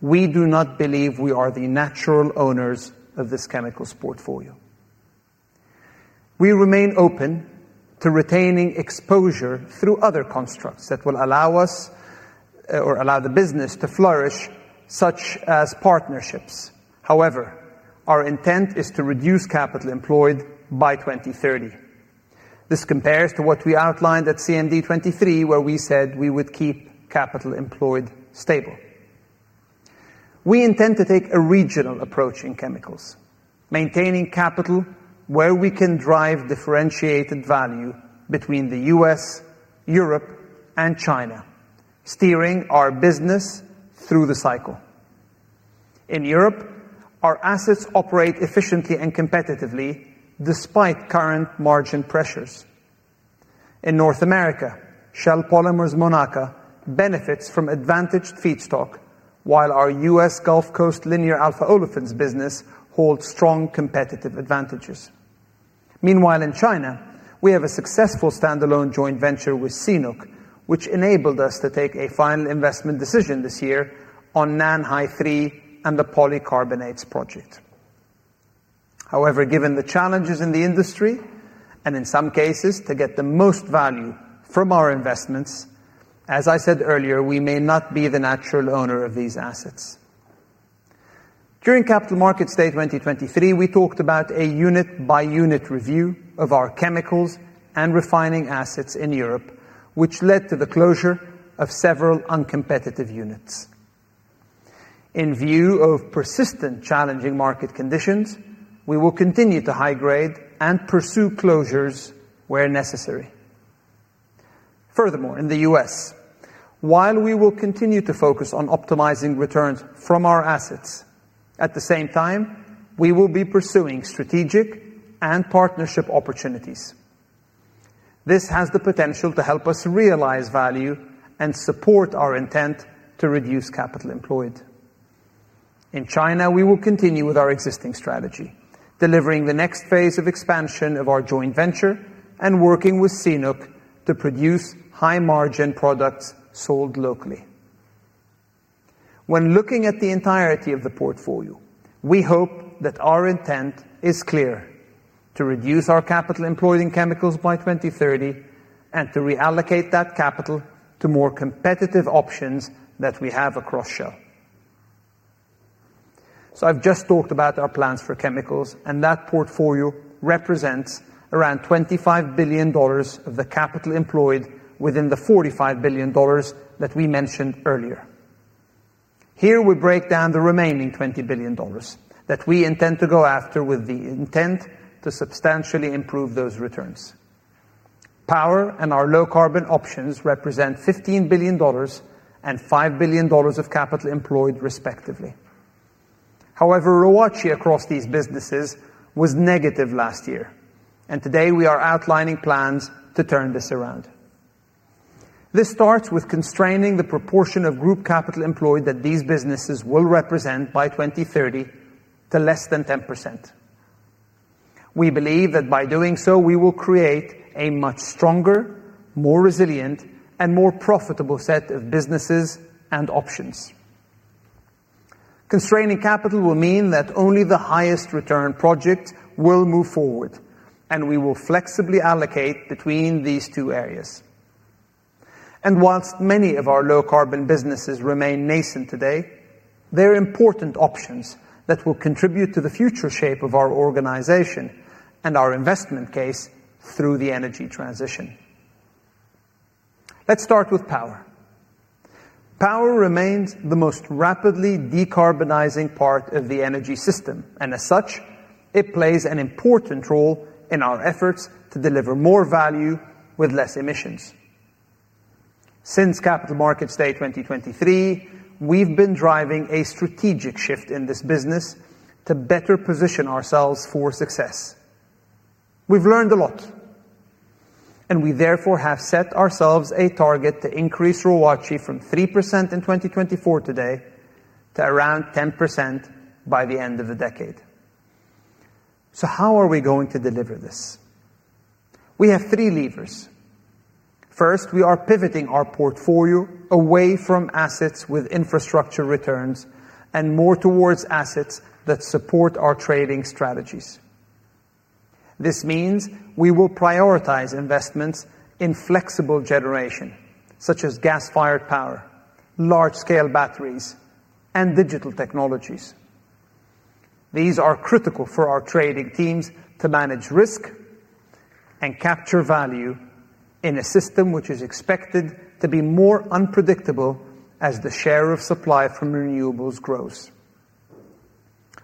we do not believe we are the natural owners of this chemicals portfolio. We remain open to retaining exposure through other constructs that will allow us or allow the business to flourish, such as partnerships. However, our intent is to reduce capital employed by 2030. This compares to what we outlined at CMD 2023, where we said we would keep capital employed stable. We intend to take a regional approach in chemicals, maintaining capital where we can drive differentiated value between the U.S., Europe, and China, steering our business through the cycle. In Europe, our assets operate efficiently and competitively despite current margin pressures. In North America, Shell Polymers Monaca benefits from advantaged feedstock, while our U.S. Gulf Coast Linear Alpha Olefins business holds strong competitive advantages. Meanwhile, in China, we have a successful standalone joint venture with CNOOC, which enabled us to take a final investment decision this year on Nanhai III and the polycarbonates project. However, given the challenges in the industry, and in some cases, to get the most value from our investments, as I said earlier, we may not be the natural owner of these assets. During Capital Markets Day 2023, we talked about a unit-by-unit review of our chemicals and refining assets in Europe, which led to the closure of several uncompetitive units. In view of persistent challenging market conditions, we will continue to high-grade and pursue closures where necessary. Furthermore, in the U.S., while we will continue to focus on optimizing returns from our assets, at the same time, we will be pursuing strategic and partnership opportunities. This has the potential to help us realize value and support our intent to reduce capital employed. In China, we will continue with our existing strategy, delivering the next phase of expansion of our joint venture and working with CNOOC to produce high-margin products sold locally. When looking at the entirety of the portfolio, we hope that our intent is clear: to reduce our capital employed in chemicals by 2030 and to reallocate that capital to more competitive options that we have across Shell. I have just talked about our plans for chemicals, and that portfolio represents around $25 billion of the capital employed within the $45 billion that we mentioned earlier. Here, we break down the remaining $20 billion that we intend to go after with the intent to substantially improve those returns. Power and our low-carbon options represent $15 billion and $5 billion of capital employed, respectively. However, ROACE across these businesses was negative last year, and today we are outlining plans to turn this around. This starts with constraining the proportion of group capital employed that these businesses will represent by 2030 to less than 10%. We believe that by doing so, we will create a much stronger, more resilient, and more profitable set of businesses and options. Constraining capital will mean that only the highest return projects will move forward, and we will flexibly allocate between these two areas. Whilst many of our low-carbon businesses remain nascent today, they're important options that will contribute to the future shape of our organization and our investment case through the energy transition. Let's start with power. Power remains the most rapidly decarbonizing part of the energy system, and as such, it plays an important role in our efforts to deliver more value with less emissions. Since Capital Markets Day 2023, we've been driving a strategic shift in this business to better position ourselves for success. We've learned a lot, and we therefore have set ourselves a target to increase ROACE from 3% in 2024 today to around 10% by the end of the decade. How are we going to deliver this? We have three levers. First, we are pivoting our portfolio away from assets with infrastructure returns and more towards assets that support our trading strategies. This means we will prioritize investments in flexible generation, such as gas-fired power, large-scale batteries, and digital technologies. These are critical for our trading teams to manage risk and capture value in a system which is expected to be more unpredictable as the share of supply from renewables grows.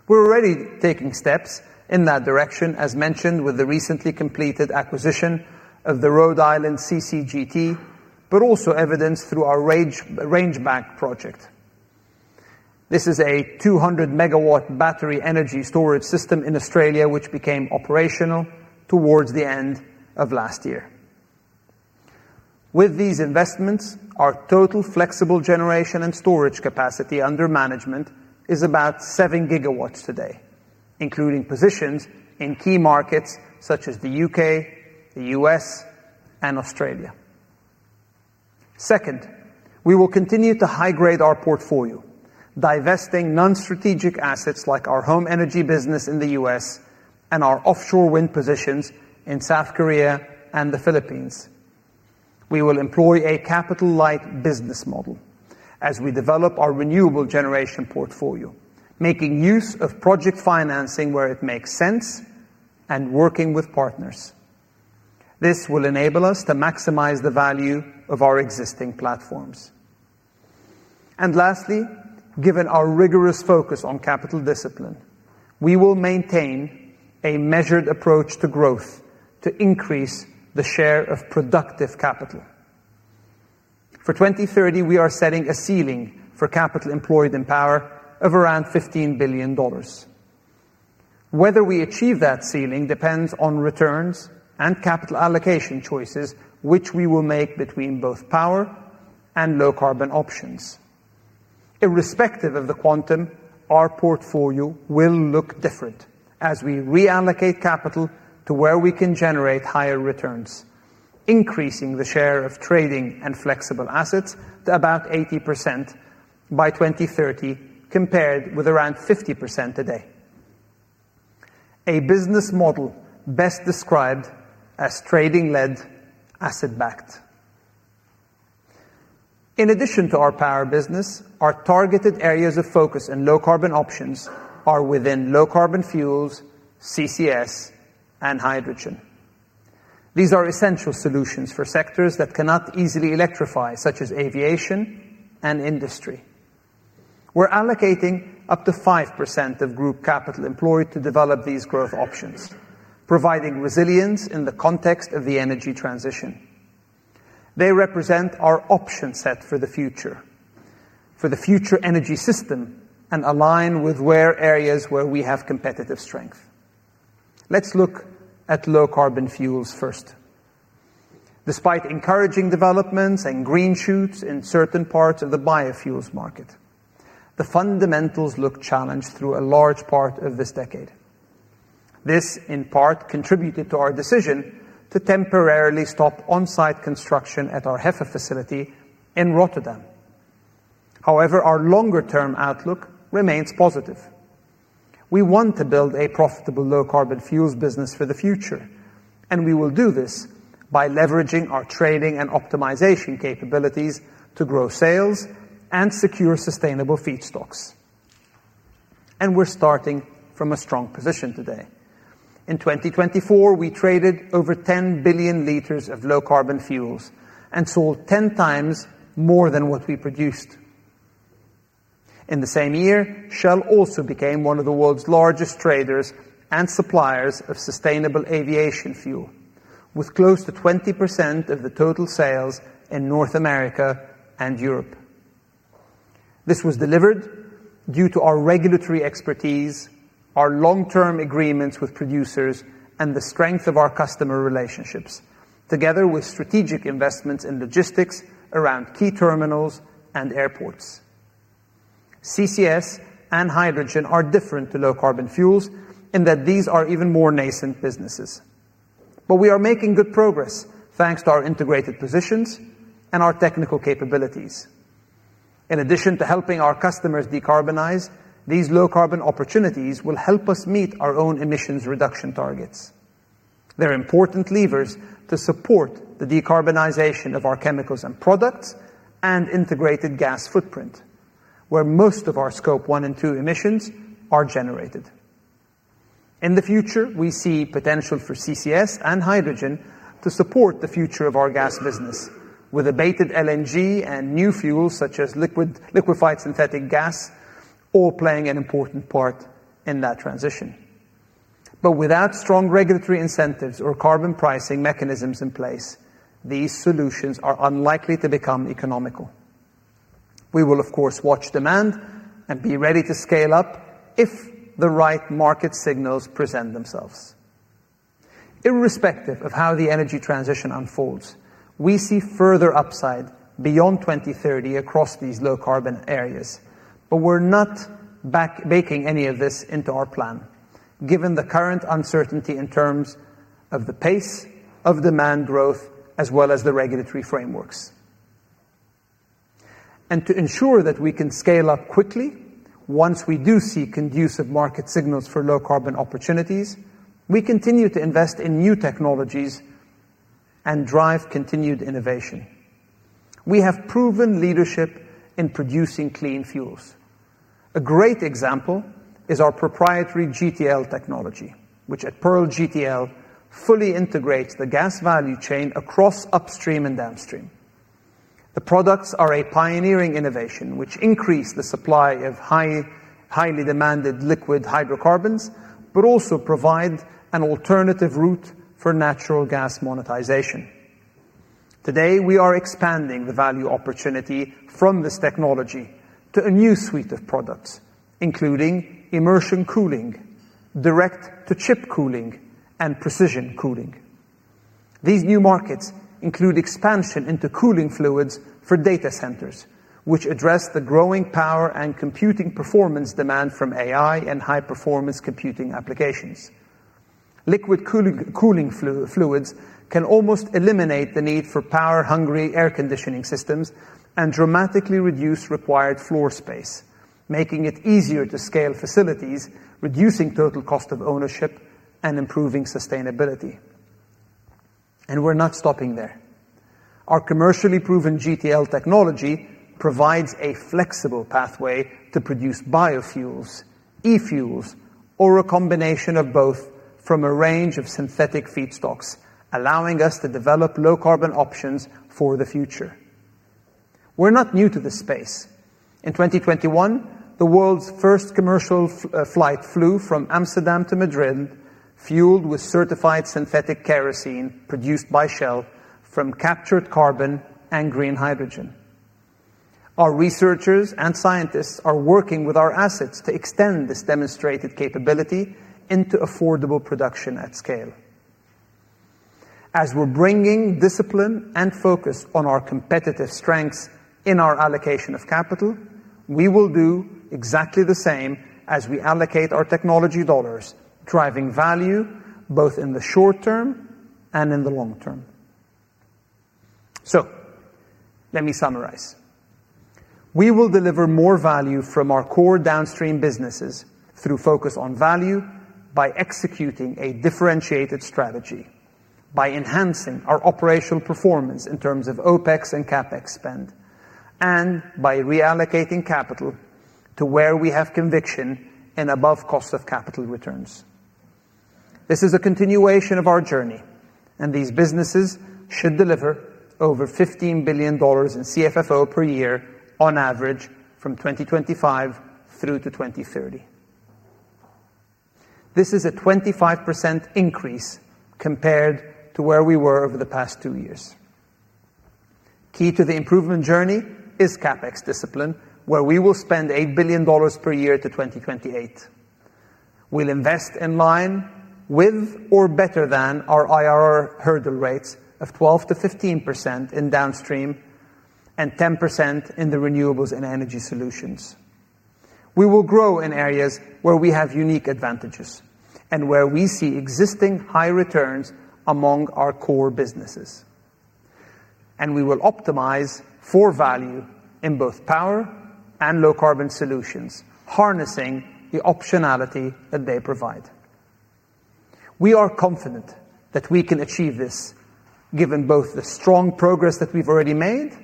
We're already taking steps in that direction, as mentioned with the recently completed acquisition of the Rhode Island CCGT, but also evidenced through our Rangebank project. This is a 200 MW battery energy storage system in Australia which became operational towards the end of last year. With these investments, our total flexible generation and storage capacity under management is about 7 GW today, including positions in key markets such as the U.K., the U.S., and Australia. Second, we will continue to high-grade our portfolio, divesting non-strategic assets like our home energy business in the U.S. and our offshore wind positions in South Korea and the Philippines. We will employ a capital-light business model as we develop our renewable generation portfolio, making use of project financing where it makes sense and working with partners. This will enable us to maximize the value of our existing platforms. Lastly, given our rigorous focus on capital discipline, we will maintain a measured approach to growth to increase the share of productive capital. For 2030, we are setting a ceiling for capital employed in power of around $15 billion. Whether we achieve that ceiling depends on returns and capital allocation choices which we will make between both power and low-carbon options. Irrespective of the quantum, our portfolio will look different as we reallocate capital to where we can generate higher returns, increasing the share of trading and flexible assets to about 80% by 2030, compared with around 50% today. A business model best described as trading-led, asset-backed. In addition to our power business, our targeted areas of focus in low-carbon options are within low-carbon fuels, CCS, and hydrogen. These are essential solutions for sectors that cannot easily electrify, such as aviation and industry. We're allocating up to 5% of group capital employed to develop these growth options, providing resilience in the context of the energy transition. They represent our option set for the future, for the future energy system, and align with areas where we have competitive strength. Let's look at low-carbon fuels first. Despite encouraging developments and green shoots in certain parts of the biofuels market, the fundamentals look challenged through a large part of this decade. This, in part, contributed to our decision to temporarily stop on-site construction at our HEFA facility in Rotterdam. However, our longer-term outlook remains positive. We want to build a profitable low-carbon fuels business for the future, and we will do this by leveraging our trading and optimization capabilities to grow sales and secure sustainable feedstocks. We're starting from a strong position today. In 2024, we traded over 10 billion liters of low-carbon fuels and sold 10 times more than what we produced. In the same year, Shell also became one of the world's largest traders and suppliers of sustainable aviation fuel, with close to 20% of the total sales in North America and Europe. This was delivered due to our regulatory expertise, our long-term agreements with producers, and the strength of our customer relationships, together with strategic investments in logistics around key terminals and airports. CCS and hydrogen are different to low-carbon fuels in that these are even more nascent businesses. We are making good progress thanks to our integrated positions and our technical capabilities. In addition to helping our customers decarbonize, these low-carbon opportunities will help us meet our own emissions reduction targets. They're important levers to support the decarbonization of our chemicals and products and integrated gas footprint, where most of our Scope 1 and 2 emissions are generated. In the future, we see potential for CCS and hydrogen to support the future of our gas business, with abated LNG and new fuels such as liquefied synthetic gas all playing an important part in that transition. Without strong regulatory incentives or carbon pricing mechanisms in place, these solutions are unlikely to become economical. We will, of course, watch demand and be ready to scale up if the right market signals present themselves. Irrespective of how the energy transition unfolds, we see further upside beyond 2030 across these low-carbon areas, but we're not baking any of this into our plan, given the current uncertainty in terms of the pace of demand growth, as well as the regulatory frameworks. To ensure that we can scale up quickly, once we do see conducive market signals for low-carbon opportunities, we continue to invest in new technologies and drive continued innovation. We have proven leadership in producing clean fuels. A great example is our proprietary GTL technology, which at Pearl GTL fully integrates the gas value chain across upstream and downstream. The products are a pioneering innovation which increases the supply of highly demanded liquid hydrocarbons, but also provides an alternative route for natural gas monetization. Today, we are expanding the value opportunity from this technology to a new suite of products, including immersion cooling, direct-to-chip cooling, and precision cooling. These new markets include expansion into cooling fluids for data centers, which address the growing power and computing performance demand from AI and high-performance computing applications. Liquid cooling fluids can almost eliminate the need for power-hungry air conditioning systems and dramatically reduce required floor space, making it easier to scale facilities, reducing total cost of ownership and improving sustainability. We are not stopping there. Our commercially proven GTL technology provides a flexible pathway to produce biofuels, e-fuels, or a combination of both from a range of synthetic feedstocks, allowing us to develop low-carbon options for the future. We are not new to this space. In 2021, the world's first commercial flight flew from Amsterdam to Madrid, fueled with certified synthetic kerosene produced by Shell from captured carbon and green hydrogen. Our researchers and scientists are working with our assets to extend this demonstrated capability into affordable production at scale. As we are bringing discipline and focus on our competitive strengths in our allocation of capital, we will do exactly the same as we allocate our technology dollars, driving value both in the short term and in the long term. Let me summarize. We will deliver more value from our core downstream businesses through focus on value by executing a differentiated strategy, by enhancing our operational performance in terms of OpEx and CapEx spend, and by reallocating capital to where we have conviction in above cost of capital returns. This is a continuation of our journey, and these businesses should deliver over $15 billion in CFFO per year on average from 2025 through to 2030. This is a 25% increase compared to where we were over the past two years. Key to the improvement journey is CapEx discipline, where we will spend $8 billion per year to 2028. We'll invest in line with or better than our IRR hurdle rates of 12%-15% in downstream and 10% in the renewables and energy solutions. We will grow in areas where we have unique advantages and where we see existing high returns among our core businesses. We will optimize for value in both power and low-carbon solutions, harnessing the optionality that they provide. We are confident that we can achieve this, given both the strong progress that we've already made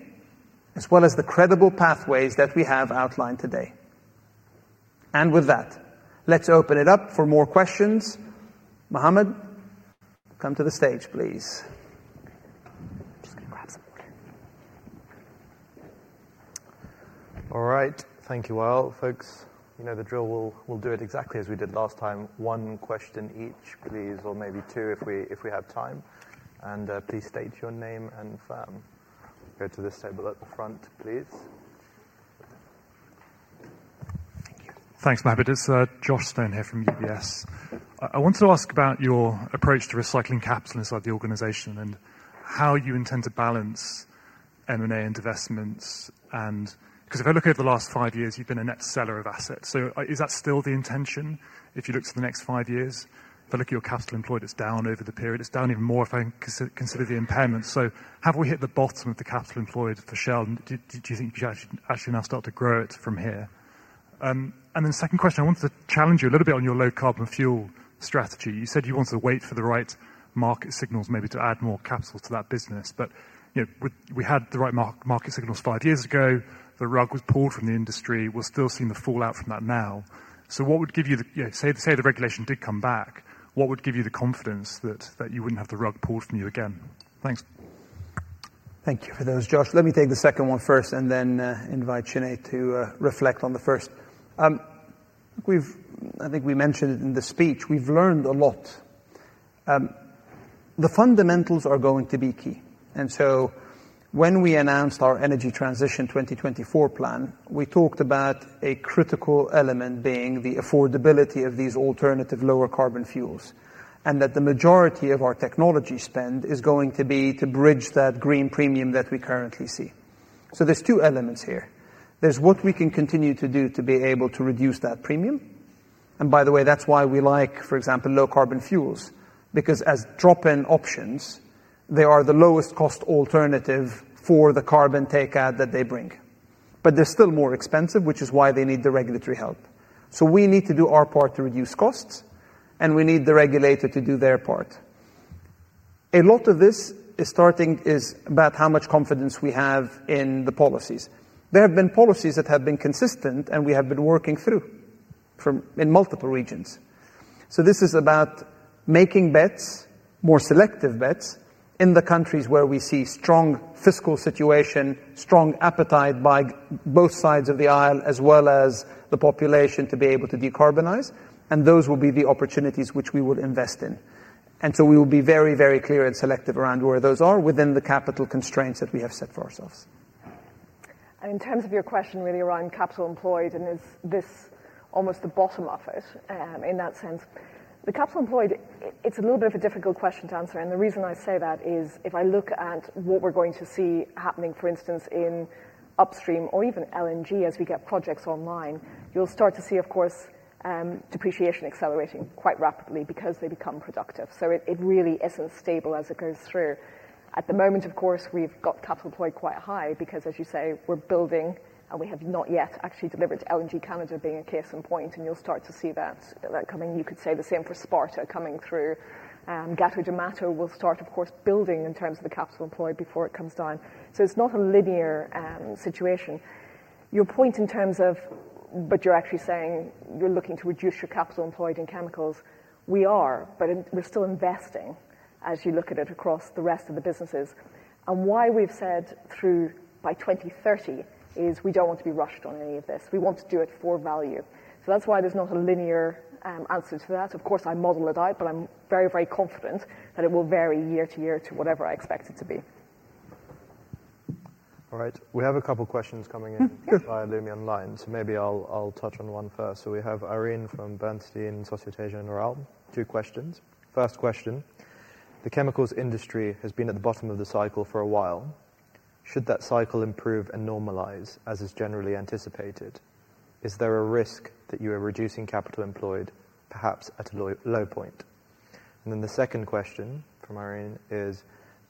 as well as the credible pathways that we have outlined today. With that, let's open it up for more questions. Mohammed, come to the stage, please. I'm just going to grab some water. All right. Thank you all, folks. You know the drill. We'll do it exactly as we did last time. One question each, please, or maybe two if we have time. Please state your name and firm here to this table at the front, please. Thank you. Thanks, Mohammed. It's Josh Stone here from UBS. I wanted to ask about your approach to recycling capital inside the organization and how you intend to balance M&A and investments. Because if I look at the last five years, you've been a net seller of assets. Is that still the intention if you look to the next five years? If I look at your capital employed, it's down over the period. It's down even more if I consider the impairments. Have we hit the bottom of the capital employed for Shell? Do you think you should actually now start to grow it from here? My second question, I wanted to challenge you a little bit on your low-carbon fuel strategy. You said you wanted to wait for the right market signals, maybe to add more capital to that business. We had the right market signals five years ago. The rug was pulled from the industry. We're still seeing the fallout from that now. What would give you the—say the regulation did come back—what would give you the confidence that you wouldn't have the rug pulled from you again? Thanks. Thank you for those, Josh. Let me take the second one first and then invite Sinead to reflect on the first. I think we mentioned it in the speech. We've learned a lot. The fundamentals are going to be key. When we announced our energy transition 2024 plan, we talked about a critical element being the affordability of these alternative lower-carbon fuels and that the majority of our technology spend is going to be to bridge that green premium that we currently see. There are two elements here. There is what we can continue to do to be able to reduce that premium. By the way, that is why we like, for example, low-carbon fuels, because as drop-in options, they are the lowest-cost alternative for the carbon takeout that they bring. They are still more expensive, which is why they need the regulatory help. We need to do our part to reduce costs, and we need the regulator to do their part. A lot of this is starting about how much confidence we have in the policies. There have been policies that have been consistent, and we have been working through in multiple regions. This is about making bets, more selective bets, in the countries where we see strong fiscal situation, strong appetite by both sides of the aisle, as well as the population to be able to decarbonize. Those will be the opportunities which we will invest in. We will be very, very clear and selective around where those are within the capital constraints that we have set for ourselves. In terms of your question really around capital employed and this almost the bottom of it in that sense, the capital employed, it's a little bit of a difficult question to answer. The reason I say that is if I look at what we're going to see happening, for instance, in upstream or even LNG as we get projects online, you'll start to see, of course, depreciation accelerating quite rapidly because they become productive. It really isn't stable as it goes through. At the moment, of course, we've got capital employed quite high because, as you say, we're building, and we have not yet actually delivered. LNG Canada being a case in point, and you'll start to see that coming. You could say the same for Sparta coming through. Gato do Mato will start, of course, building in terms of the capital employed before it comes down. It is not a linear situation. Your point in terms of, but you're actually saying you're looking to reduce your capital employed in chemicals. We are, but we're still investing as you look at it across the rest of the businesses. Why we've said through by 2030 is we don't want to be rushed on any of this. We want to do it for value. That's why there's not a linear answer to that. Of course, I model it out, but I'm very, very confident that it will vary year to year to whatever I expect it to be. All right. We have a couple of questions coming in by listen-only line, so maybe I'll touch on one first. We have Irene from Bernstein, Societe Generale, two questions. First question. The chemicals industry has been at the bottom of the cycle for a while. Should that cycle improve and normalize as is generally anticipated? Is there a risk that you are reducing capital employed, perhaps at a low point? The second question from Irene is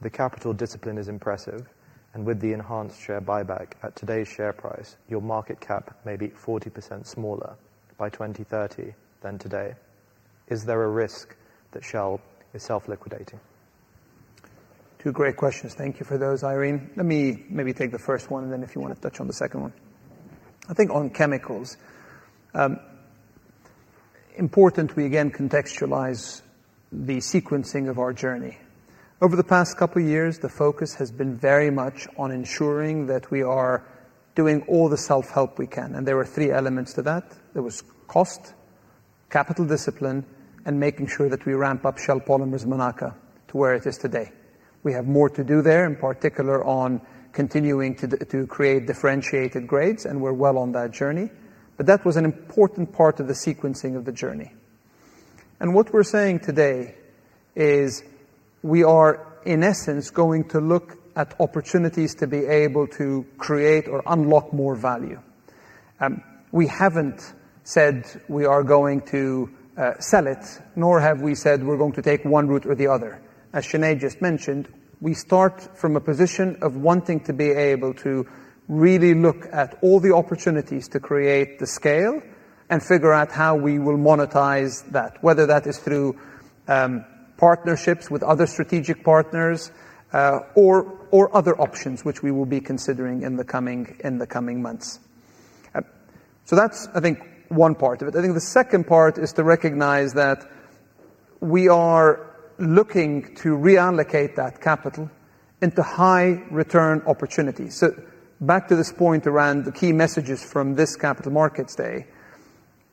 the capital discipline is impressive, and with the enhanced share buyback at today's share price, your market cap may be 40% smaller by 2030 than today. Is there a risk that Shell is self-liquidating? Two great questions. Thank you for those, Irene. Let me maybe take the first one, and then if you want to touch on the second one. I think on chemicals, important we again contextualize the sequencing of our journey. Over the past couple of years, the focus has been very much on ensuring that we are doing all the self-help we can. There were three elements to that. There was cost, capital discipline, and making sure that we ramp up Shell Polymers Monaca to where it is today. We have more to do there, in particular on continuing to create differentiated grades, and we're well on that journey. That was an important part of the sequencing of the journey. What we're saying today is we are, in essence, going to look at opportunities to be able to create or unlock more value. We haven't said we are going to sell it, nor have we said we're going to take one route or the other. As Sinead just mentioned, we start from a position of wanting to be able to really look at all the opportunities to create the scale and figure out how we will monetize that, whether that is through partnerships with other strategic partners or other options which we will be considering in the coming months. I think that's one part of it. I think the second part is to recognize that we are looking to reallocate that capital into high-return opportunities. Back to this point around the key messages from this Capital Markets Day,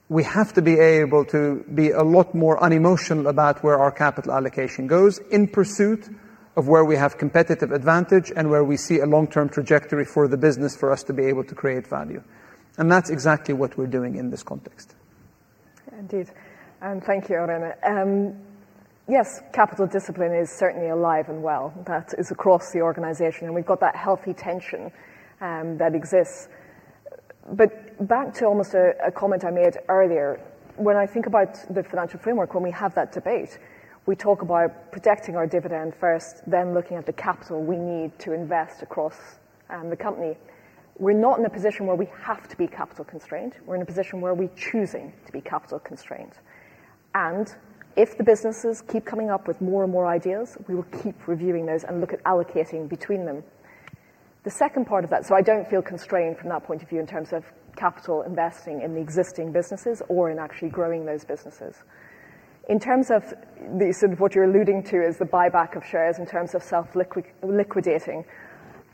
we have to be able to be a lot more unemotional about where our capital allocation goes in pursuit of where we have competitive advantage and where we see a long-term trajectory for the business for us to be able to create value. That is exactly what we are doing in this context. Indeed. Thank you, Irene. Yes, capital discipline is certainly alive and well. That is across the organization, and we have that healthy tension that exists. Back to almost a comment I made earlier, when I think about the financial framework, when we have that debate, we talk about protecting our dividend first, then looking at the capital we need to invest across the company. We're not in a position where we have to be capital constrained. We're in a position where we're choosing to be capital constrained. If the businesses keep coming up with more and more ideas, we will keep reviewing those and look at allocating between them. The second part of that, I don't feel constrained from that point of view in terms of capital investing in the existing businesses or in actually growing those businesses. In terms of what you're alluding to is the buyback of shares in terms of self-liquidating,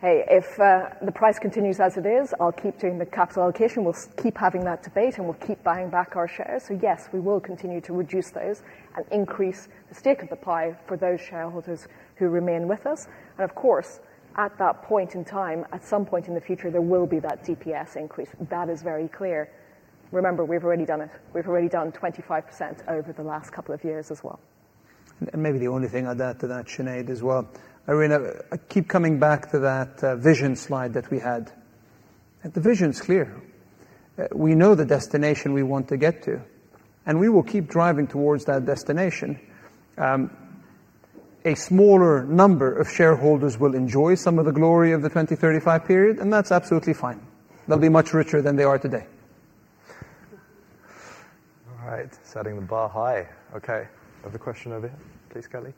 hey, if the price continues as it is, I'll keep doing the capital allocation. We'll keep having that debate, and we'll keep buying back our shares. Yes, we will continue to reduce those and increase the stick of the pie for those shareholders who remain with us. Of course, at that point in time, at some point in the future, there will be that DPS increase. That is very clear. Remember, we've already done it. We've already done 25% over the last couple of years as well. Maybe the only thing I'd add to that, Sinead, as well. Irene, I keep coming back to that vision slide that we had. The vision's clear. We know the destination we want to get to, and we will keep driving towards that destination. A smaller number of shareholders will enjoy some of the glory of the 2035 period, and that's absolutely fine. They'll be much richer than they are today. All right. Setting the bar high. Okay. Other question over here, please, Kelly.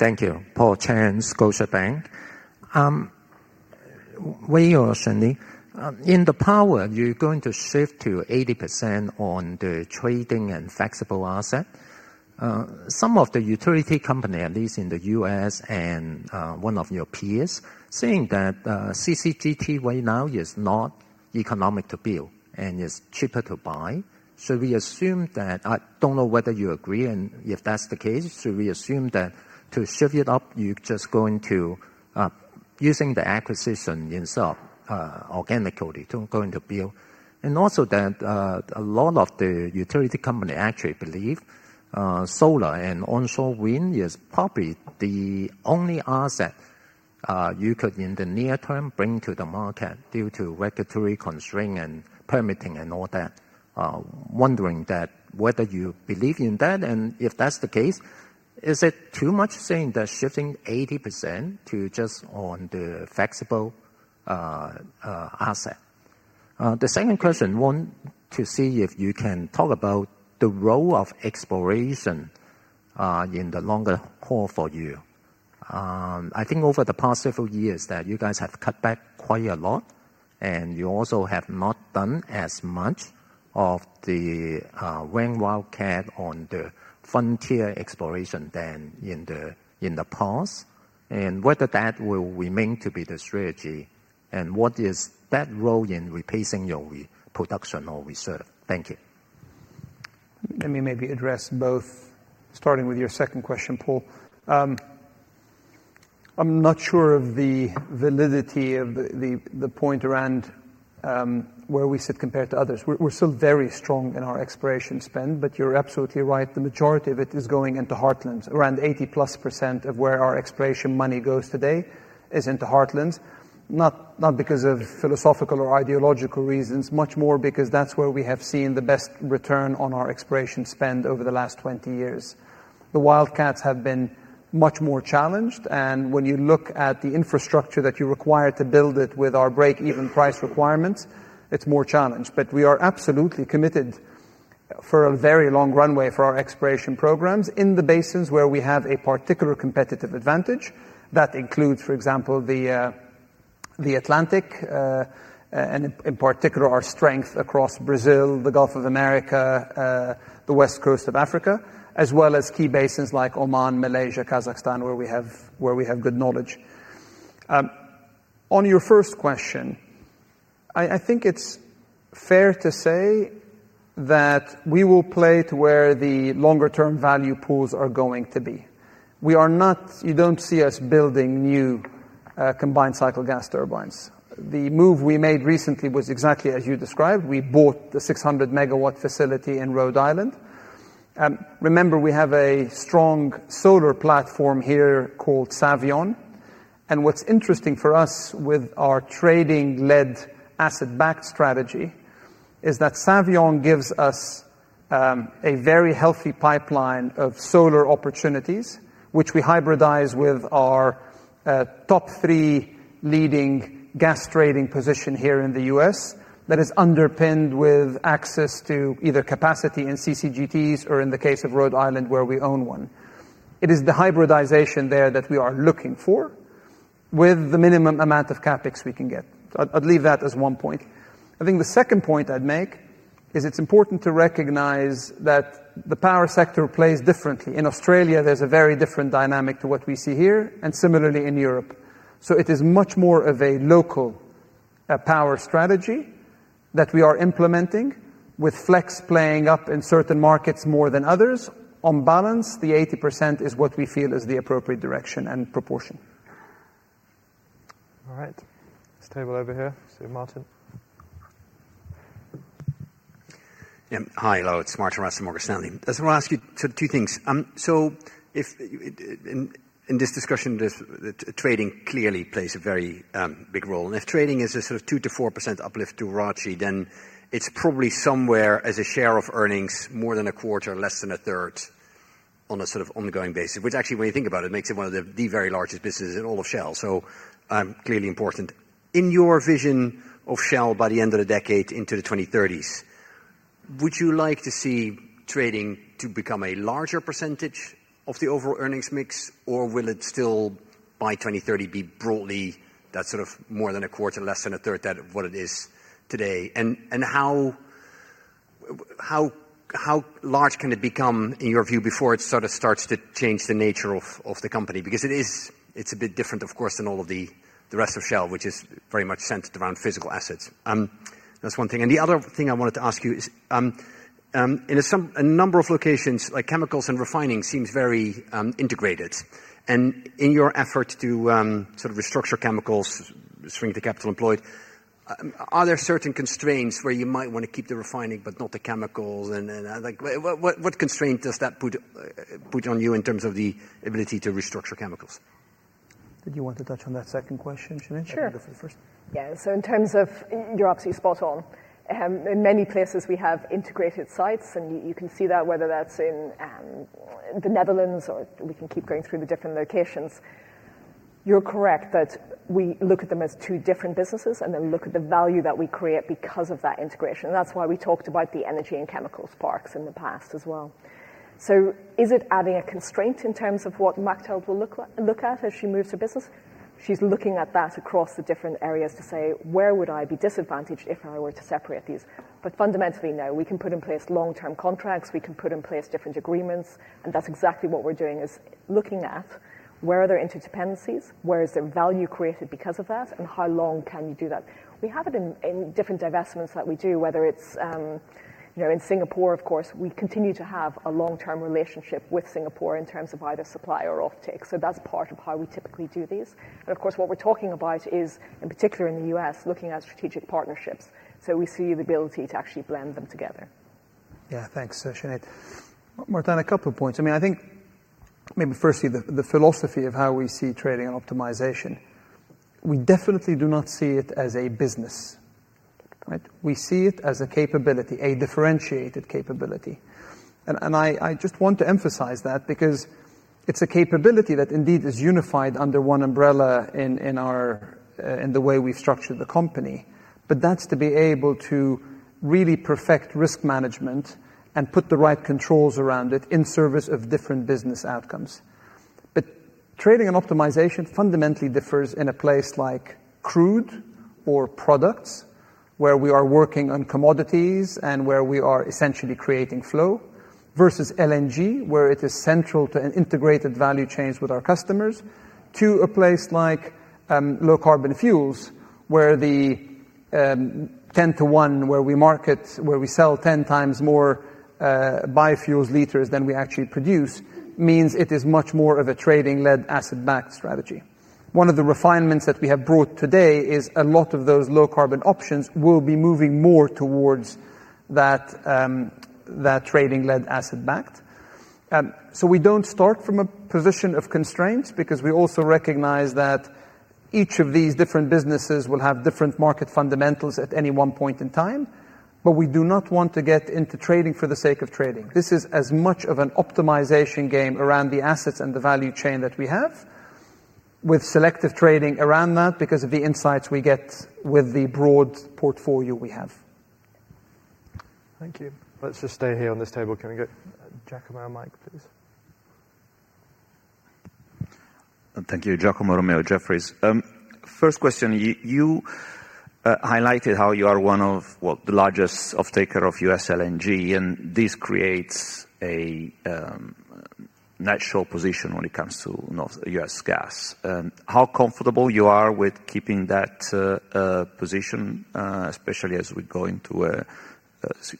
Thank you. Thank you. Paul Cheng, Scotiabank. Where are you all, Sinead? In the power, you're going to shift to 80% on the trading and flexible asset. Some of the utility companies, at least in the U.S. and one of your peers, are saying that CCGT right now is not economic to build and is cheaper to buy. I don't know whether you agree and if that's the case. We assume that to shove it up, you're just going to, using the acquisition itself, organically going to build. Also, a lot of the utility companies actually believe solar and onshore wind is probably the only asset you could, in the near term, bring to the market due to regulatory constraints and permitting and all that. Wondering that whether you believe in that, and if that's the case, is it too much saying that shifting 80% to just on the flexible asset? The second question, want to see if you can talk about the role of exploration in the longer haul for you. I think over the past several years that you guys have cut back quite a lot, and you also have not done as much of the [rainwater] cap on the frontier exploration than in the past. Whether that will remain to be the strategy and what is that role in replacing your production or reserve? Thank you. Let me maybe address both, starting with your second question, Paul. I'm not sure of the validity of the point around where we sit compared to others. We're still very strong in our exploration spend, but you're absolutely right. The majority of it is going into heartlands. Around 80% plus of where our exploration money goes today is into heartlands. Not because of philosophical or ideological reasons, much more because that's where we have seen the best return on our exploration spend over the last 20 years. The wildcats have been much more challenged, and when you look at the infrastructure that you require to build it with our break-even price requirements, it's more challenged. We are absolutely committed for a very long runway for our exploration programs in the basins where we have a particular competitive advantage. That includes, for example, the Atlantic and, in particular, our strength across Brazil, the Gulf of America, the West Coast of Africa, as well as key basins like Oman, Malaysia, Kazakhstan, where we have good knowledge. On your first question, I think it's fair to say that we will play to where the longer-term value pools are going to be. You don't see us building new combined cycle gas turbines. The move we made recently was exactly as you described. We bought the 600 MW facility in Rhode Island. Remember, we have a strong solar platform here called Savion. What's interesting for us with our trading-led asset-backed strategy is that Savion gives us a very healthy pipeline of solar opportunities, which we hybridize with our top three leading gas trading positions here in the U.S. that are underpinned with access to either capacity in CCGTs or, in the case of Rhode Island, where we own one. It is the hybridization there that we are looking for with the minimum amount of CapEx we can get. I'd leave that as one point. I think the second point I'd make is it's important to recognize that the power sector plays differently. In Australia, there's a very different dynamic to what we see here, and similarly in Europe. It is much more of a local power strategy that we are implementing with Flex playing up in certain markets more than others. On balance, the 80% is what we feel is the appropriate direction and proportion. All right. This table over here. See you, Martin. Yeah. Hi, hello. It's Martin Russell, Morgan Stanley. I just want to ask you two things. In this discussion, trading clearly plays a very big role. If trading is a sort of 2%-4% uplift to ROACE, then it's probably somewhere as a share of earnings, more than a quarter, less than a third on a sort of ongoing basis, which actually, when you think about it, makes it one of the very largest businesses in all of Shell. Clearly important. In your vision of Shell by the end of the decade, into the 2030s, would you like to see trading become a larger percentage of the overall earnings mix, or will it still by 2030 be broadly that sort of more than a quarter, less than a third, that what it is today? How large can it become, in your view, before it sort of starts to change the nature of the company? Because it is, it's a bit different, of course, than all of the rest of Shell, which is very much centered around physical assets. That's one thing. The other thing I wanted to ask you is, in a number of locations, chemicals and refining seem very integrated. In your effort to sort of restructure chemicals, swing the capital employed, are there certain constraints where you might want to keep the refining but not the chemicals? What constraint does that put on you in terms of the ability to restructure chemicals? Did you want to touch on that second question, Sinead? Sure. You go for the first. Yeah. In terms of you're absolutely spot on. In many places, we have integrated sites, and you can see that whether that's in the Netherlands or we can keep going through the different locations. You're correct that we look at them as two different businesses and then look at the value that we create because of that integration. That is why we talked about the energy and chemicals parks in the past as well. Is it adding a constraint in terms of what Machteld will look at as she moves her business? She is looking at that across the different areas to say, "Where would I be disadvantaged if I were to separate these?" Fundamentally, no. We can put in place long-term contracts. We can put in place different agreements. That is exactly what we are doing, looking at where are there interdependencies, where is there value created because of that, and how long can you do that? We have it in different divestments that we do, whether it is in Singapore, of course. We continue to have a long-term relationship with Singapore in terms of either supply or offtake. That is part of how we typically do these. Of course, what we are talking about is, in particular in the U.S., looking at strategic partnerships. We see the ability to actually blend them together. Yeah. Thanks, Sinead. Martin, a couple of points. I mean, I think maybe firstly the philosophy of how we see trading and optimization. We definitely do not see it as a business. We see it as a capability, a differentiated capability. I just want to emphasize that because it is a capability that indeed is unified under one umbrella in the way we have structured the company. That is to be able to really perfect risk management and put the right controls around it in service of different business outcomes. Trading and optimization fundamentally differs in a place like crude or products, where we are working on commodities and where we are essentially creating flow versus LNG, where it is central to an integrated value chain with our customers, to a place like low-carbon fuels, where the 10 to 1, where we market, where we sell 10 times more biofuels liters than we actually produce, means it is much more of a trading-led asset-backed strategy. One of the refinements that we have brought today is a lot of those low-carbon options will be moving more towards that trading-led asset-backed. We do not start from a position of constraints because we also recognize that each of these different businesses will have different market fundamentals at any one point in time. We do not want to get into trading for the sake of trading. This is as much of an optimization game around the assets and the value chain that we have with selective trading around that because of the insights we get with the broad portfolio we have. Thank you. Let's just stay here on this table. Can we get Giacomo a mic, please? Thank you, Giacomo Romeo, Jefferies. First question, you highlighted how you are one of, well, the largest off-taker of U.S. LNG, and this creates a natural position when it comes to U.S. gas. How comfortable you are with keeping that position, especially as we go into a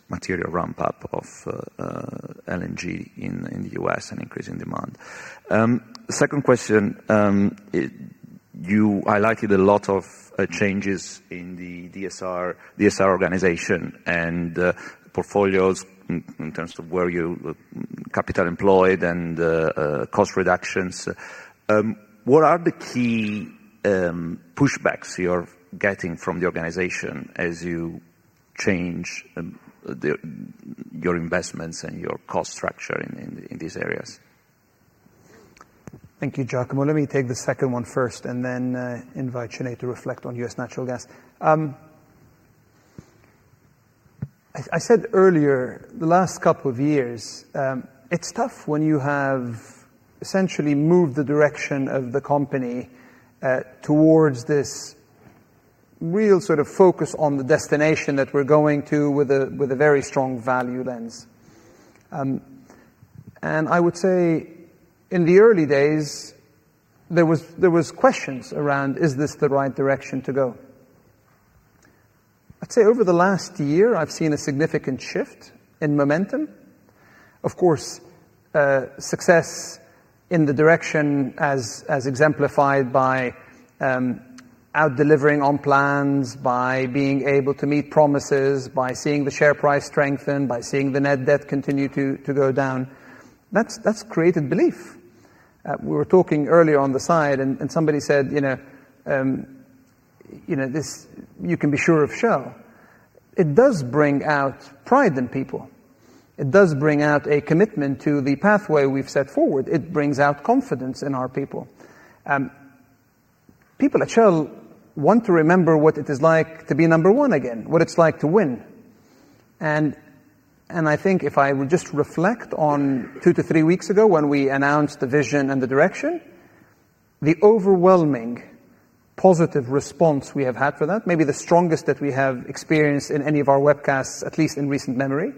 material ramp-up of LNG in the U.S. and increasing demand? Second question, you highlighted a lot of changes in the DSR organization and portfolios in terms of where you capital employed and cost reductions. What are the key pushbacks you're getting from the organization as you change your investments and your cost structure in these areas? Thank you, Giacomo. Let me take the second one first and then invite Sinead to reflect on U.S. natural gas. I said earlier, the last couple of years, it's tough when you have essentially moved the direction of the company towards this real sort of focus on the destination that we're going to with a very strong value lens. I would say in the early days, there were questions around, "Is this the right direction to go?" I'd say over the last year, I've seen a significant shift in momentum. Of course, success in the direction as exemplified by out-delivering on plans, by being able to meet promises, by seeing the share price strengthen, by seeing the net debt continue to go down, that's created belief. We were talking earlier on the side, and somebody said, "You can be sure of Shell." It does bring out pride in people. It does bring out a commitment to the pathway we've set forward. It brings out confidence in our people. People at Shell want to remember what it is like to be number one again, what it's like to win. I think if I would just reflect on two to three weeks ago when we announced the vision and the direction, the overwhelming positive response we have had for that, maybe the strongest that we have experienced in any of our webcasts, at least in recent memory,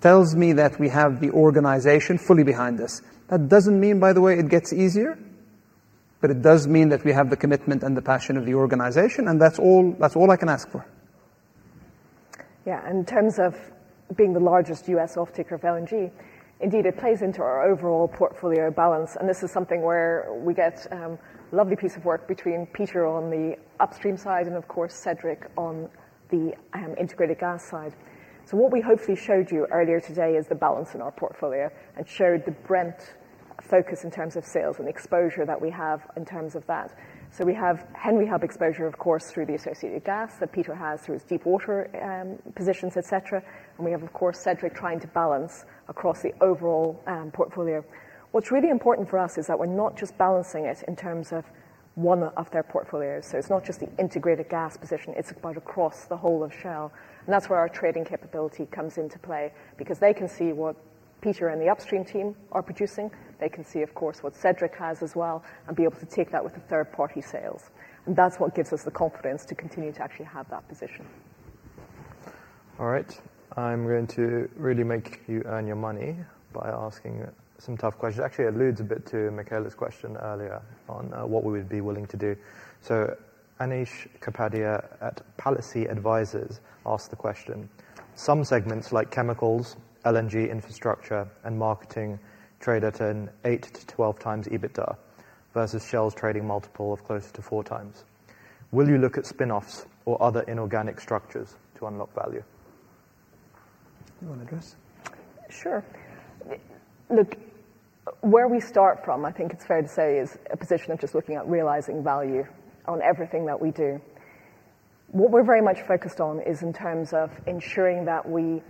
tells me that we have the organization fully behind us. That does not mean, by the way, it gets easier, but it does mean that we have the commitment and the passion of the organization, and that is all I can ask for. Yeah. In terms of being the largest U.S. off-taker of LNG, indeed, it plays into our overall portfolio balance. This is something where we get a lovely piece of work between Peter on the upstream side and, of course, Cederic on the integrated gas side. What we hopefully showed you earlier today is the balance in our portfolio and showed the Brent focus in terms of sales and exposure that we have in terms of that. We have Henry Hub exposure, of course, through the associated gas that Peter has through his deep-water positions, etc. We have, of course, Cederic trying to balance across the overall portfolio. What's really important for us is that we're not just balancing it in terms of one of their portfolios. It's not just the integrated gas position. It's across the whole of Shell. That's where our trading capability comes into play because they can see what Peter and the upstream team are producing. They can see, of course, what Cederic has as well and be able to take that with the third-party sales. That's what gives us the confidence to continue to actually have that position. All right. I'm going to really make you earn your money by asking some tough questions. Actually, it alludes a bit to Michele's question earlier on what we would be willing to do. Anish Kapadia at Palissy Advisors asked the question, "Some segments like chemicals, LNG infrastructure, and marketing trade at an 8-12 times EBITDA versus Shell's trading multiple of close to 4 times. Will you look at spinoffs or other inorganic structures to unlock value?" You want to address? Sure. Look, where we start from, I think it's fair to say, is a position of just looking at realizing value on everything that we do. What we're very much focused on is in terms of ensuring that we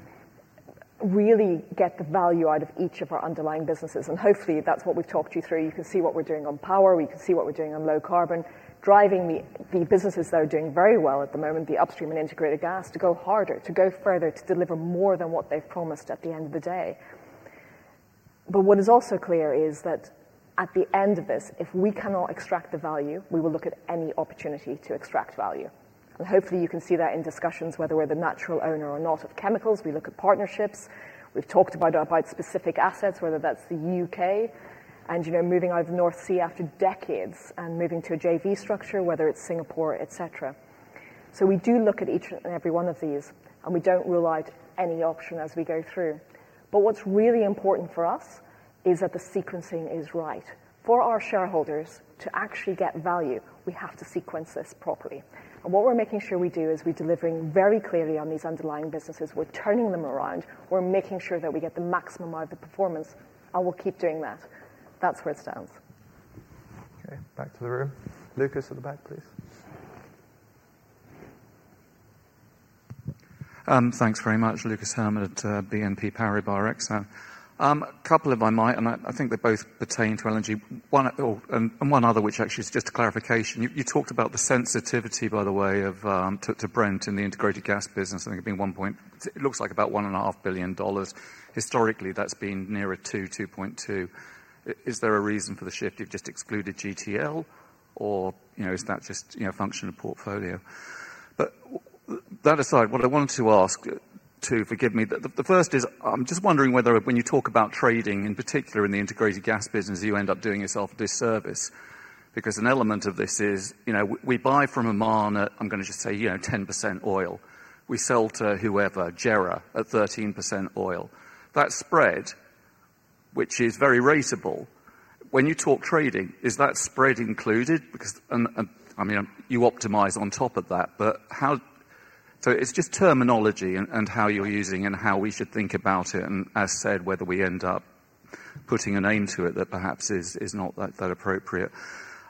really get the value out of each of our underlying businesses. Hopefully, that's what we've talked you through. You can see what we're doing on power. We can see what we're doing on low-carbon, driving the businesses that are doing very well at the moment, the upstream and integrated gas, to go harder, to go further, to deliver more than what they've promised at the end of the day. What is also clear is that at the end of this, if we cannot extract the value, we will look at any opportunity to extract value. Hopefully, you can see that in discussions, whether we're the natural owner or not of chemicals. We look at partnerships. We've talked about specific assets, whether that's the U.K. and moving out of the North Sea after decades and moving to a JV structure, whether it's Singapore, etc. We do look at each and every one of these, and we don't rule out any option as we go through. What is really important for us is that the sequencing is right. For our shareholders to actually get value, we have to sequence this properly. What we are making sure we do is we are delivering very clearly on these underlying businesses. We are turning them around. We are making sure that we get the maximum out of the performance, and we will keep doing that. That is where it stands. Okay. Back to the room. Lucas at the back, please. Thanks very much, Lucas Herrmann at BNP Paribas Exane. A couple of mine, and I think they both pertain to LNG, and one other, which actually is just a clarification. You talked about the sensitivity, by the way, to Brent in the integrated gas business. I think it being one point, it looks like about $1.5 billion. Historically, that has been near $2 billion, $2.2 billion. Is there a reason for the shift? You've just excluded GTL, or is that just a function of portfolio? That aside, what I wanted to ask, to forgive me, the first is I'm just wondering whether when you talk about trading, in particular in the integrated gas business, you end up doing yourself a disservice because an element of this is we buy from a miner, I'm going to just say 10% oil. We sell to whoever, JERA at 13% oil. That spread, which is very reasonable, when you talk trading, is that spread included? I mean, you optimize on top of that, but how? It is just terminology and how you're using and how we should think about it, and as said, whether we end up putting a name to it that perhaps is not that appropriate.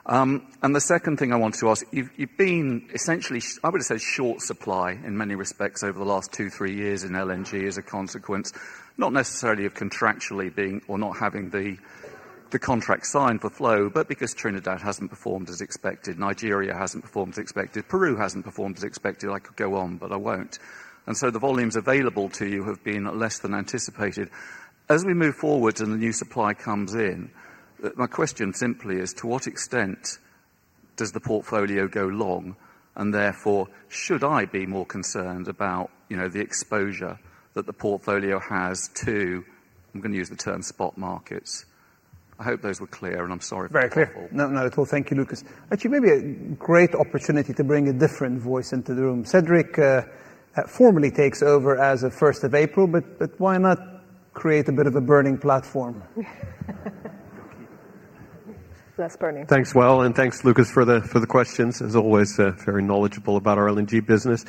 The second thing I want to ask, you've been essentially, I would have said, short supply in many respects over the last two, three years in LNG as a consequence, not necessarily of contractually being or not having the contract signed for flow, but because Trinidad has not performed as expected, Nigeria has not performed as expected, Peru has not performed as expected. I could go on, but I will not. The volumes available to you have been less than anticipated. As we move forward and the new supply comes in, my question simply is, to what extent does the portfolio go long? Therefore, should I be more concerned about the exposure that the portfolio has to, I am going to use the term spot markets? I hope those were clear, and I am sorry for. Very clear. No, not at all. Thank you, Lucas. Actually, maybe a great opportunity to bring a different voice into the room. Cederic formally takes over as of 1st of April, but why not create a bit of a burning platform? Less burning. Thanks, Wael, and thanks, Lucas, for the questions. As always, very knowledgeable about our LNG business.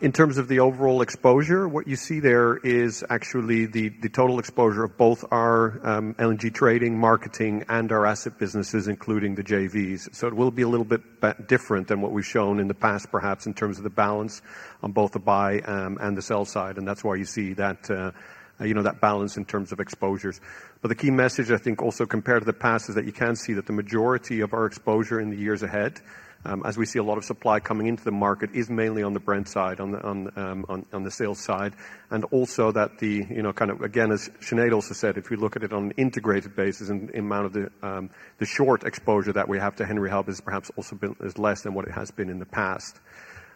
In terms of the overall exposure, what you see there is actually the total exposure of both our LNG trading, marketing, and our asset businesses, including the JVs. It will be a little bit different than what we've shown in the past, perhaps in terms of the balance on both the buy and the sell side. That is why you see that balance in terms of exposures. The key message, I think, also compared to the past is that you can see that the majority of our exposure in the years ahead, as we see a lot of supply coming into the market, is mainly on the Brent side, on the sales side, and also that the kind of, again, as Sinead also said, if you look at it on an integrated basis, the amount of the short exposure that we have to Henry Hub is perhaps also less than what it has been in the past.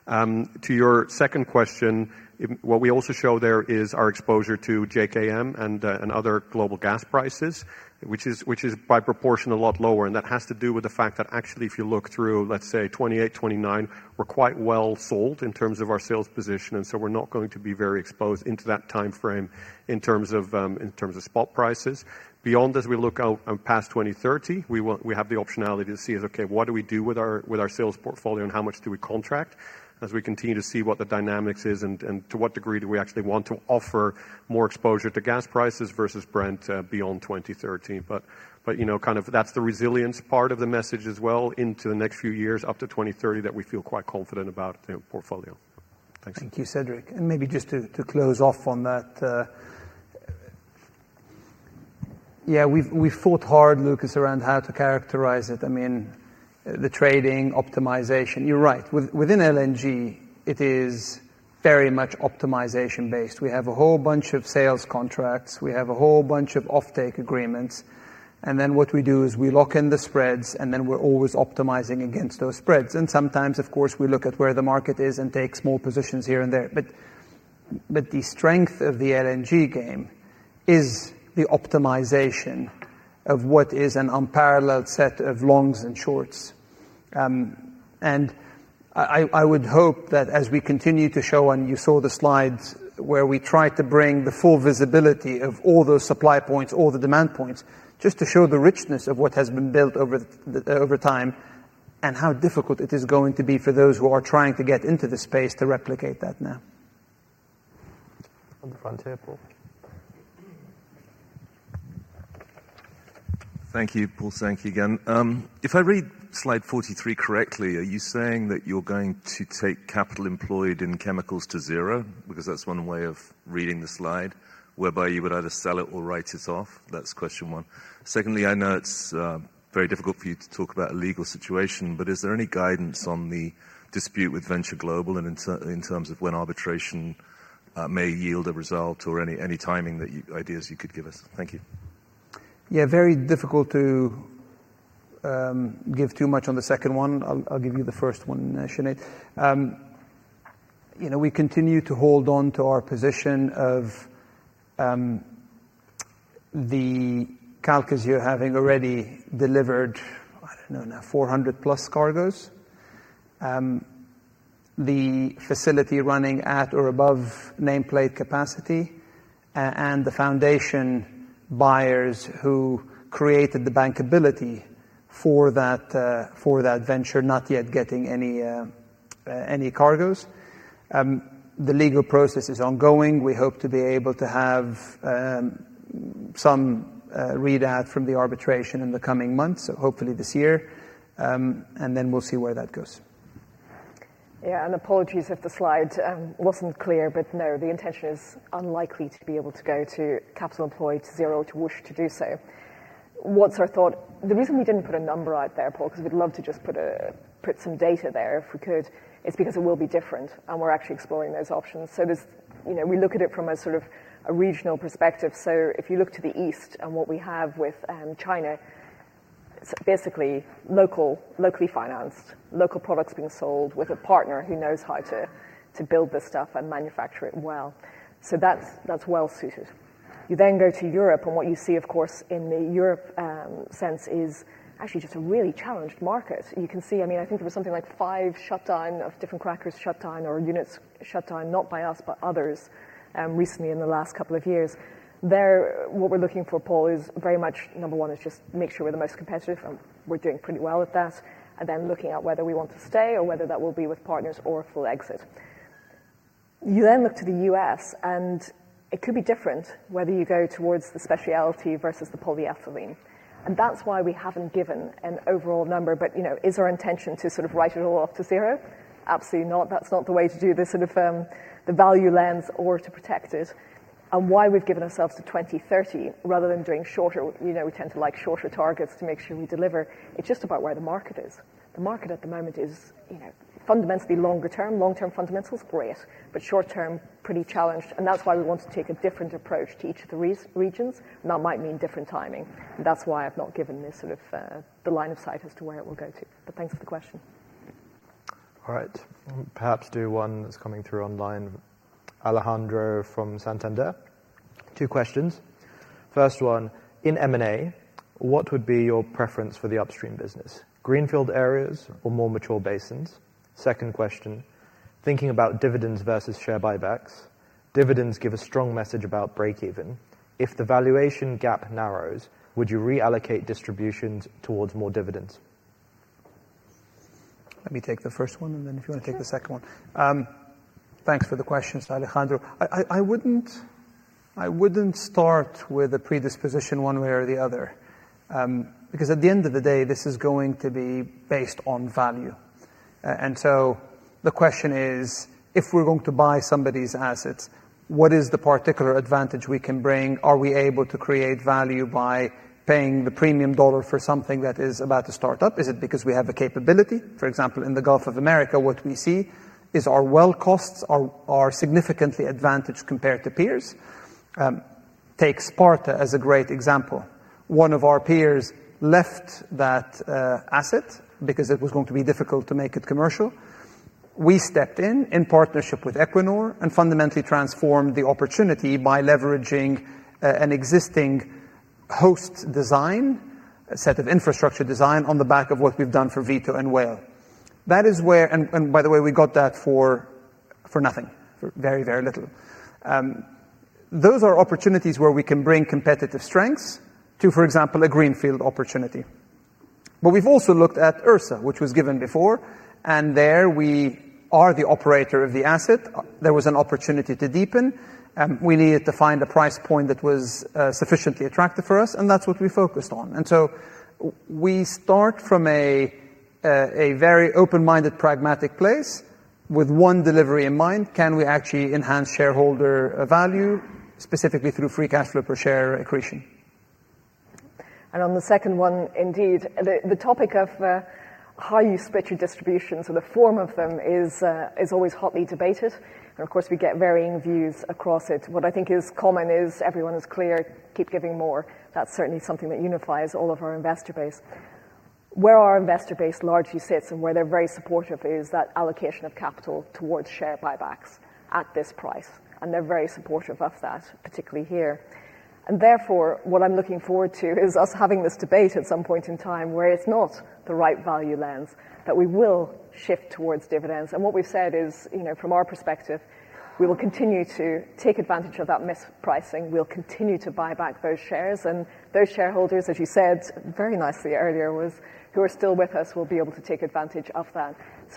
To your second question, what we also show there is our exposure to JKM and other global gas prices, which is by proportion a lot lower. That has to do with the fact that actually, if you look through, let's say, 2028, 2029, we're quite well sold in terms of our sales position. We are not going to be very exposed into that timeframe in terms of spot prices. Beyond this, we look past 2030. We have the optionality to see is, okay, what do we do with our sales portfolio and how much do we contract as we continue to see what the dynamics is and to what degree do we actually want to offer more exposure to gas prices versus Brent beyond 2030. That is the resilience part of the message as well into the next few years up to 2030 that we feel quite confident about the portfolio. Thanks. Thank you, Cederic. Maybe just to close off on that, yeah, we have fought hard, Lucas, around how to characterize it. I mean, the trading optimization, you are right. Within LNG, it is very much optimization-based. We have a whole bunch of sales contracts. We have a whole bunch of offtake agreements. What we do is we lock in the spreads, and then we're always optimizing against those spreads. Sometimes, of course, we look at where the market is and take small positions here and there. The strength of the LNG game is the optimization of what is an unparalleled set of longs and shorts. I would hope that as we continue to show, and you saw the slides where we try to bring the full visibility of all those supply points, all the demand points, just to show the richness of what has been built over time and how difficult it is going to be for those who are trying to get into the space to replicate that now. On the front here, Paul. Thank you, Paul. Thank you again. If I read slide 43 correctly, are you saying that you're going to take capital employed in chemicals to zero? Because that's one way of reading the slide, whereby you would either sell it or write it off. That's question one. Secondly, I know it's very difficult for you to talk about a legal situation, but is there any guidance on the dispute with Venture Global in terms of when arbitration may yield a result or any timing ideas you could give us? Thank you. Yeah, very difficult to give too much on the second one. I'll give you the first one, Sinead. We continue to hold on to our position of the calculus you're having already delivered, I don't know, now 400 plus cargoes, the facility running at or above nameplate capacity, and the foundation buyers who created the bankability for that venture not yet getting any cargoes. The legal process is ongoing. We hope to be able to have some readout from the arbitration in the coming months, hopefully this year, and then we'll see where that goes. Yeah, and apologies if the slide wasn't clear, but no, the intention is unlikely to be able to go to capital employed to zero to wish to do so. What's our thought? The reason we didn't put a number out there, Paul, because we'd love to just put some data there if we could, is because it will be different, and we're actually exploring those options. We look at it from a sort of regional perspective. If you look to the east and what we have with China, it's basically locally financed, local products being sold with a partner who knows how to build this stuff and manufacture it well. That's well suited. You then go to Europe, and what you see, of course, in the Europe sense is actually just a really challenged market. You can see, I mean, I think there was something like five shutdowns of different crackers shut down or units shut down, not by us, but others recently in the last couple of years. What we're looking for, Paul, is very much, number one, is just make sure we're the most competitive, and we're doing pretty well at that, and then looking at whether we want to stay or whether that will be with partners or a full exit. You then look to the U.S., and it could be different whether you go towards the specialty versus the polyethylene. That is why we haven't given an overall number, but is our intention to sort of write it all off to zero? Absolutely not. That's not the way to do this sort of the value lens or to protect it. Why we've given ourselves to 2030 rather than doing shorter, we tend to like shorter targets to make sure we deliver. It's just about where the market is. The market at the moment is fundamentally longer term. Long-term fundamentals, great, but short-term, pretty challenged. That's why we want to take a different approach to each of the regions, and that might mean different timing. That's why I've not given this sort of the line of sight as to where it will go to. Thanks for the question. All right. Perhaps do one that's coming through online. Alejandro from Santander. Two questions. First one, in M&A, what would be your preference for the upstream business? Greenfield areas or more mature basins? Second question, thinking about dividends versus share buybacks. Dividends give a strong message about break-even. If the valuation gap narrows, would you reallocate distributions towards more dividends? Let me take the first one, and then if you want to take the second one. Thanks for the question, Alejandro. I would not start with a predisposition one way or the other because at the end of the day, this is going to be based on value. The question is, if we are going to buy somebody's assets, what is the particular advantage we can bring? Are we able to create value by paying the premium dollar for something that is about to start up? Is it because we have a capability? For example, in the Gulf of America, what we see is our well costs are significantly advantaged compared to peers. Take Sparta as a great example. One of our peers left that asset because it was going to be difficult to make it commercial. We stepped in in partnership with Equinor and fundamentally transformed the opportunity by leveraging an existing host design, a set of infrastructure design on the back of what we've done for Vito and Whale. That is where, and by the way, we got that for nothing, for very, very little. Those are opportunities where we can bring competitive strengths to, for example, a greenfield opportunity. We have also looked at Ursa, which was given before, and there we are the operator of the asset. There was an opportunity to deepen. We needed to find a price point that was sufficiently attractive for us, and that's what we focused on. We start from a very open-minded, pragmatic place with one delivery in mind. Can we actually enhance shareholder value specifically through free cash flow per share accretion? On the second one, indeed, the topic of how you spread your distributions or the form of them is always hotly debated. Of course, we get varying views across it. What I think is common is everyone is clear, keep giving more. That is certainly something that unifies all of our investor base. Where our investor base largely sits and where they are very supportive is that allocation of capital towards share buybacks at this price. They are very supportive of that, particularly here. Therefore, what I am looking forward to is us having this debate at some point in time where it is not the right value lens that we will shift towards dividends. What we have said is, from our perspective, we will continue to take advantage of that mispricing. We'll continue to buy back those shares. Those shareholders, as you said very nicely earlier, who are still with us will be able to take advantage of that.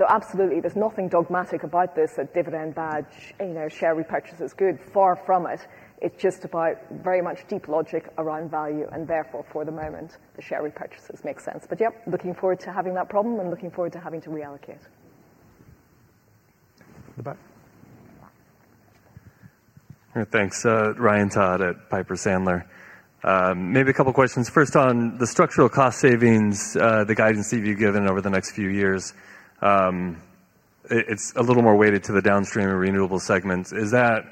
Absolutely, there's nothing dogmatic about this that dividend badge, share repurchase is good, far from it. It's just about very much deep logic around value. Therefore, for the moment, the share repurchases make sense. Yeah, looking forward to having that problem and looking forward to having to reallocate. Thanks. Ryan Todd at Piper Sandler. Maybe a couple of questions. First on the structural cost savings, the guidance that you've given over the next few years, it's a little more weighted to the downstream and renewable segments. Is that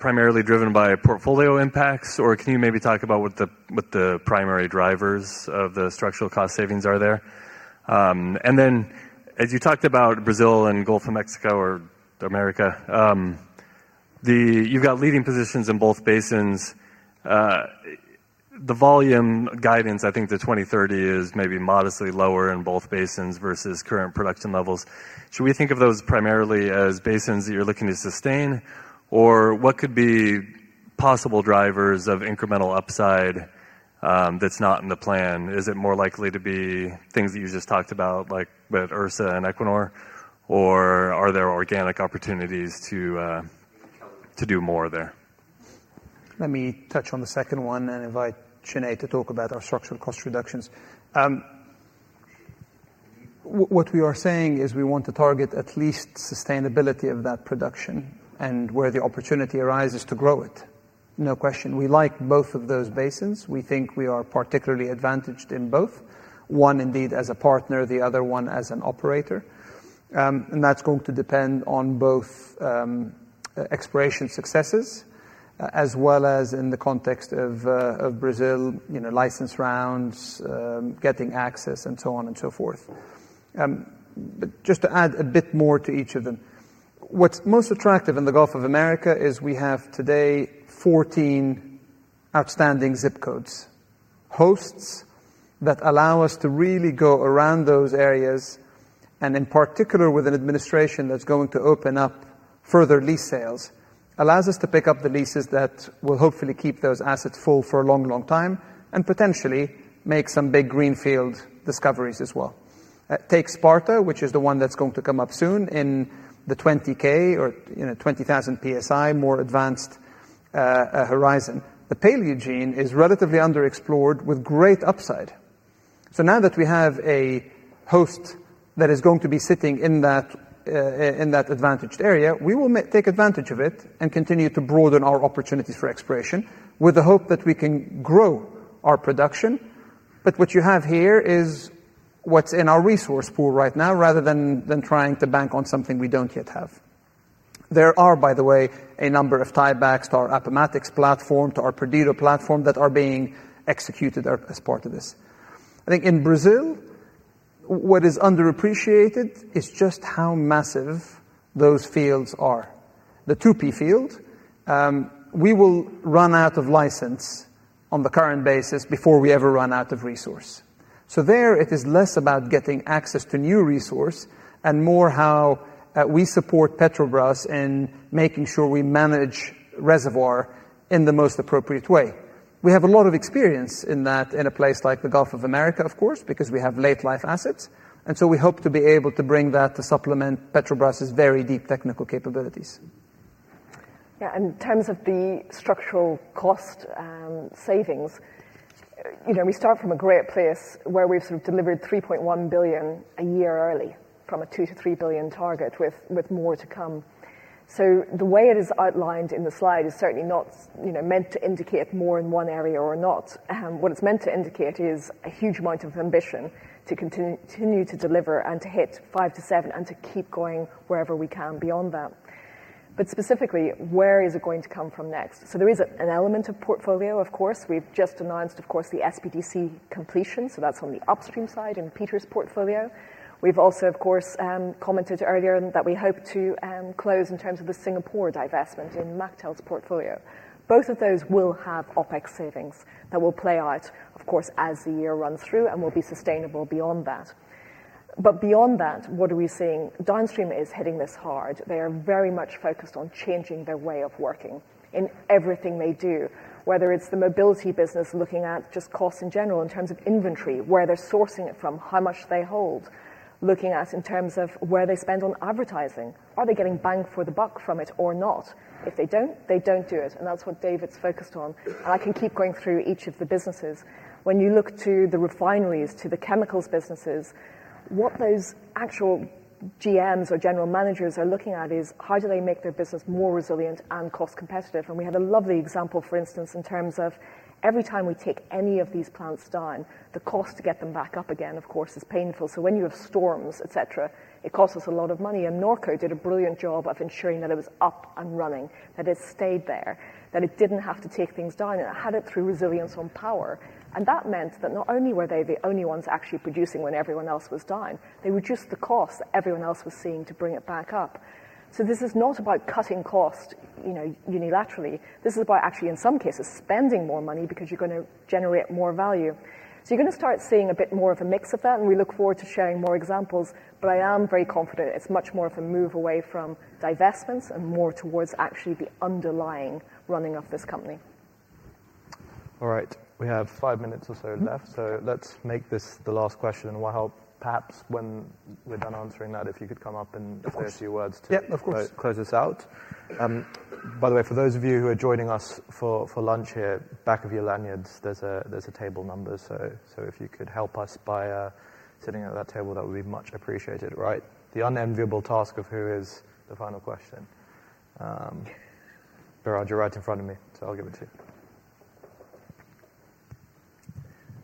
primarily driven by portfolio impacts, or can you maybe talk about what the primary drivers of the structural cost savings are there? As you talked about Brazil and Gulf of Mexico or America, you've got leading positions in both basins. The volume guidance, I think the 2030 is maybe modestly lower in both basins versus current production levels. Should we think of those primarily as basins that you're looking to sustain, or what could be possible drivers of incremental upside that's not in the plan? Is it more likely to be things that you just talked about, like with Ursa and Equinor, or are there organic opportunities to do more there? Let me touch on the second one and invite Sinead to talk about our structural cost reductions. What we are saying is we want to target at least sustainability of that production and where the opportunity arises to grow it. No question. We like both of those basins. We think we are particularly advantaged in both, one indeed as a partner, the other one as an operator. That is going to depend on both exploration successes as well as, in the context of Brazil, license rounds, getting access, and so on and so forth. Just to add a bit more to each of them, what is most attractive in the Gulf of America is we have today 14 outstanding ZIP codes, hosts that allow us to really go around those areas and in particular with an administration that is going to open up further lease sales, allows us to pick up the leases that will hopefully keep those assets full for a long, long time and potentially make some big greenfield discoveries as well. Take Sparta, which is the one that is going to come up soon in the 20,000 PSI, more advanced horizon. The Paleogene is relatively underexplored with great upside. Now that we have a host that is going to be sitting in that advantaged area, we will take advantage of it and continue to broaden our opportunities for exploration with the hope that we can grow our production. What you have here is what is in our resource pool right now rather than trying to bank on something we do not yet have. There are, by the way, a number of tiebacks to our Appomattox platform, to our Perdido platform that are being executed as part of this. I think in Brazil, what is underappreciated is just how massive those fields are. The Tupi field, we will run out of license on the current basis before we ever run out of resource. There it is less about getting access to new resource and more how we support Petrobras in making sure we manage reservoir in the most appropriate way. We have a lot of experience in that in a place like the Gulf of America, of course, because we have late-life assets. We hope to be able to bring that to supplement Petrobras's very deep technical capabilities. Yeah, in terms of the structural cost savings, we start from a great place where we've sort of delivered $3.1 billion a year early from a $2 billion-$3 billion target with more to come. The way it is outlined in the slide is certainly not meant to indicate more in one area or not. What it is meant to indicate is a huge amount of ambition to continue to deliver and to hit five to seven and to keep going wherever we can beyond that. Specifically, where is it going to come from next? There is an element of portfolio, of course. We have just announced, of course, the SPDC completion, so that is on the upstream side in Peter's portfolio. We have also, of course, commented earlier that we hope to close in terms of the Singapore divestment in Machteld's portfolio. Both of those will have OpEx savings that will play out, of course, as the year runs through and will be sustainable beyond that. Beyond that, what are we seeing? Downstream is hitting this hard. They are very much focused on changing their way of working in everything they do, whether it's the mobility business, looking at just costs in general in terms of inventory, where they're sourcing it from, how much they hold, looking at in terms of where they spend on advertising. Are they getting bang for the buck from it or not? If they don't, they don't do it. That's what David's focused on. I can keep going through each of the businesses. When you look to the refineries, to the chemicals businesses, what those actual GMs or general managers are looking at is how do they make their business more resilient and cost competitive? We have a lovely example, for instance, in terms of every time we take any of these plants down, the cost to get them back up again, of course, is painful. When you have storms, etc., it costs us a lot of money. Norco did a brilliant job of ensuring that it was up and running, that it stayed there, that it did not have to take things down, and it had it through resilience on power. That meant that not only were they the only ones actually producing when everyone else was down, they reduced the cost that everyone else was seeing to bring it back up. This is not about cutting costs unilaterally. This is about actually, in some cases, spending more money because you are going to generate more value. You are going to start seeing a bit more of a mix of that, and we look forward to sharing more examples. I am very confident it is much more of a move away from divestments and more towards actually the underlying running of this company. All right. We have five minutes or so left, so let's make this the last question. Perhaps when we're done answering that, if you could come up and say a few words to close us out. By the way, for those of you who are joining us for lunch here, back of your lanyards, there's a table number. If you could help us by sitting at that table, that would be much appreciated. Right. The unenviable task of who is the final question? Biraj, you're right in front of me, so I'll give it to you.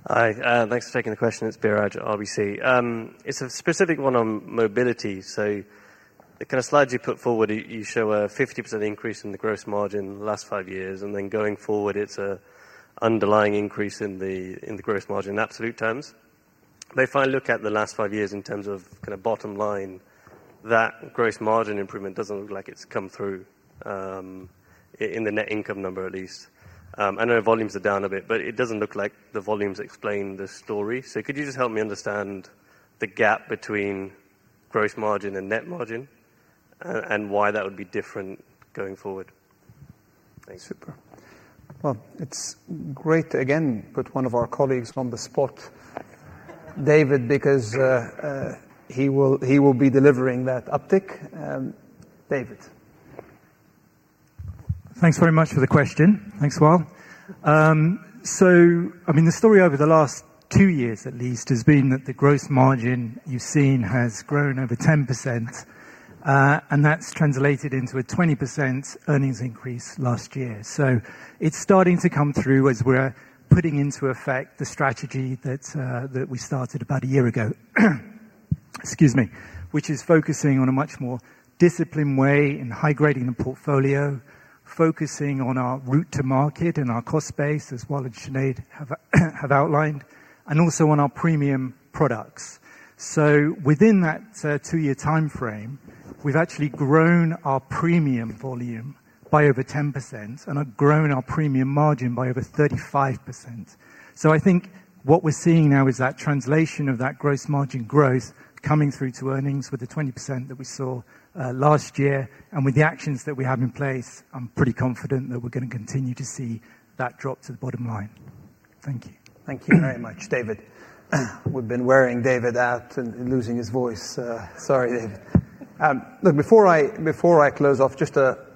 Hi. Thanks for taking the question. It's Biraj, RBC. It's a specific one on mobility. The kind of slides you put forward, you show a 50% increase in the gross margin the last five years. Going forward, it's an underlying increase in the gross margin in absolute terms. If I look at the last five years in terms of kind of bottom line, that gross margin improvement does not look like it has come through in the net income number at least. I know volumes are down a bit, but it does not look like the volumes explain the story. Could you just help me understand the gap between gross margin and net margin and why that would be different going forward? Super. It is great to again put one of our colleagues on the spot, David, because he will be delivering that uptick. David. Thanks very much for the question. Thanks, Wael. I mean, the story over the last two years at least has been that the gross margin you have seen has grown over 10%, and that has translated into a 20% earnings increase last year. It's starting to come through as we're putting into effect the strategy that we started about a year ago, excuse me, which is focusing on a much more disciplined way in high grading the portfolio, focusing on our route to market and our cost base as Wael and Sinead have outlined, and also on our premium products. Within that two-year timeframe, we've actually grown our premium volume by over 10% and have grown our premium margin by over 35%. I think what we're seeing now is that translation of that gross margin growth coming through to earnings with the 20% that we saw last year. With the actions that we have in place, I'm pretty confident that we're going to continue to see that drop to the bottom line. Thank you. Thank you very much, David. We've been wearing David out and losing his voice. Sorry, David. Look, before I close off, just to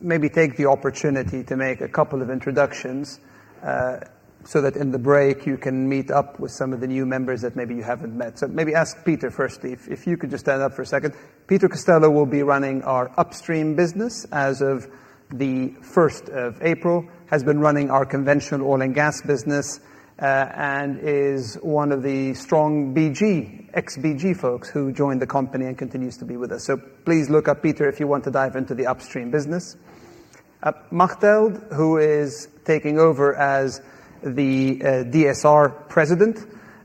maybe take the opportunity to make a couple of introductions so that in the break you can meet up with some of the new members that maybe you haven't met. Maybe ask Peter first if you could just stand up for a second. Peter Costello will be running our Upstream business as of the 1st of April, has been running our conventional oil and gas business, and is one of the strong BG, ex-BG folks who joined the company and continues to be with us. Please look up Peter if you want to dive into the Upstream business. Machteld, who is taking over as the DSR President,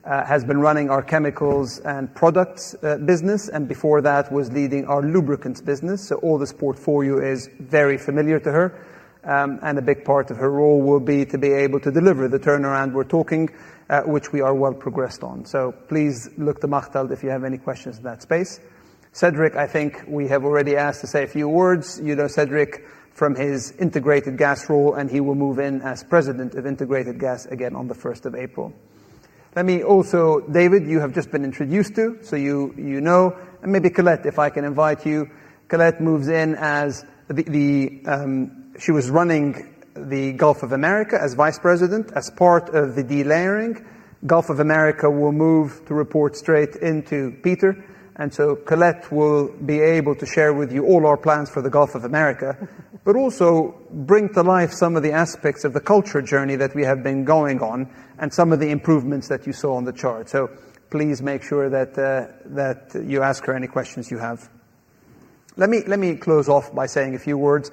has been running our Chemicals and Products business and before that was leading our Lubricants business. All this portfolio is very familiar to her. A big part of her role will be to be able to deliver the turnaround we're talking, which we are well progressed on. Please look to Machteld if you have any questions in that space. Cederic, I think we have already asked to say a few words. You know Cederic from his integrated gas role, and he will move in as President of Integrated Gas again on the 1st of April. Let me also, David, you have just been introduced to, so you know. Maybe Colette, if I can invite you. Colette moves in as she was running the Gulf of America as Vice President as part of the delayering. Gulf of America will move to report straight into Peter. Colette will be able to share with you all our plans for the Gulf of America, but also bring to life some of the aspects of the culture journey that we have been going on and some of the improvements that you saw on the chart. Please make sure that you ask her any questions you have. Let me close off by saying a few words,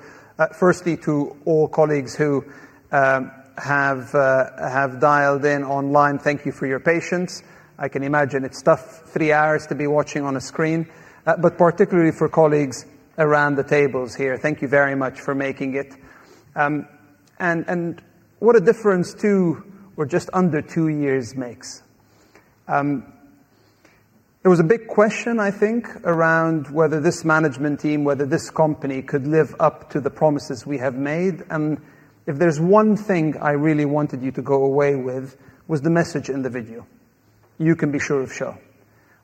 firstly to all colleagues who have dialed in online. Thank you for your patience. I can imagine it's a tough three hours to be watching on a screen, but particularly for colleagues around the tables here. Thank you very much for making it. What a difference two or just under two years makes. There was a big question, I think, around whether this management team, whether this company could live up to the promises we have made. If there's one thing I really wanted you to go away with, it was the message in the video. You can be sure of Shell.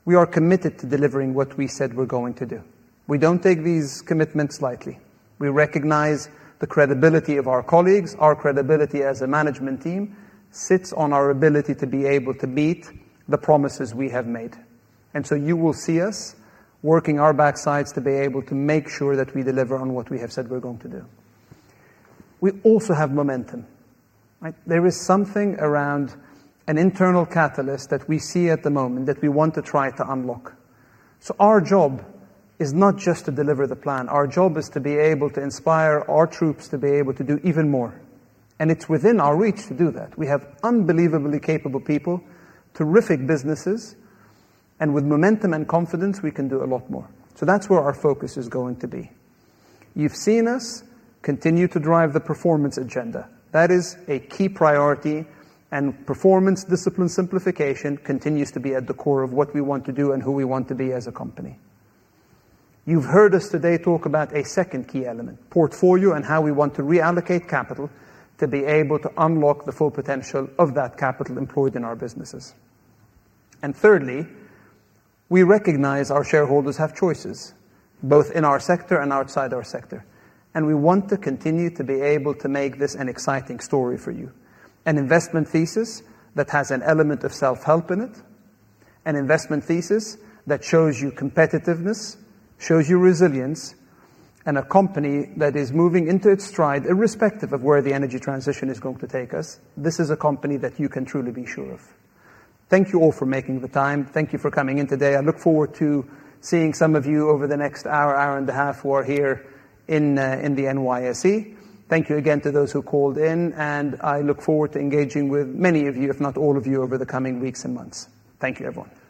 We are committed to delivering what we said we're going to do. We don't take these commitments lightly. We recognize the credibility of our colleagues. Our credibility as a management team sits on our ability to be able to meet the promises we have made. You will see us working our backsides to be able to make sure that we deliver on what we have said we're going to do. We also have momentum. There is something around an internal catalyst that we see at the moment that we want to try to unlock. Our job is not just to deliver the plan. Our job is to be able to inspire our troops to be able to do even more. It is within our reach to do that. We have unbelievably capable people, terrific businesses, and with momentum and confidence, we can do a lot more. That is where our focus is going to be. You have seen us continue to drive the performance agenda. That is a key priority, and performance discipline simplification continues to be at the core of what we want to do and who we want to be as a company. You have heard us today talk about a second key element, portfolio, and how we want to reallocate capital to be able to unlock the full potential of that capital employed in our businesses. Thirdly, we recognize our shareholders have choices both in our sector and outside our sector. We want to continue to be able to make this an exciting story for you, an investment thesis that has an element of self-help in it, an investment thesis that shows you competitiveness, shows you resilience, and a company that is moving into its stride irrespective of where the energy transition is going to take us. This is a company that you can truly be sure of. Thank you all for making the time. Thank you for coming in today. I look forward to seeing some of you over the next hour, hour and a half who are here in the NYSE. Thank you again to those who called in, and I look forward to engaging with many of you, if not all of you, over the coming weeks and months. Thank you, everyone.